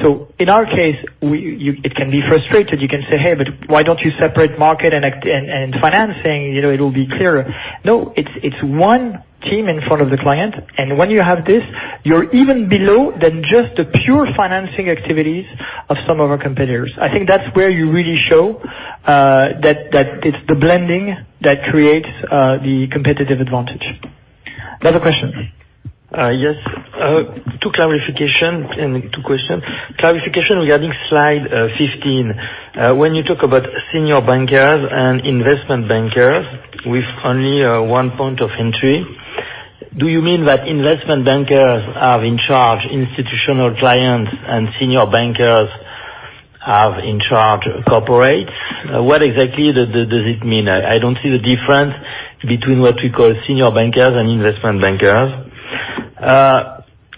so in our case, it can be frustrated. You can say, "Hey, but why don't you separate market and financing, it will be clearer." No, it's one team in front of the client, and when you have this You're even below than just the pure financing activities of some of our competitors. I think that's where you really show that it's the blending that creates the competitive advantage. Another question. Yes. Two clarification and two question. Clarification regarding slide 15. When you talk about senior bankers and investment bankers with only one point of entry, do you mean that investment bankers are in charge institutional clients and senior bankers are in charge corporate? What exactly does it mean? I don't see the difference between what we call senior bankers and investment bankers.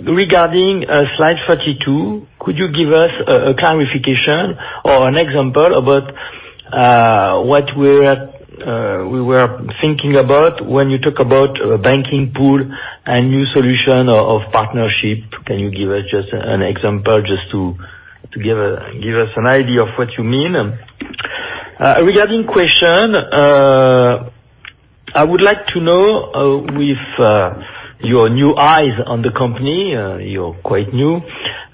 Regarding slide 32, could you give us a clarification or an example about what we were thinking about when you talk about a banking pool and new solution of partnership? Can you give us just an example just to give us an idea of what you mean? Regarding question, I would like to know, with your new eyes on the company, you're quite new.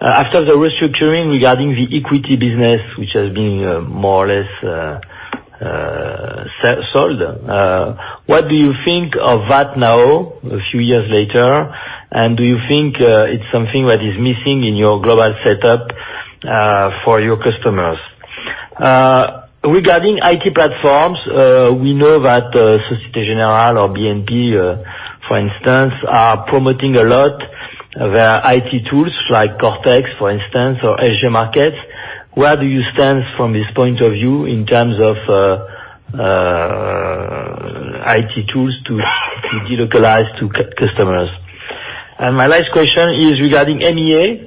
After the restructuring, regarding the equity business, which has been more or less sold, what do you think of that now, a few years later? Do you think it's something that is missing in your global setup for your customers? Regarding IT platforms, we know that Société Générale or BNP, for instance, are promoting a lot their IT tools, like Cortex, for instance, or SG Markets. Where do you stand from this point of view in terms of IT tools to delocalize to customers? My last question is regarding NEA.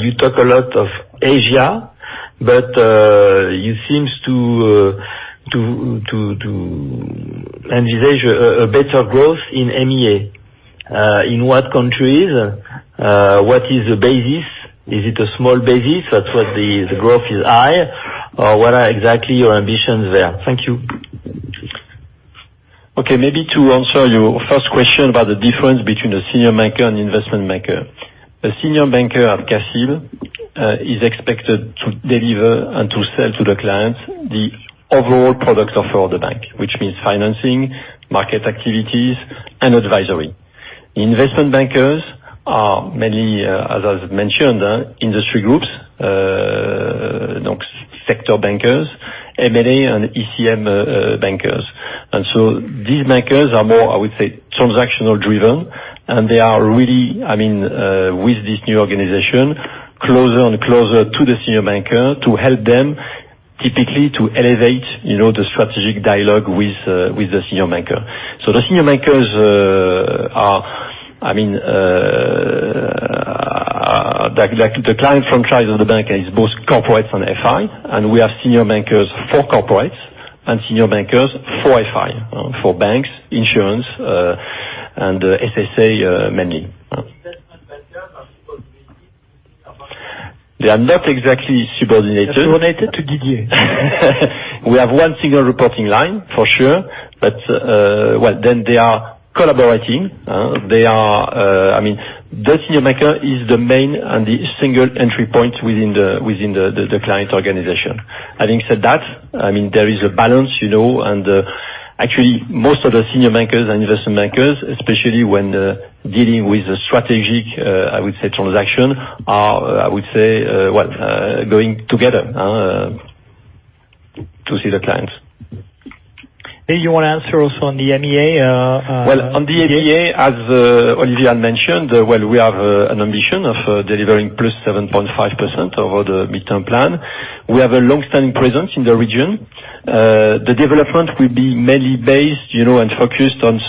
You talk a lot of Asia, and Asia, a better growth in NEA. In what countries, what is the basis? Is it a small basis? That's why the growth is high? What are exactly your ambitions there? Thank you. Okay, maybe to answer your first question about the difference between a senior banker and investment banker. A senior banker at CACIB is expected to deliver and to sell to the clients the overall product offer of the bank, which means financing, market activities, and advisory. Investment bankers are mainly, as I've mentioned, industry groups, sector bankers, M&A and ECM bankers. These bankers are more, I would say, transactional-driven, and they are really, with this new organization, closer and closer to the senior banker to help them typically to elevate the strategic dialogue with the senior banker. The senior bankers are, the client franchise of the bank is both corporates and FI, and we have senior bankers for corporates and senior bankers for FI, for banks, insurance, and SSA, mainly. Investment bankers are subordinating. They are not exactly subordinated. Subordinated to Didier. We have one single reporting line, for sure, but then they are collaborating. The senior banker is the main and the single entry point within the client organization. Having said that, there is a balance, and actually, most of the senior bankers and investment bankers, especially when dealing with a strategic, I would say, transaction are, I would say, going together to see the clients. Did you want to answer also on the M&A? Well, on the MEA, as Olivier mentioned, we have an ambition of delivering plus 7.5% over the midterm plan. We have a long-standing presence in the region. The development will be mainly based and focused on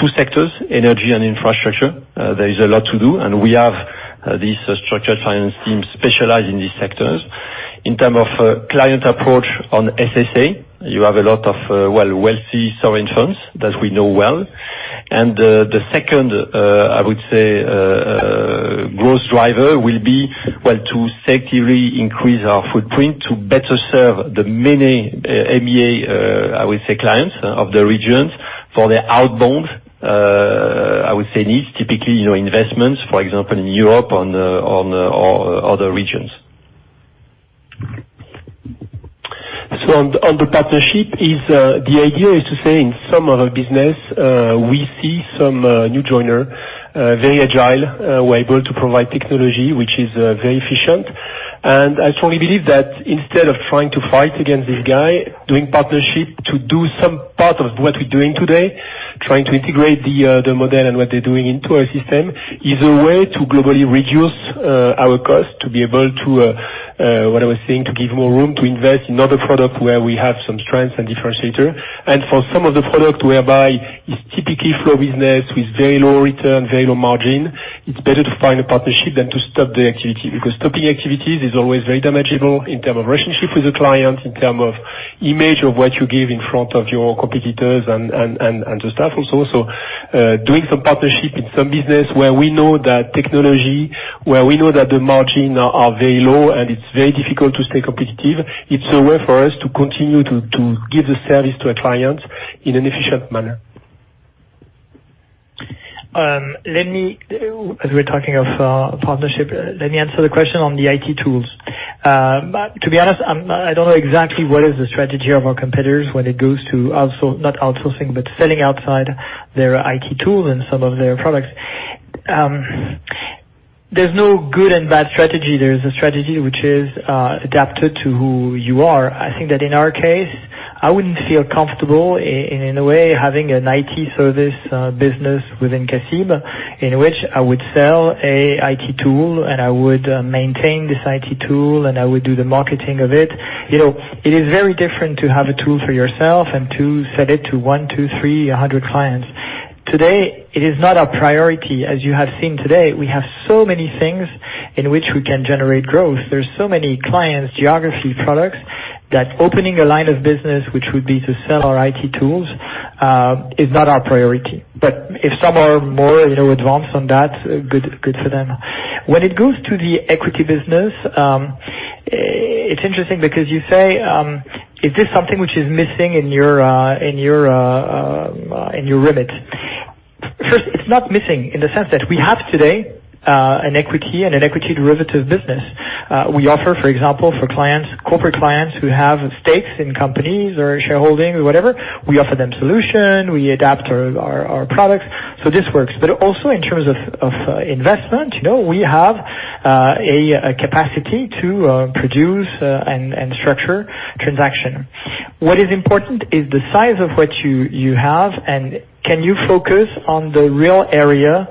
two sectors, energy and infrastructure. There is a lot to do, and we have these structured finance teams specialized in these sectors. In terms of client approach on SSA, you have a lot of wealthy sovereign funds that we know well. The second, I would say, growth driver will be to safely increase our footprint to better serve the many MEA, I would say, clients of the regions for their outbound, I would say, needs, typically investments, for example, in Europe or other regions. On the partnership, the idea is to say in some of our business, we see some new joiner, very agile, we are able to provide technology which is very efficient. I strongly believe that instead of trying to fight against this guy, doing partnership to do some part of what we are doing today, trying to integrate the model and what they are doing into our system, is a way to globally reduce our cost to be able to, what I was saying, to give more room to invest in other product where we have some strengths and differentiator. For some of the product whereby it's typically flow business with very low return, very low margin, it's better to find a partnership than to stop the activity, because stopping activities is always very damageable in term of relationship with the client, in term of image of what you give in front of your competitors and the staff also. Doing some partnership in some business where we know that technology, where we know that the margin are very low and it's very difficult to stay competitive, it's a way for us to continue to give the service to a client in an efficient manner. As we're talking of partnership, let me answer the question on the IT tools. To be honest, I don't know exactly what is the strategy of our competitors when it goes to selling outside their IT tool and some of their products. There's no good and bad strategy. There is a strategy which is adapted to who you are. I think that in our case, I wouldn't feel comfortable in a way, having an IT service business within CACIB, in which I would sell a IT tool, and I would maintain this IT tool, and I would do the marketing of it. It is very different to have a tool for yourself and to sell it to one, two, three, 100 clients. Today, it is not our priority. As you have seen today, we have so many things in which we can generate growth. There's so many clients, geography, products, that opening a line of business, which would be to sell our IT tools, is not our priority. If some are more advanced on that, good for them. When it goes to the equity business, it's interesting because you say, is this something which is missing in your remit? First, it's not missing in the sense that we have today, an equity and an equity derivative business. We offer, for example, for corporate clients who have stakes in companies or shareholding or whatever, we offer them solution, we adapt our products. This works. Also in terms of investment, we have a capacity to produce and structure transaction. What is important is the size of what you have and can you focus on the real area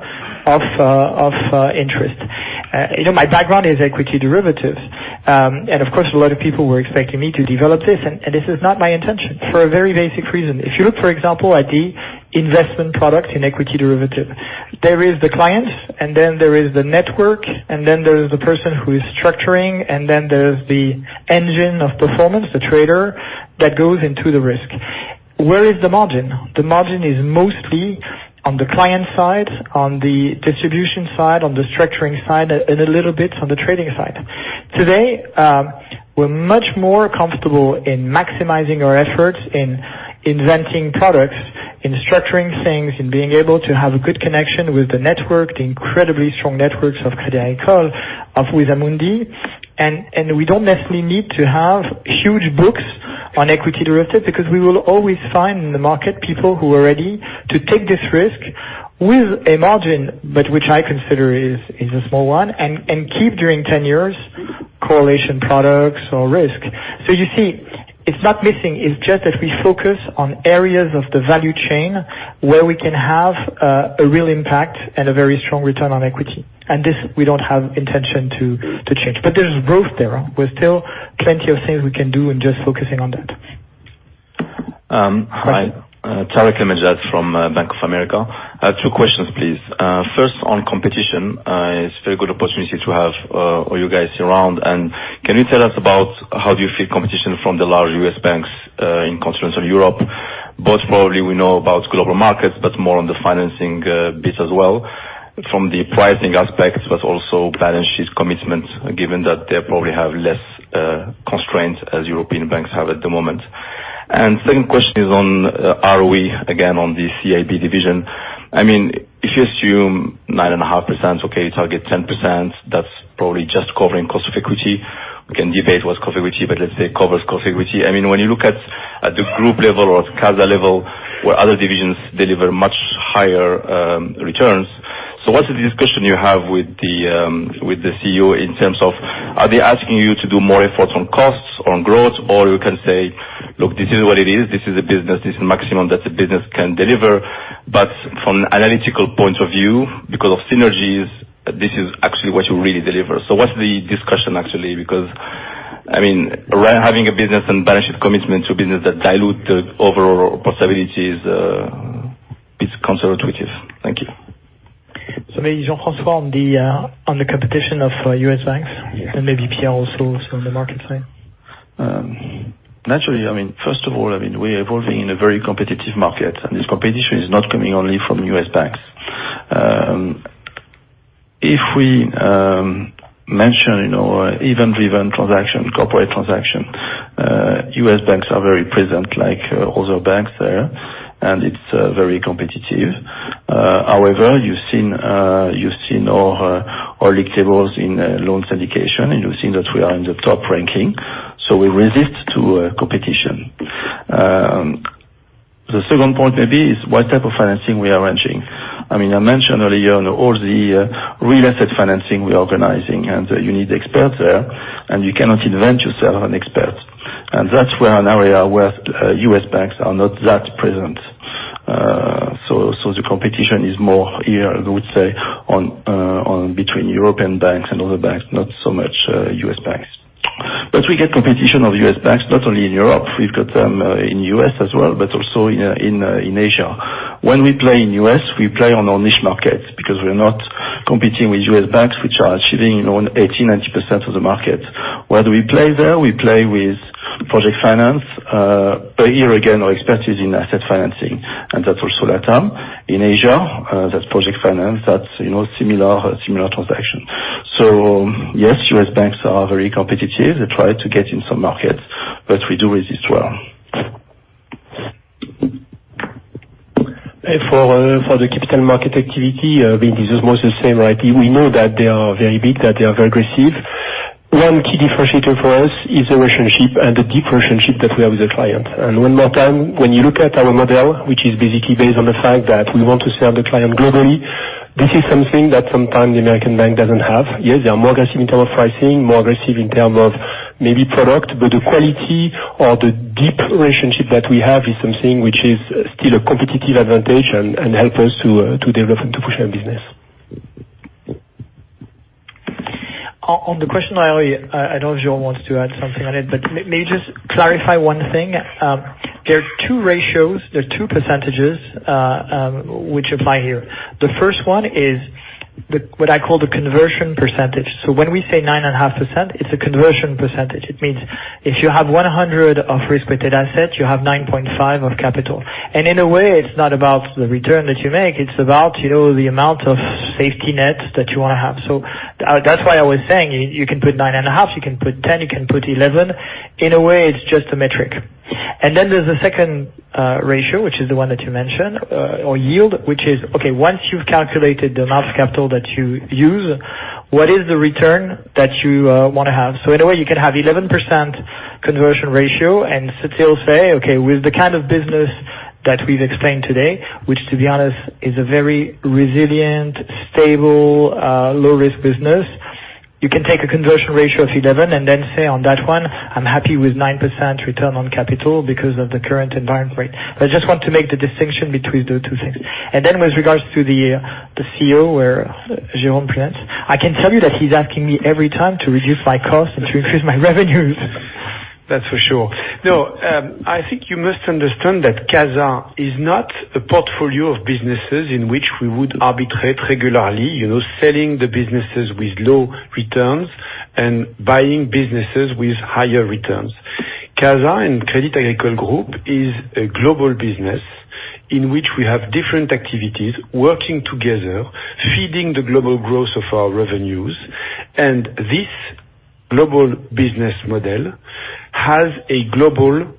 of interest. My background is equity derivatives, and of course, a lot of people were expecting me to develop this, and this is not my intention for a very basic reason. If you look, for example, at the investment product in equity derivative, there is the client, and then there is the network, and then there is the person who is structuring, and then there is the engine of performance, the trader that goes into the risk. Where is the margin? The margin is mostly on the client side, on the distribution side, on the structuring side, and a little bit on the trading side. Today, we are much more comfortable in maximizing our efforts in inventing products, in structuring things, in being able to have a good connection with the network, the incredibly strong networks of Crédit Agricole, of Amundi. We don't necessarily need to have huge books on equity derivative because we will always find in the market people who are ready to take this risk with a margin, but which I consider is a small one, and keep during 10 years correlation products or risk. You see, it's not missing, it's just that we focus on areas of the value chain where we can have a real impact and a very strong return on equity. This we don't have intention to change. There's growth there. We're still plenty of things we can do and just focusing on that. Hi. Tarik El Mejjad from Bank of America. I have two questions, please. On competition. It's very good opportunity to have all you guys around. Can you tell us about how do you feel competition from the large U.S. banks, in constraints of Europe, both probably we know about global markets, but more on the financing bit as well from the pricing aspects, but also balance sheet commitments, given that they probably have less constraints as European banks have at the moment. Second question is on ROE, again, on the CIB division. If you assume 9.5% okay, target 10%, that's probably just covering cost of equity. We can debate what's covered with equity, but let's say covers cost of equity. When you look at the group level or CASA level where other divisions deliver much higher returns, what's the discussion you have with the CEO in terms of, are they asking you to do more efforts on costs, on growth, or you can say, "Look, this is what it is. This is a business. This is maximum that the business can deliver." From analytical point of view, because of synergies, this is actually what you really deliver. What's the discussion actually? Having a business and balance sheet commitment to business that dilute the overall possibilities, it's counterintuitive. Thank you. Maybe Jean-François on the competition of U.S. banks, and maybe Pierre also from the market side. Naturally, first of all, we're evolving in a very competitive market, and this competition is not coming only from U.S. banks. If we mention event-driven transaction, corporate transaction, U.S. banks are very present, like other banks there, and it's very competitive. However, you've seen our league tables in loan syndication and you've seen that we are in the top ranking, so we resist to competition. The second point maybe is what type of financing we are arranging. I mentioned earlier on all the real asset financing we're organizing, and you need expert there, and you cannot invent yourself an expert. That's where an area where U.S. banks are not that present. The competition is more here, I would say between European banks and other banks, not so much U.S. banks. We get competition of U.S. banks, not only in Europe, we've got them in U.S. as well, but also in Asia. When we play in U.S., we play on our niche market, because we're not competing with U.S. banks, which are achieving on 80%-90% of the market. Where do we play there? We play with project finance. Here again, our expertise in asset financing, and that's also Latam. In Asia, that's project finance. That's similar transaction. Yes, U.S. banks are very competitive. They try to get in some markets, but we do resist well. For the capital market activity, this is mostly the same, right? We know that they are very big, that they are very aggressive. One key differentiator for us is the relationship, and the deep relationship that we have with the client. One more time, when you look at our model, which is basically based on the fact that we want to serve the client globally, this is something that sometimes the American bank doesn't have. Yes, they are more aggressive in terms of pricing, more aggressive in terms of maybe product, but the quality or the deep relationship that we have is something which is still a competitive advantage, and help us to develop and to push our business. On the question, I know Jérôme wants to add something on it, but I may just clarify one thing. There are two ratios, there are two percentages, which apply here. The first one is what I call the conversion percentage. When we say 9.5%, it's a conversion percentage. It means if you have 100 of risk-weighted assets, you have 9.5 of capital. In a way, it's not about the return that you make, it's about the amount of safety net that you want to have. That's why I was saying you can put 9.5, you can put 10, you can put 11. In a way, it's just a metric. There's a second ratio, which is the one that you mentioned, or yield, which is, okay, once you've calculated the amount of capital that you use, what is the return that you want to have? In a way, you can have 11% conversion ratio and still say, okay, with the kind of business that we've explained today, which, to be honest, is a very resilient, stable, low-risk business. You can take a conversion ratio of 11 and say, on that one, I'm happy with 9% return on capital because of the current environment. I just want to make the distinction between the two things. With regards to the CEO, where Jérôme presents, I can tell you that he's asking me every time to reduce my cost and to increase my revenues. That's for sure. I think you must understand that CASA is not a portfolio of businesses in which we would arbitrate regularly, selling the businesses with low returns and buying businesses with higher returns. CASA and Crédit Agricole Group is a global business in which we have different activities working together, feeding the global growth of our revenues. This global business model has a global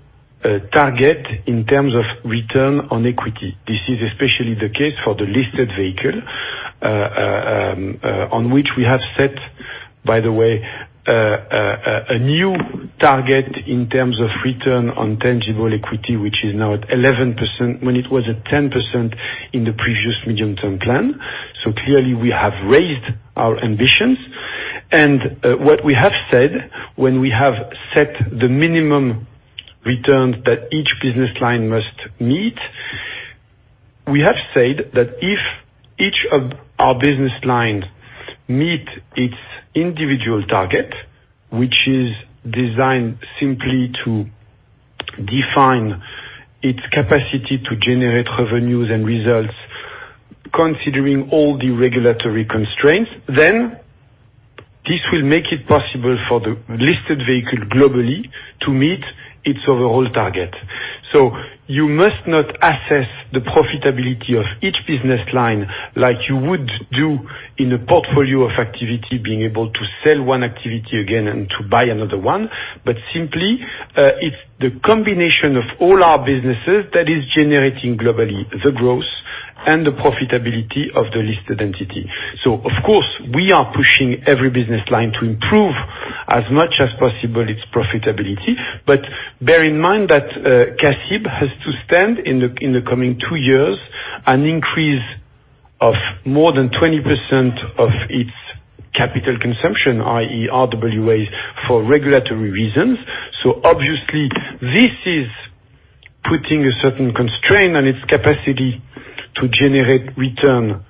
target in terms of return on equity. This is especially the case for the listed vehicle, on which we have set, by the way, a new target in terms of return on tangible equity, which is now at 11%, when it was at 10% in the previous Medium-Term Plan. Clearly we have raised our ambitions. What we have said when we have set the minimum returns that each business line must meet, we have said that if each of our business lines meet its individual target, which is designed simply to define its capacity to generate revenues and results, considering all the regulatory constraints, this will make it possible for the listed vehicle globally to meet its overall target. You must not assess the profitability of each business line like you would do in a portfolio of activity, being able to sell one activity again and to buy another one. Simply, it's the combination of all our businesses that is generating globally the growth and the profitability of the listed entity. Of course, we are pushing every business line to improve as much as possible its profitability. Bear in mind that CACIB has to stand in the coming two years, an increase of more than 20% of its capital consumption, i.e., RWAs, for regulatory reasons. Obviously this is putting a certain constraint on its capacity to generate return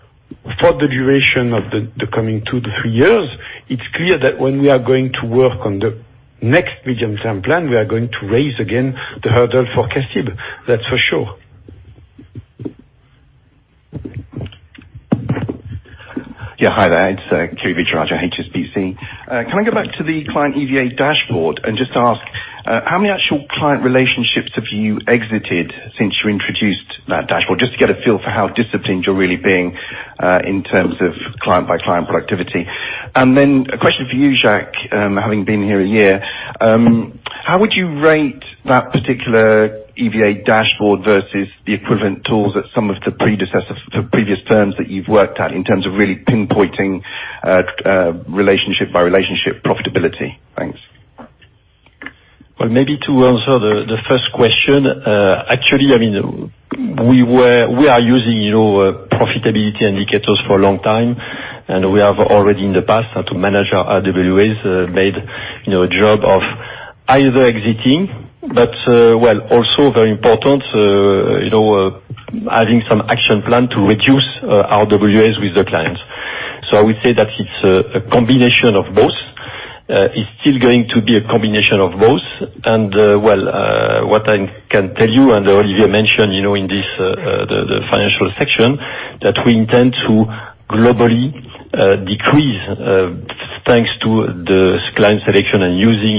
for the duration of the coming two to three years. It's clear that when we are going to work on the next Medium-Term Plan, we are going to raise again the hurdle for CACIB. That's for sure. Hi there, it's Kevin Viraja, HSBC. Can I go back to the client EVA dashboard and just ask, how many actual client relationships have you exited since you introduced that dashboard? Just to get a feel for how disciplined you're really being, in terms of client-by-client productivity. A question for you, Jacques, having been here a year, how would you rate that particular EVA dashboard versus the equivalent tools at some of the previous firms that you've worked at, in terms of really pinpointing relationship-by-relationship profitability? Thanks. Well, maybe to answer the first question, actually, we are using profitability indicators for a long time, and we have already in the past had to manage our RWAs, made job of either exiting, well, also very important, having some action plan to reduce RWAs with the clients. I would say that it's a combination of both. It's still going to be a combination of both. Well, what I can tell you, and Olivier mentioned, in the financial section, that we intend to globally decrease, thanks to the client selection and using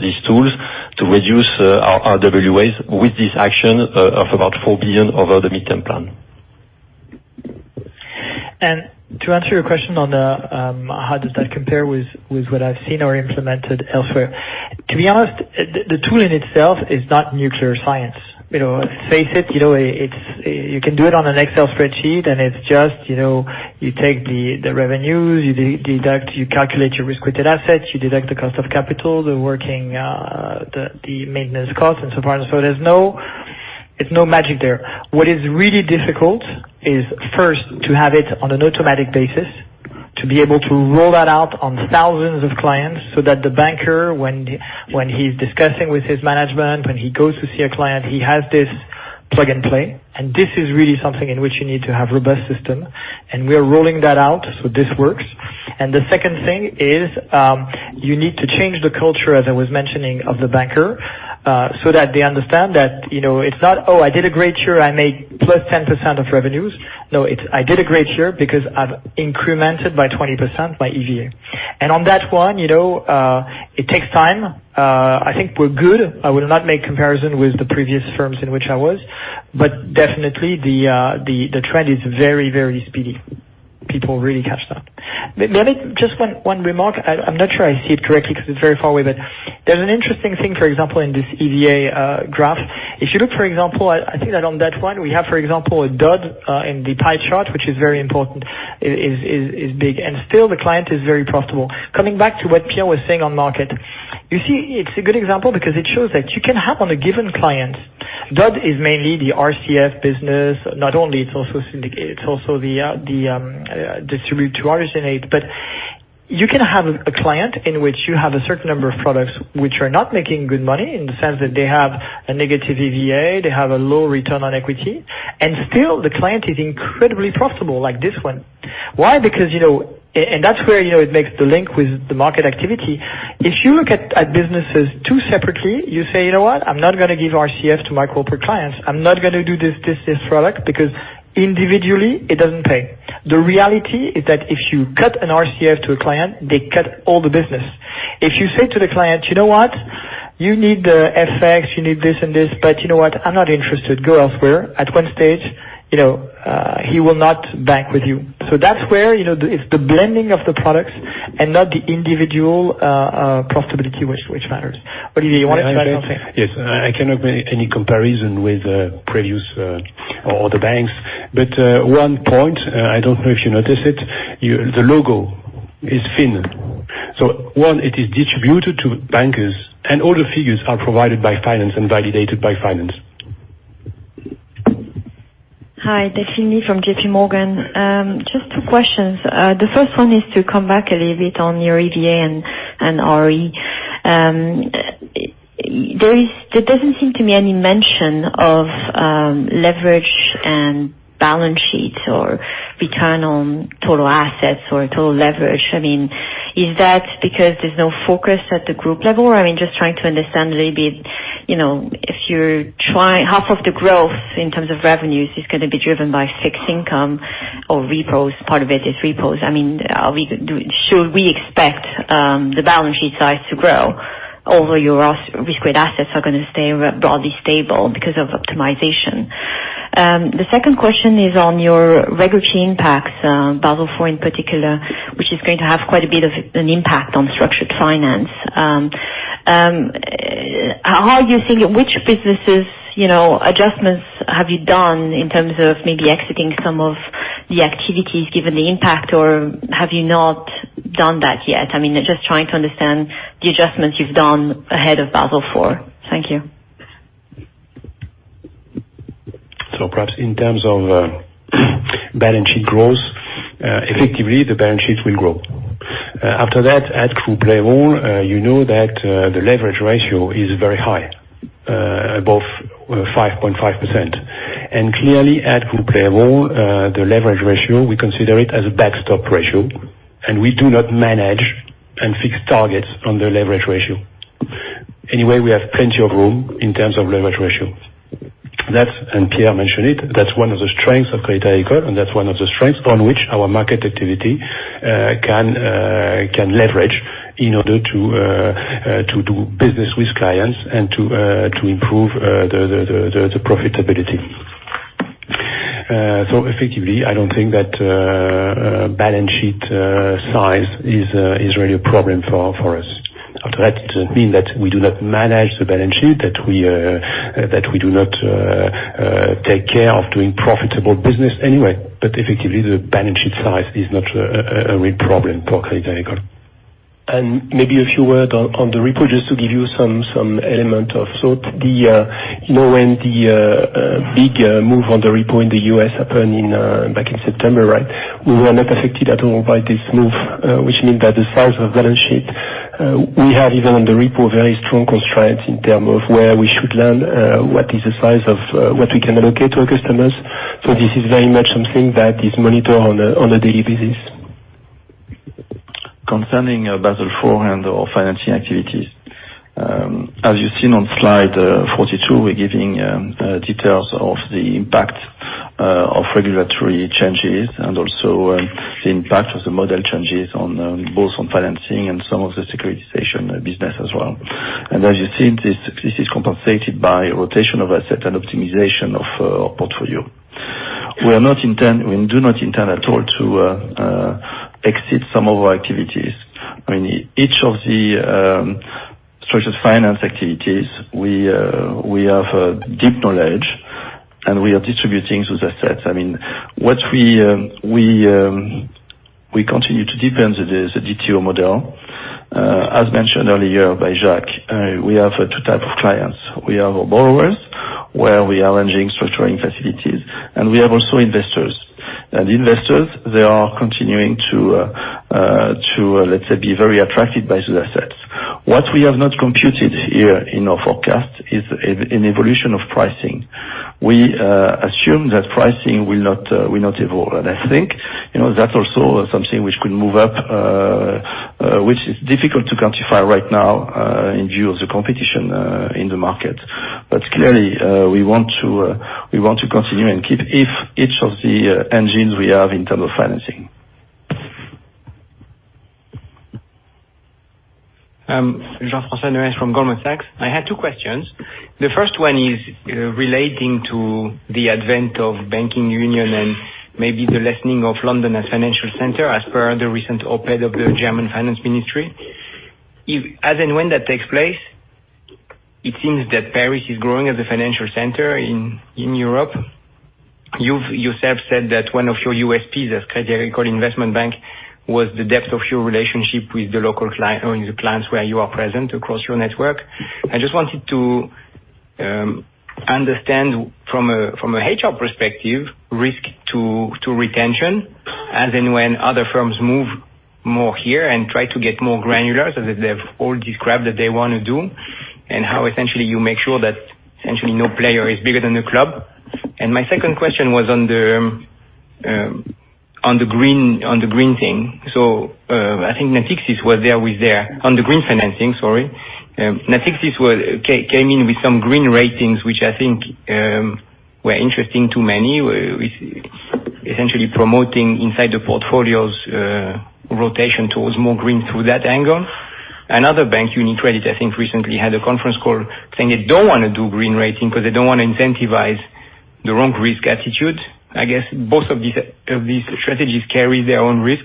these tools to reduce our RWAs with this action of about 4 billion over the Medium-Term Plan. To answer your question on how does that compare with what I've seen or implemented elsewhere, to be honest, the tool in itself is not nuclear science. Face it, you can do it on an Excel spreadsheet. It's just you take the revenues, you calculate your risk-weighted assets, you deduct the cost of capital, the maintenance cost, and so on and so forth. It's no magic there. What is really difficult is first to have it on an automatic basis, to be able to roll that out on thousands of clients, so that the banker, when he's discussing with his management, when he goes to see a client, he has this plug-and-play. This is really something in which you need to have robust system, and we are rolling that out, so this works. The second thing is, you need to change the culture, as I was mentioning, of the banker, so that they understand that it's not, "Oh, I did a great year. I made plus 10% of revenues." No, it's, "I did a great year because I've incremented by 20% my EVA." On that one, it takes time. I think we're good. I will not make comparison with the previous firms in which I was. Definitely, the trend is very speedy. People really catch that. Maybe just one remark. I'm not sure I see it correctly because it's very far away, but there's an interesting thing, for example, in this EVA graph. If you look, for example, I think that on that one, we have, for example, a dud in the pie chart, which is very important, is big, and still the client is very profitable. Coming back to what Pierre was saying on market. It's a good example because it shows that you can have on a given client, D2O is mainly the RCF business, not only, it's also Distribute-to-Originate. You can have a client in which you have a certain number of products which are not making good money in the sense that they have a negative EVA, they have a low return on equity, and still the client is incredibly profitable like this one. Why? Because that's where it makes the link with the market activity. If you look at businesses too separately, you say, "You know what? I'm not going to give RCF to my corporate clients. I'm not going to do this product because individually, it doesn't pay." The reality is that if you cut an RCF to a client, they cut all the business. If you say to the client, "You know what? You need the FX, you need this and this, but you know what? I'm not interested. Go elsewhere." At stage 1, he will not bank with you. That's where, it's the blending of the products and not the individual profitability which matters. Olivier, you wanted to add something? Yes. I cannot make any comparison with previous, or other banks. One point, I don't know if you notice it, the logo's thing. One, it is distributed to bankers, and all the figures are provided by Finance and validated by Finance. Hi, Delphine from J.P. Morgan. Just two questions. The first one is to come back a little bit on your EVA and ROE. There doesn't seem to be any mention of leverage and balance sheets or return on total assets or total leverage. Is that because there's no focus at the group level? Just trying to understand a little bit, if you're trying, half of the growth in terms of revenues is going to be driven by fixed income or repos, part of it is repos. Should we expect the balance sheet size to grow? Although your risk-weighted assets are going to stay broadly stable because of optimization. The second question is on your regulatory impacts, Basel IV in particular, which is going to have quite a bit of an impact on structured finance. Which businesses adjustments have you done in terms of maybe exiting some of the activities given the impact, or have you not done that yet? Just trying to understand the adjustments you've done ahead of Basel IV. Thank you. Perhaps in terms of balance sheet growth, effectively, the balance sheet will grow. After that, at Groupe Crédit Agricole, you know that the leverage ratio is very high, above 5.5%. Clearly at Groupe Crédit Agricole, the leverage ratio, we consider it as a backstop ratio, and we do not manage and fix targets on the leverage ratio. Anyway, we have plenty of room in terms of leverage ratio. Pierre mentioned it, that's one of the strengths of Crédit Agricole, and that's one of the strengths on which our market activity can leverage in order to do business with clients and to improve the profitability. Effectively, I don't think that balance sheet size is really a problem for us. That doesn't mean that we do not manage the balance sheet, that we do not take care of doing profitable business anyway. Effectively, the balance sheet size is not a real problem for Crédit Agricole. Maybe a few word on the repo, just to give you some element of sort. When the big move on the repo in the U.S. happened back in September, we were not affected at all by this move, which means that the size of balance sheet, we have even on the repo, very strong constraints in term of where we should lend, what is the size of what we can allocate to our customers. This is very much something that is monitored on a daily basis. Concerning Basel IV and our financing activities. As you've seen on slide 42, we're giving details of the impact of regulatory changes. The impact of the model changes both on financing and some of the securitization business as well. As you've seen, this is compensated by rotation of asset and optimization of our portfolio. We do not intend at all to exit some of our activities. Each of the structured finance activities, we have a deep knowledge, and we are distributing those assets. What we continue to deepen is the D2O model. As mentioned earlier by Jacques, we have two types of clients. We have our borrowers, where we are arranging structuring facilities, and we have also investors. Investors, they are continuing to be very attracted by those assets. What we have not computed here in our forecast is an evolution of pricing. We assume that pricing will not evolve. I think, that's also something which could move up, which is difficult to quantify right now in view of the competition in the market. Clearly, we want to continue and keep each of the engines we have in terms of financing. Jean from Goldman Sachs. I had two questions. The first one is relating to the advent of banking union and maybe the lessening of London as financial center as per the recent op-ed of the German finance ministry. If, as and when that takes place, it seems that Paris is growing as a financial center in Europe. You've yourself said that one of your USPs as Crédit Agricole CIB was the depth of your relationship with the local clients, or the clients where you are present across your network. I just wanted to understand from an HR perspective, risk to retention, as in when other firms move more here and try to get more granular, so that they've all described that they want to do. How essentially you make sure that essentially no player is bigger than the club. My second question was on the green thing. Natixis came in with some green ratings, which I think were interesting to many, with essentially promoting inside the portfolios rotation towards more green through that angle. Another bank, UniCredit, I think recently had a conference call saying they don't want to do green rating because they don't want to incentivize the wrong risk attitude. I guess both of these strategies carry their own risk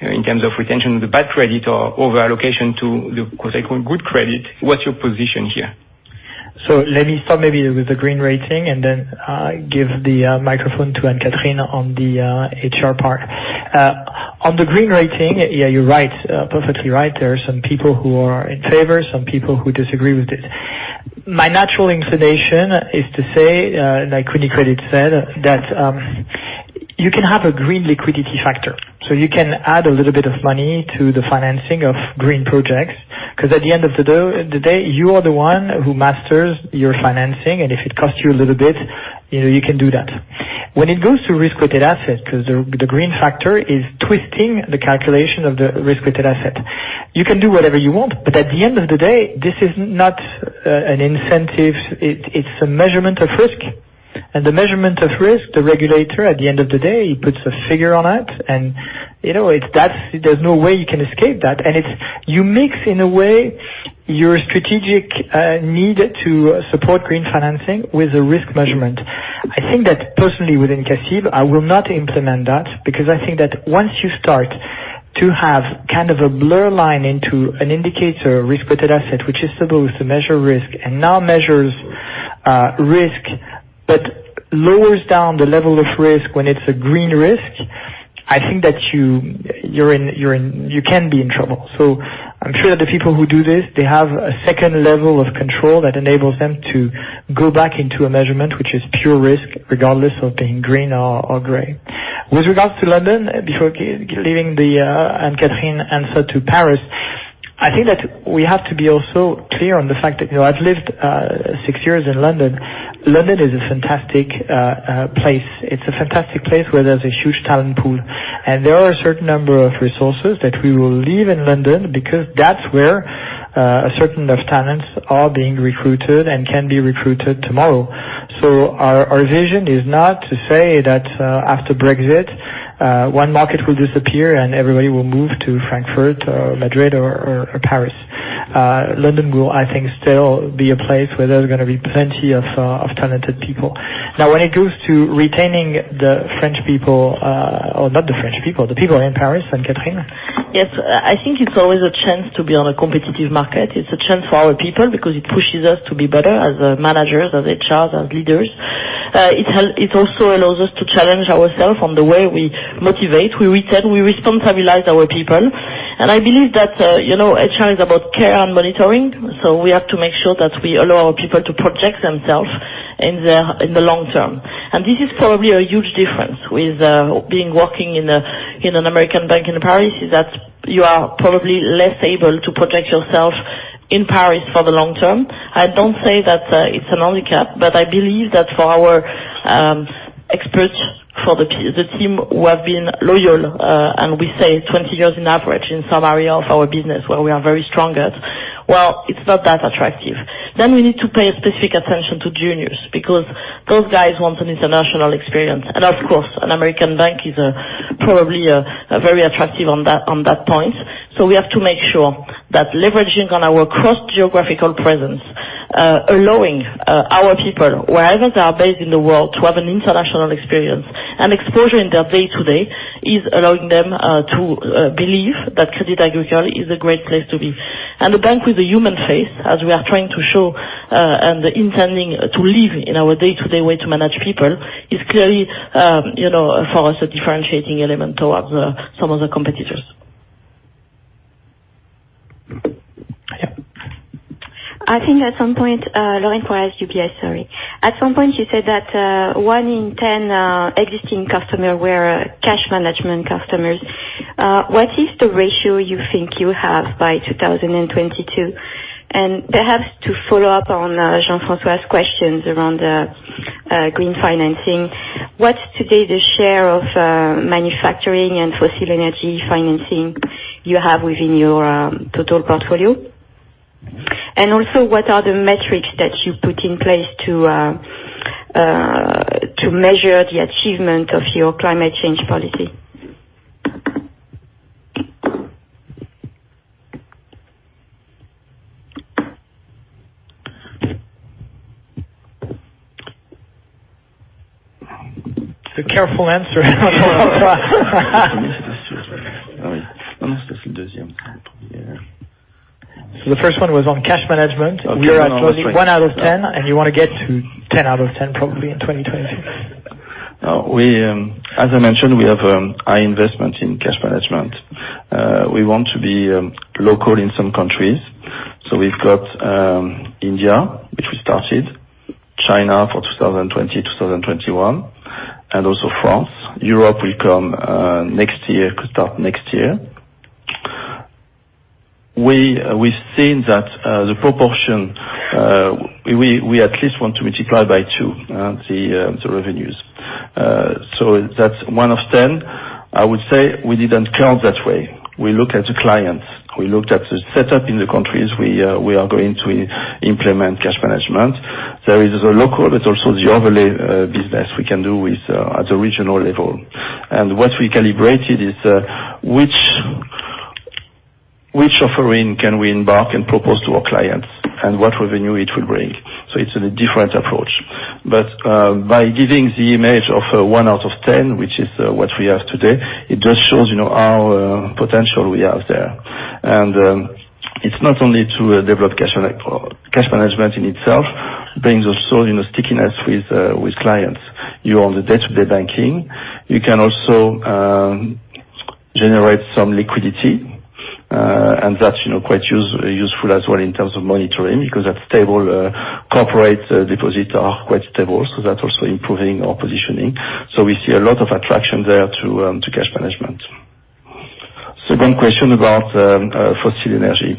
in terms of retention of the bad credit or over-allocation to the good credit. What's your position here? Let me start maybe with the green rating, and then give the microphone to Anne-Catherine on the HR part. On the green rating, you're right. Perfectly right. There are some people who are in favor, some people who disagree with it. My natural inclination is to say, like UniCredit said, that you can have a green liquidity factor. You can add a little bit of money to the financing of green projects, because at the end of the day, you are the one who masters your financing, and if it costs you a little bit, you can do that. When it goes to risk-weighted assets, because the green factor is twisting the calculation of the risk-weighted asset, you can do whatever you want, but at the end of the day, this is not an incentive. It's a measurement of risk. The measurement of risk, the regulator, at the end of the day, he puts a figure on it, and there's no way you can escape that. You mix, in a way, your strategic need to support green financing with a risk measurement. I think that personally within CACIB, I will not implement that, because I think that once you start to have kind of a blur line into an indicator risk-weighted asset, which is supposed to measure risk and now measures risk, but lowers down the level of risk when it's a green risk, I think that you can be in trouble. I'm sure that the people who do this, they have a second level of control that enables them to go back into a measurement, which is pure risk, regardless of being green or gray. With regards to London, before leaving the Anne-Catherine answer to Paris, I think that we have to be also clear on the fact that, I've lived six years in London. London is a fantastic place. It's a fantastic place where there's a huge talent pool, and there are a certain number of resources that we will leave in London because that's where a certain of talents are being recruited and can be recruited tomorrow. Our vision is not to say that after Brexit, one market will disappear, and everybody will move to Frankfurt or Madrid or Paris. London will, I think, still be a place where there's going to be plenty of talented people. When it goes to retaining the French people, or not the French people, the people in Paris, Anne-Catherine? Yes. I think it's always a chance to be on a competitive market. It's a chance for our people because it pushes us to be better as managers, as HRs, as leaders. It also allows us to challenge ourselves on the way we motivate, we retain, we responsibilize our people, and I believe that HR is about care and monitoring, so we have to make sure that we allow our people to project themselves in the long term. This is probably a huge difference with being working in an American bank in Paris, is that you are probably less able to project yourself in Paris for the long term. I don't say that it's a handicap, I believe that for our experts, for the team who have been loyal, and we say 20 years on average in some area of our business where we are very strong at, well, it's not that attractive. We need to pay specific attention to juniors, because those guys want an international experience. Of course, an American bank is probably very attractive on that point. We have to make sure that leveraging on our cross-geographical presence, allowing our people, wherever they are based in the world, to have an international experience and exposure in their day-to-day, is allowing them to believe that Crédit Agricole is a great place to be. A bank with a human face, as we are trying to show, and intending to live in our day-to-day way to manage people, is clearly for us a differentiating element towards some of the competitors. I think at some point, Lauren for UBS, sorry. At some point you said that one in 10 existing customer were cash management customers. What is the ratio you think you have by 2022? Perhaps to follow up on Jean's questions around the green financing, what's today the share of manufacturing and fossil energy financing you have within your total portfolio? Also what are the metrics that you put in place to measure the achievement of your climate change policy? It's a careful answer. The first one was on cash management. We are at one out of 10, and you want to get to 10 out of 10 probably in 2026. As I mentioned, we have high investment in cash management. We want to be local in some countries. We've got India, which we started, China for 2020, 2021, and also France. Europe will start next year. We think that the proportion, we at least want to multiply by two the revenues. That's one of 10. I would say we didn't count that way. We look at the clients. We looked at the setup in the countries we are going to implement cash management. There is the local but also the overlay business we can do at the regional level. What we calibrated is, which offering can we embark and propose to our clients and what revenue it will bring. It's a different approach. By giving the image of one out of 10, which is what we have today, it just shows our potential we have there. It's not only to develop cash management in itself, brings also stickiness with clients. You're on the day-to-day banking. You can also generate some liquidity, and that's quite useful as well in terms of monitoring, because that's stable. Corporate deposits are quite stable, so that's also improving our positioning. We see a lot of attraction there to cash management. Second question about fossil energy.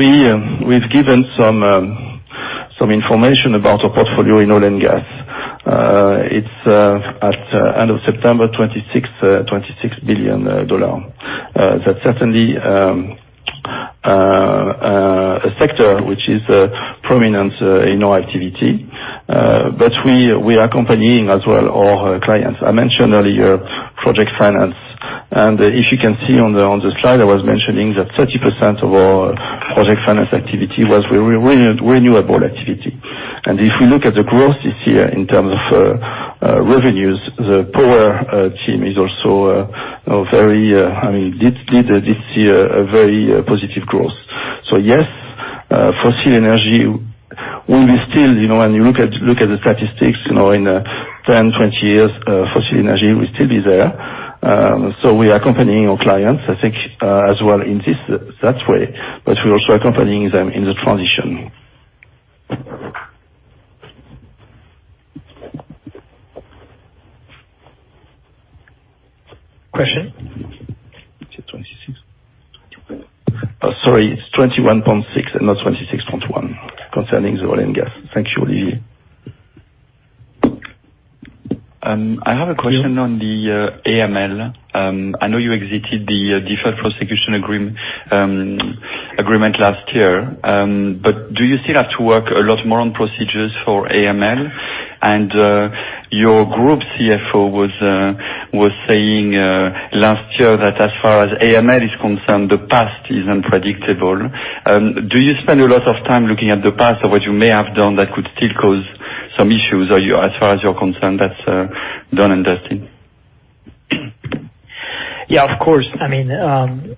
We've given some information about our portfolio in oil and gas. It's at end of September EUR 26 billion. That's certainly a sector which is prominent in our activity. We are accompanying as well our clients. I mentioned earlier project finance, and if you can see on the slide, I was mentioning that 30% of our project finance activity was renewable activity. If we look at the growth this year in terms of revenues, the power team did see a very positive growth. Yes, fossil energy will be still, when you look at the statistics, in 10, 20 years, fossil energy will still be there. We are accompanying our clients, I think, as well in that way. We're also accompanying them in the transition. Question? It's at 26. Sorry, it's 21.6 and not 26.1 concerning the oil and gas. Thank you, Olivier. I have a question on the AML. I know you exited the deferred prosecution agreement last year. Do you still have to work a lot more on procedures for AML? Your group CFO was saying last year that as far as AML is concerned, the past is unpredictable. Do you spend a lot of time looking at the past of what you may have done that could still cause some issues, or as far as you're concerned that's done and dusted? Yeah, of course. AML,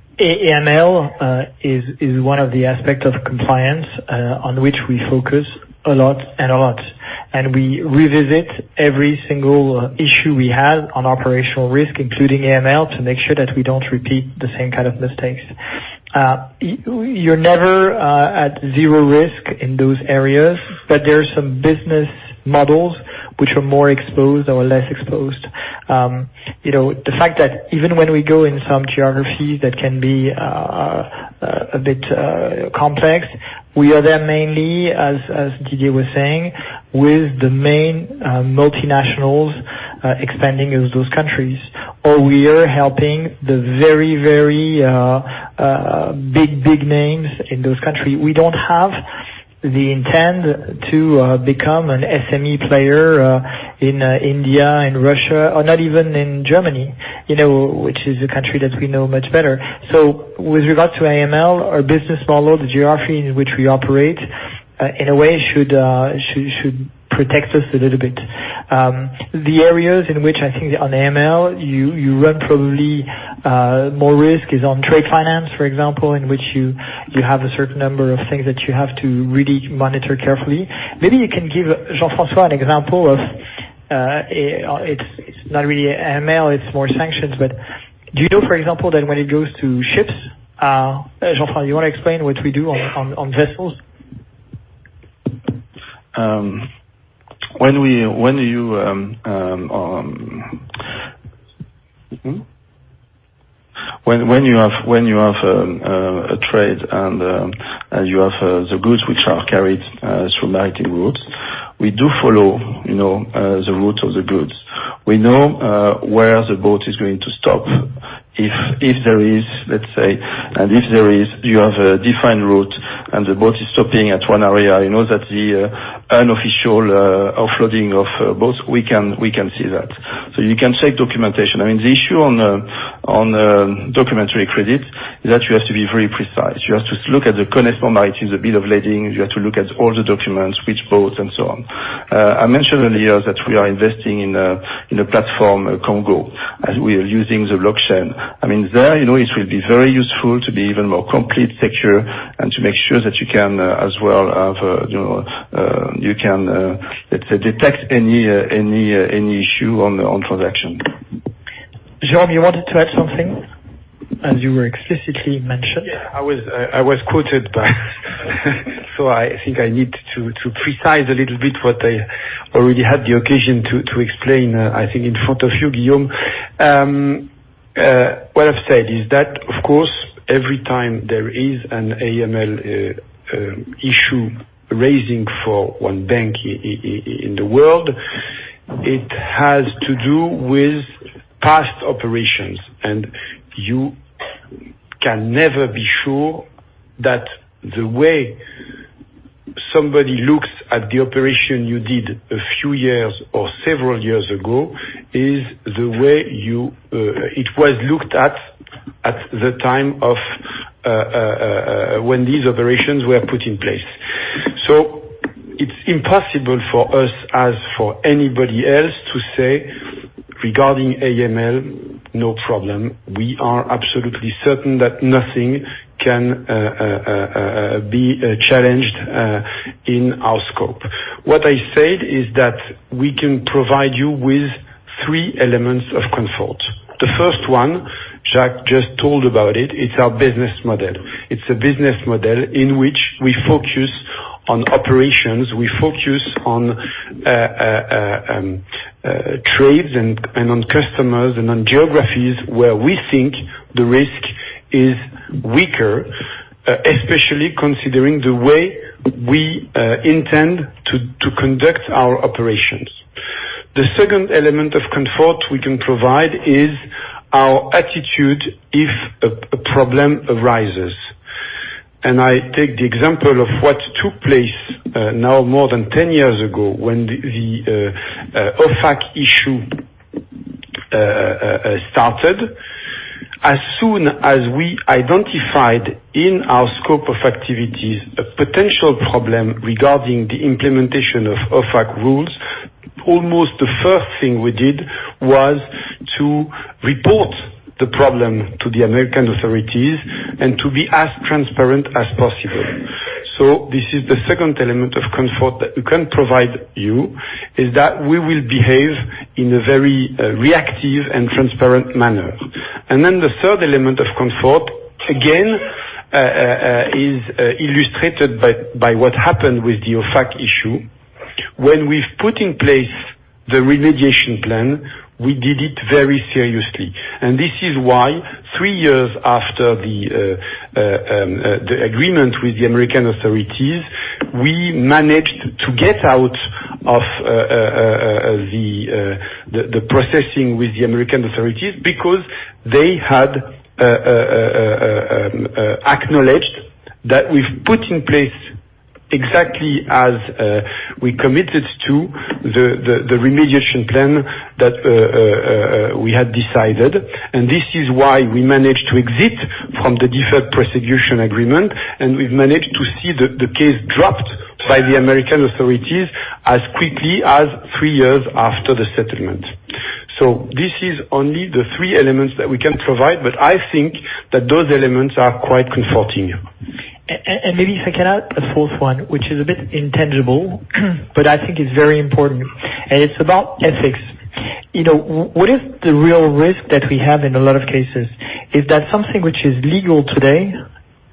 is one of the aspect of compliance, on which we focus a lot and a lot. We revisit every single issue we have on operational risk, including AML, to make sure that we don't repeat the same kind of mistakes. You're never at zero risk in those areas. There are some business models which are more exposed or less exposed. The fact that even when we go in some geographies that can be a bit complex, we are there mainly, as Didier was saying, with the main multinationals expanding in those countries, or we are helping the very, very big names in those countries. We don't have the intent to become an SME player in India and Russia, or not even in Germany, which is a country that we know much better. With regard to AML, our business model, the geography in which we operate, in a way should protect us a little bit. The areas in which I think on AML, you run probably more risk is on trade finance, for example, in which you have a certain number of things that you have to really monitor carefully. Maybe you can give, Jean-François, an example of, it's not really AML, it's more sanctions. Do you know, for example, that when it goes to ships, Jean, you want to explain what we do on vessels? When you have a trade and you have the goods which are carried through maritime routes, we do follow the route of the goods. We know where the boat is going to stop. If there is, let's say, you have a defined route and the boat is stopping at one area, you know that the unofficial offloading of boats, we can see that. You can check documentation. I mean, the issue on documentary credit is that you have to be very precise. You have to look at the correct formalities, the bill of lading. You have to look at all the documents, which boats, and so on. I mentioned earlier that we are investing in a platform, komgo, as we are using the blockchain. There, it will be very useful to be even more complete, secure, and to make sure that you can, let's say, detect any issue on transaction. Jérôme, you wanted to add something, as you were explicitly mentioned. I was quoted, I think I need to precise a little bit what I already had the occasion to explain, I think, in front of you, Guillaume. What I've said is that, of course, every time there is an AML issue raising for one bank in the world, it has to do with past operations, and you can never be sure that the way somebody looks at the operation you did a few years or several years ago, is the way it was looked at the time of when these operations were put in place. It's impossible for us, as for anybody else, to say regarding AML, no problem. We are absolutely certain that nothing can be challenged in our scope. What I said is that we can provide you with three elements of comfort. The first one, Jacques just told about it. It's our business model. It's a business model in which we focus on operations. We focus on trades and on customers and on geographies where we think the risk is weaker, especially considering the way we intend to conduct our operations. The second element of comfort we can provide is our attitude if a problem arises. I take the example of what took place now more than 10 years ago, when the OFAC issue started. As soon as we identified in our scope of activities a potential problem regarding the implementation of OFAC rules, almost the first thing we did was to report the problem to the American authorities and to be as transparent as possible. This is the second element of comfort that we can provide you, is that we will behave in a very reactive and transparent manner. The third element of comfort, again, is illustrated by what happened with the OFAC issue. When we've put in place the remediation plan, we did it very seriously. This is why, three years after the agreement with the American authorities, we managed to get out of the processing with the American authorities because they had acknowledged that we've put in place exactly as we committed to the remediation plan that we had decided. This is why we managed to exit from the deferred prosecution agreement, and we've managed to see the case dropped by the American authorities as quickly as three years after the settlement. This is only the three elements that we can provide, but I think that those elements are quite comforting. Maybe if I can add a fourth one, which is a bit intangible, but I think it's very important, and it's about ethics. What is the real risk that we have in a lot of cases is that something which is legal today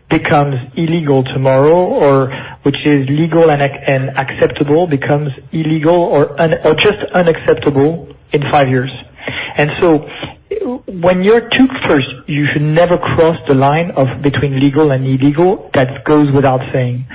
becomes illegal tomorrow, or which is legal and acceptable becomes illegal or just unacceptable in five years. When you're to look first, you should never cross the line between legal and illegal. That goes without saying.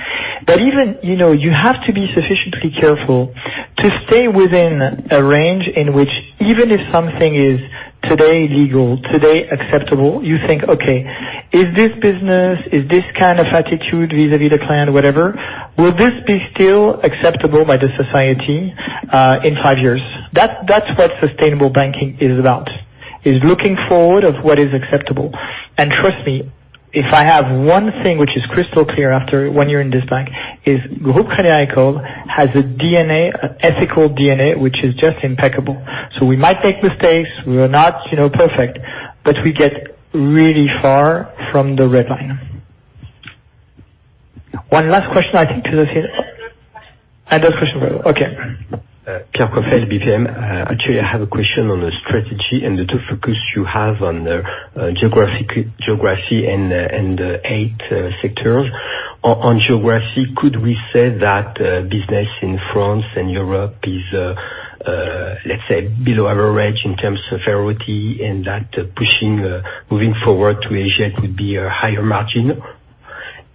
Even, you have to be sufficiently careful to stay within a range in which even if something is today legal, today acceptable, you think, "Okay, is this business, is this kind of attitude vis-à-vis the client, whatever, will this be still acceptable by the society in five years?" That's what sustainable banking is about. It is looking forward of what is acceptable. Trust me, if I have one thing which is crystal clear after one year in this bank is Groupe Crédit Agricole has ethical DNA, which is just impeccable. We might make mistakes. We are not perfect. We get really far from the red line. One last question, I think. Other question. Okay. Pierre Chedeville, CIC. Actually, I have a question on the strategy and the two focus you have on the geography and eight sectors. On geography, could we say that business in France and Europe is, let's say below average in terms of priority and that pushing, moving forward to Asia would be a higher margin?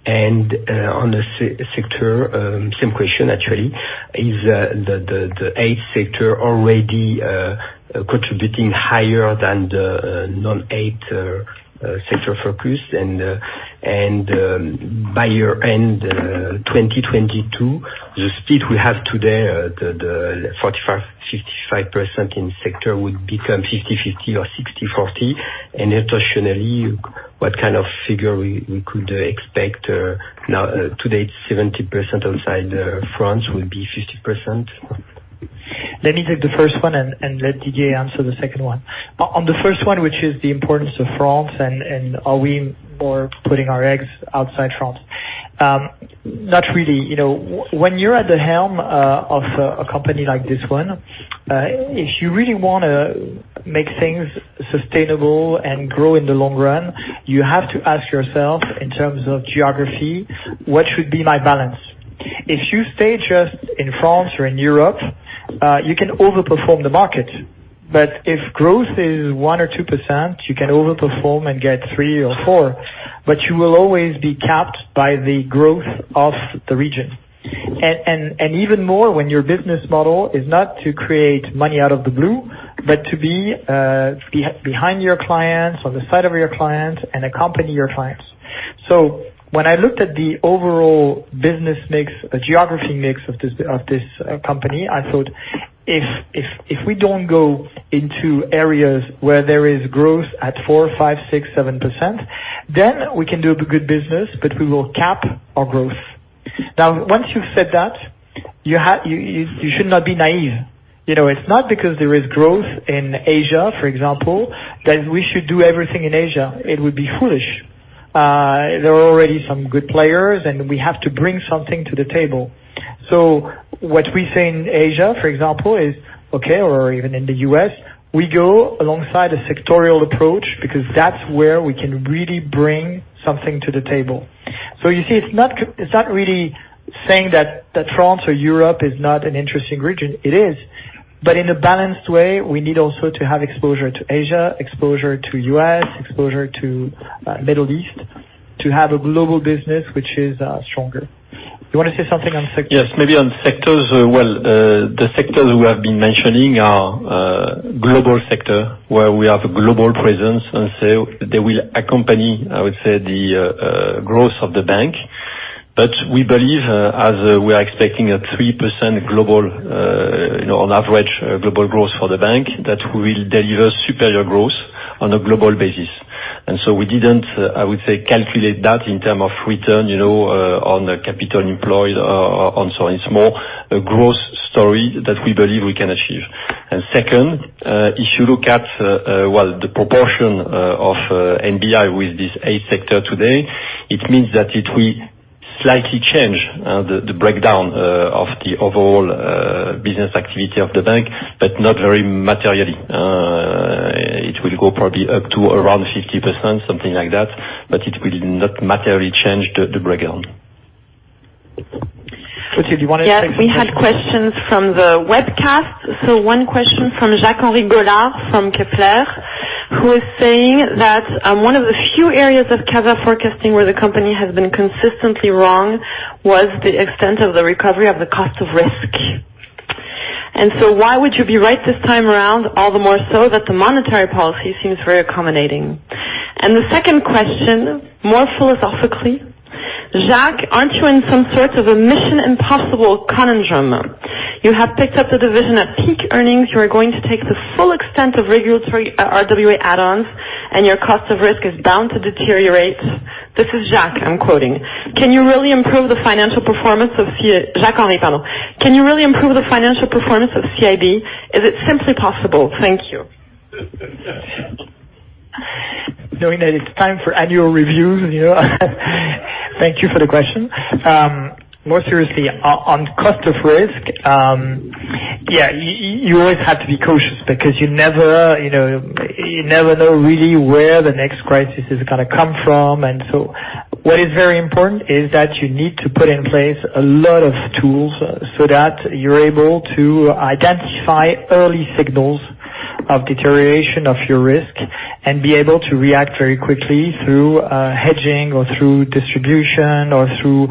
On the sector, same question actually. Is the eight sector already contributing higher than the non-eight sector focus and by year-end 2022, the speed we have today, the 45%-55% in sector would become 50/50 or 60/40? Internationally, what kind of figure we could expect now today is 70% outside France will be 50%? Let me take the first one and let Didier answer the second one. On the first one, which is the importance of France and are we more putting our eggs outside France? Not really. When you're at the helm of a company like this one, if you really want to make things sustainable and grow in the long run, you have to ask yourself in terms of geography, what should be my balance? If you stay just in France or in Europe, you can overperform the market, but if growth is one or two %, you can overperform and get three or four, but you will always be capped by the growth of the region. Even more when your business model is not to create money out of the blue, but to be behind your clients, on the side of your clients, and accompany your clients. When I looked at the overall business mix, the geography mix of this company, I thought if we don't go into areas where there is growth at 4, 5, 6, 7%, then we can do good business, but we will cap our growth. Once you've said that, you should not be naive. It's not because there is growth in Asia, for example, that we should do everything in Asia. It would be foolish. There are already some good players, and we have to bring something to the table. What we say in Asia, for example, is okay, or even in the U.S., we go alongside a sectorial approach because that's where we can really bring something to the table. You see, it's not really saying that France or Europe is not an interesting region. It is. In a balanced way, we need also to have exposure to Asia, exposure to U.S., exposure to Middle East, to have a global business which is stronger. You want to say something on sectors? Yes, maybe on sectors. Well, the sectors we have been mentioning are global sector, where we have a global presence, and so they will accompany, I would say, the growth of the bank. We believe, as we are expecting a 3% global on average global growth for the bank, that we will deliver superior growth on a global basis. We didn't, I would say, calculate that in terms of return on capital employed and so on. It's more a growth story that we believe we can achieve. Second, if you look at the proportion of NBI with this eight sector today, it means that it will slightly change the breakdown of the overall business activity of the bank, but not very materially. It will go probably up to around 50%, something like that, but it will not materially change the breakdown. Mathilde, do you want to take the second one? Yes, we had questions from the webcast. One question from Jacques-Henri Goulard from Kepler, who is saying that one of the few areas of CASA forecasting where the company has been consistently wrong was the extent of the recovery of the cost of risk. Why would you be right this time around, all the more so that the monetary policy seems very accommodating? The second question, more philosophically, Jacques, aren't you in some sort of a mission impossible conundrum? You have picked up the division at peak earnings, you are going to take the full extent of regulatory RWA add-ons, and your cost of risk is bound to deteriorate. This is Jacques, I'm quoting. Can you really improve the financial performance of Jacques-Henri's, pardon. Can you really improve the financial performance of CIB? Is it simply possible? Thank you. Knowing that it's time for annual reviews, thank you for the question. More seriously, on cost of risk, yeah, you always have to be cautious because you never know really where the next crisis is gonna come from. What is very important is that you need to put in place a lot of tools so that you're able to identify early signals of deterioration of your risk and be able to react very quickly through hedging or through distribution or through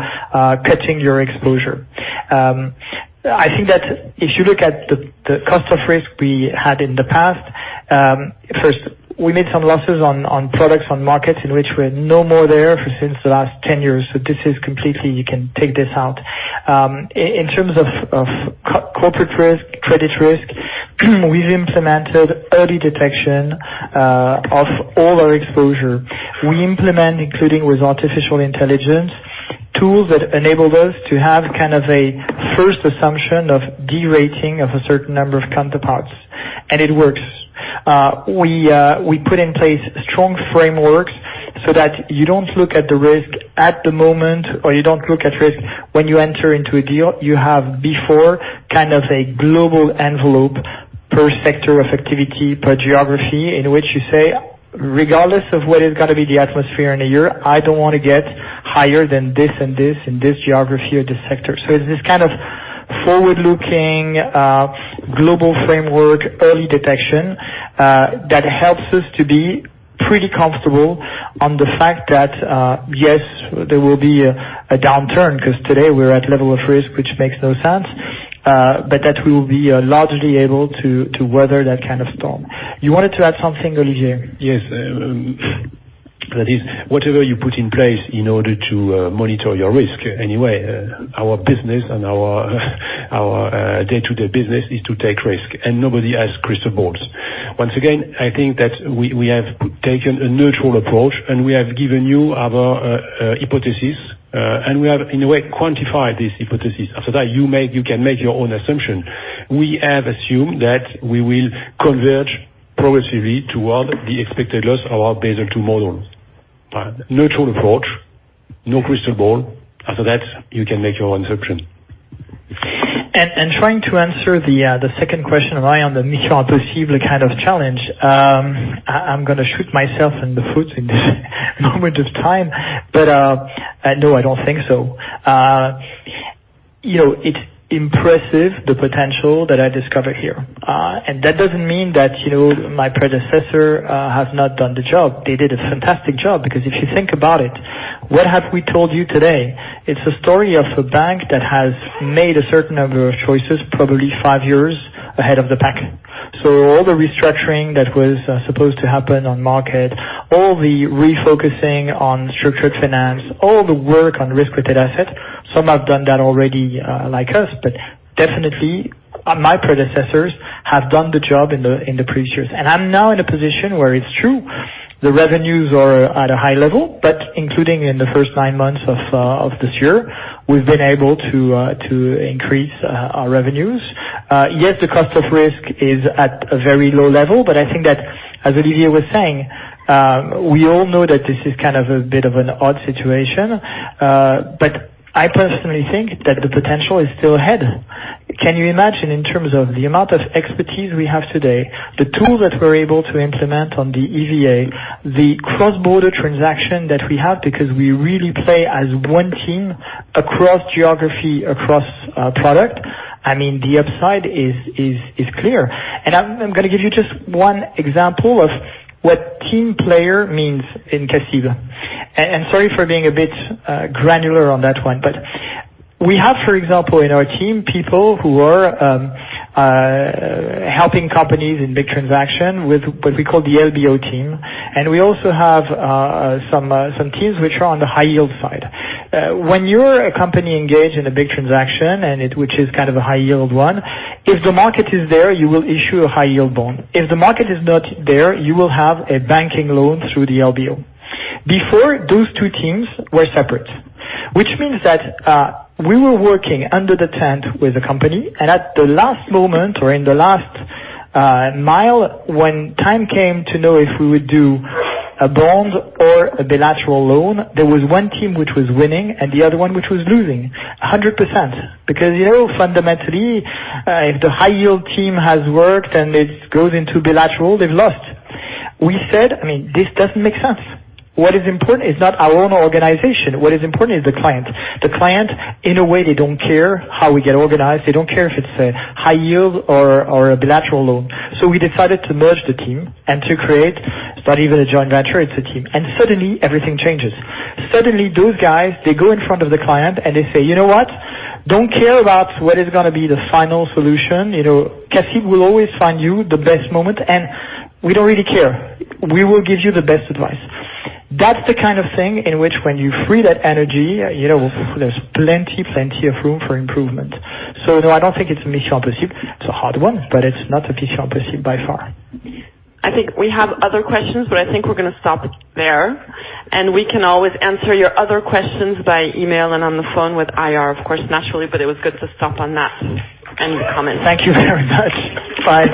cutting your exposure. I think that if you look at the cost of risk we had in the past, first, we made some losses on products, on markets in which we're no more there for since the last 10 years, so this is completely, you can take this out. In terms of corporate risk, credit risk, we've implemented early detection of all our exposure. We implement, including with artificial intelligence, tools that enable us to have kind of a first assumption of de-rating of a certain number of counterparts. It works. We put in place strong frameworks so that you don't look at the risk at the moment, or you don't look at risk when you enter into a deal. You have before, kind of a global envelope per sector of activity, per geography, in which you say, "Regardless of what is going to be the atmosphere in a year, I don't want to get higher than this and this, in this geography or this sector." It's this kind of forward-looking, global framework, early detection, that helps us to be pretty comfortable on the fact that, yes, there will be a downturn, because today we're at level of risk, which makes no sense, but that we will be largely able to weather that kind of storm. You wanted to add something, Olivier? Yes. That is, whatever you put in place in order to monitor your risk, anyway. Our business and our day-to-day business is to take risk, and nobody has crystal balls. Once again, I think that we have taken a neutral approach, and we have given you our hypothesis, and we have, in a way, quantified this hypothesis. After that, you can make your own assumption. We have assumed that we will converge progressively toward the expected loss of our Basel II models. Neutral approach, no crystal ball. After that, you can make your own assumption. Trying to answer the second question of eye on the mission possible kind of challenge, I'm going to shoot myself in the foot in this moment of time. No, I don't think so. It's impressive, the potential that I discover here. That doesn't mean that my predecessor have not done the job. They did a fantastic job, because if you think about it, what have we told you today? It's a story of a bank that has made a certain number of choices, probably five years ahead of the pack. All the restructuring that was supposed to happen on market, all the refocusing on structured finance, all the work on risk-weighted assets, some have done that already, like us, but definitely, my predecessors have done the job in the previous years. I'm now in a position where it's true, the revenues are at a high level, but including in the first nine months of this year, we've been able to increase our revenues. The cost of risk is at a very low level, but I think that, as Olivier was saying, we all know that this is kind of a bit of an odd situation. I personally think that the potential is still ahead. Can you imagine in terms of the amount of expertise we have today, the tools that we're able to implement on the EVA, the cross-border transaction that we have because we really play as one team across geography, across product. I mean, the upside is clear. I'm going to give you just one example of what team player means in CACIB. Sorry for being a bit granular on that one, but we have, for example, in our team, people who are helping companies in big transaction with what we call the LBO team, and we also have some teams which are on the high yield side. When you're a company engaged in a big transaction, and which is kind of a high yield one, if the market is there, you will issue a high yield bond. If the market is not there, you will have a banking loan through the LBO. Before, those two teams were separate, which means that we were working under the tent with a company, and at the last moment or in the last mile, when time came to know if we would do a bond or a bilateral loan, there was one team which was winning and the other one which was losing, 100%. Because fundamentally, if the high yield team has worked and it goes into bilateral, they've lost. We said, "This doesn't make sense." What is important is not our own organization. What is important is the client. The client, in a way, they don't care how we get organized. They don't care if it's a high yield or a bilateral loan. We decided to merge the team and to create not even a joint venture, it's a team. Suddenly, everything changes. Suddenly, those guys, they go in front of the client and they say, "You know what? Don't care about what is going to be the final solution. CACIB will always find you the best moment, and we don't really care. We will give you the best advice." That's the kind of thing in which when you free that energy, there's plenty of room for improvement. No, I don't think it's a mission impossible. It's a hard one, but it's not a mission impossible by far. I think we have other questions, but I think we're going to stop there, and we can always answer your other questions by email and on the phone with IR, of course, naturally, but it was good to stop on that end comment. Thank you very much. Bye.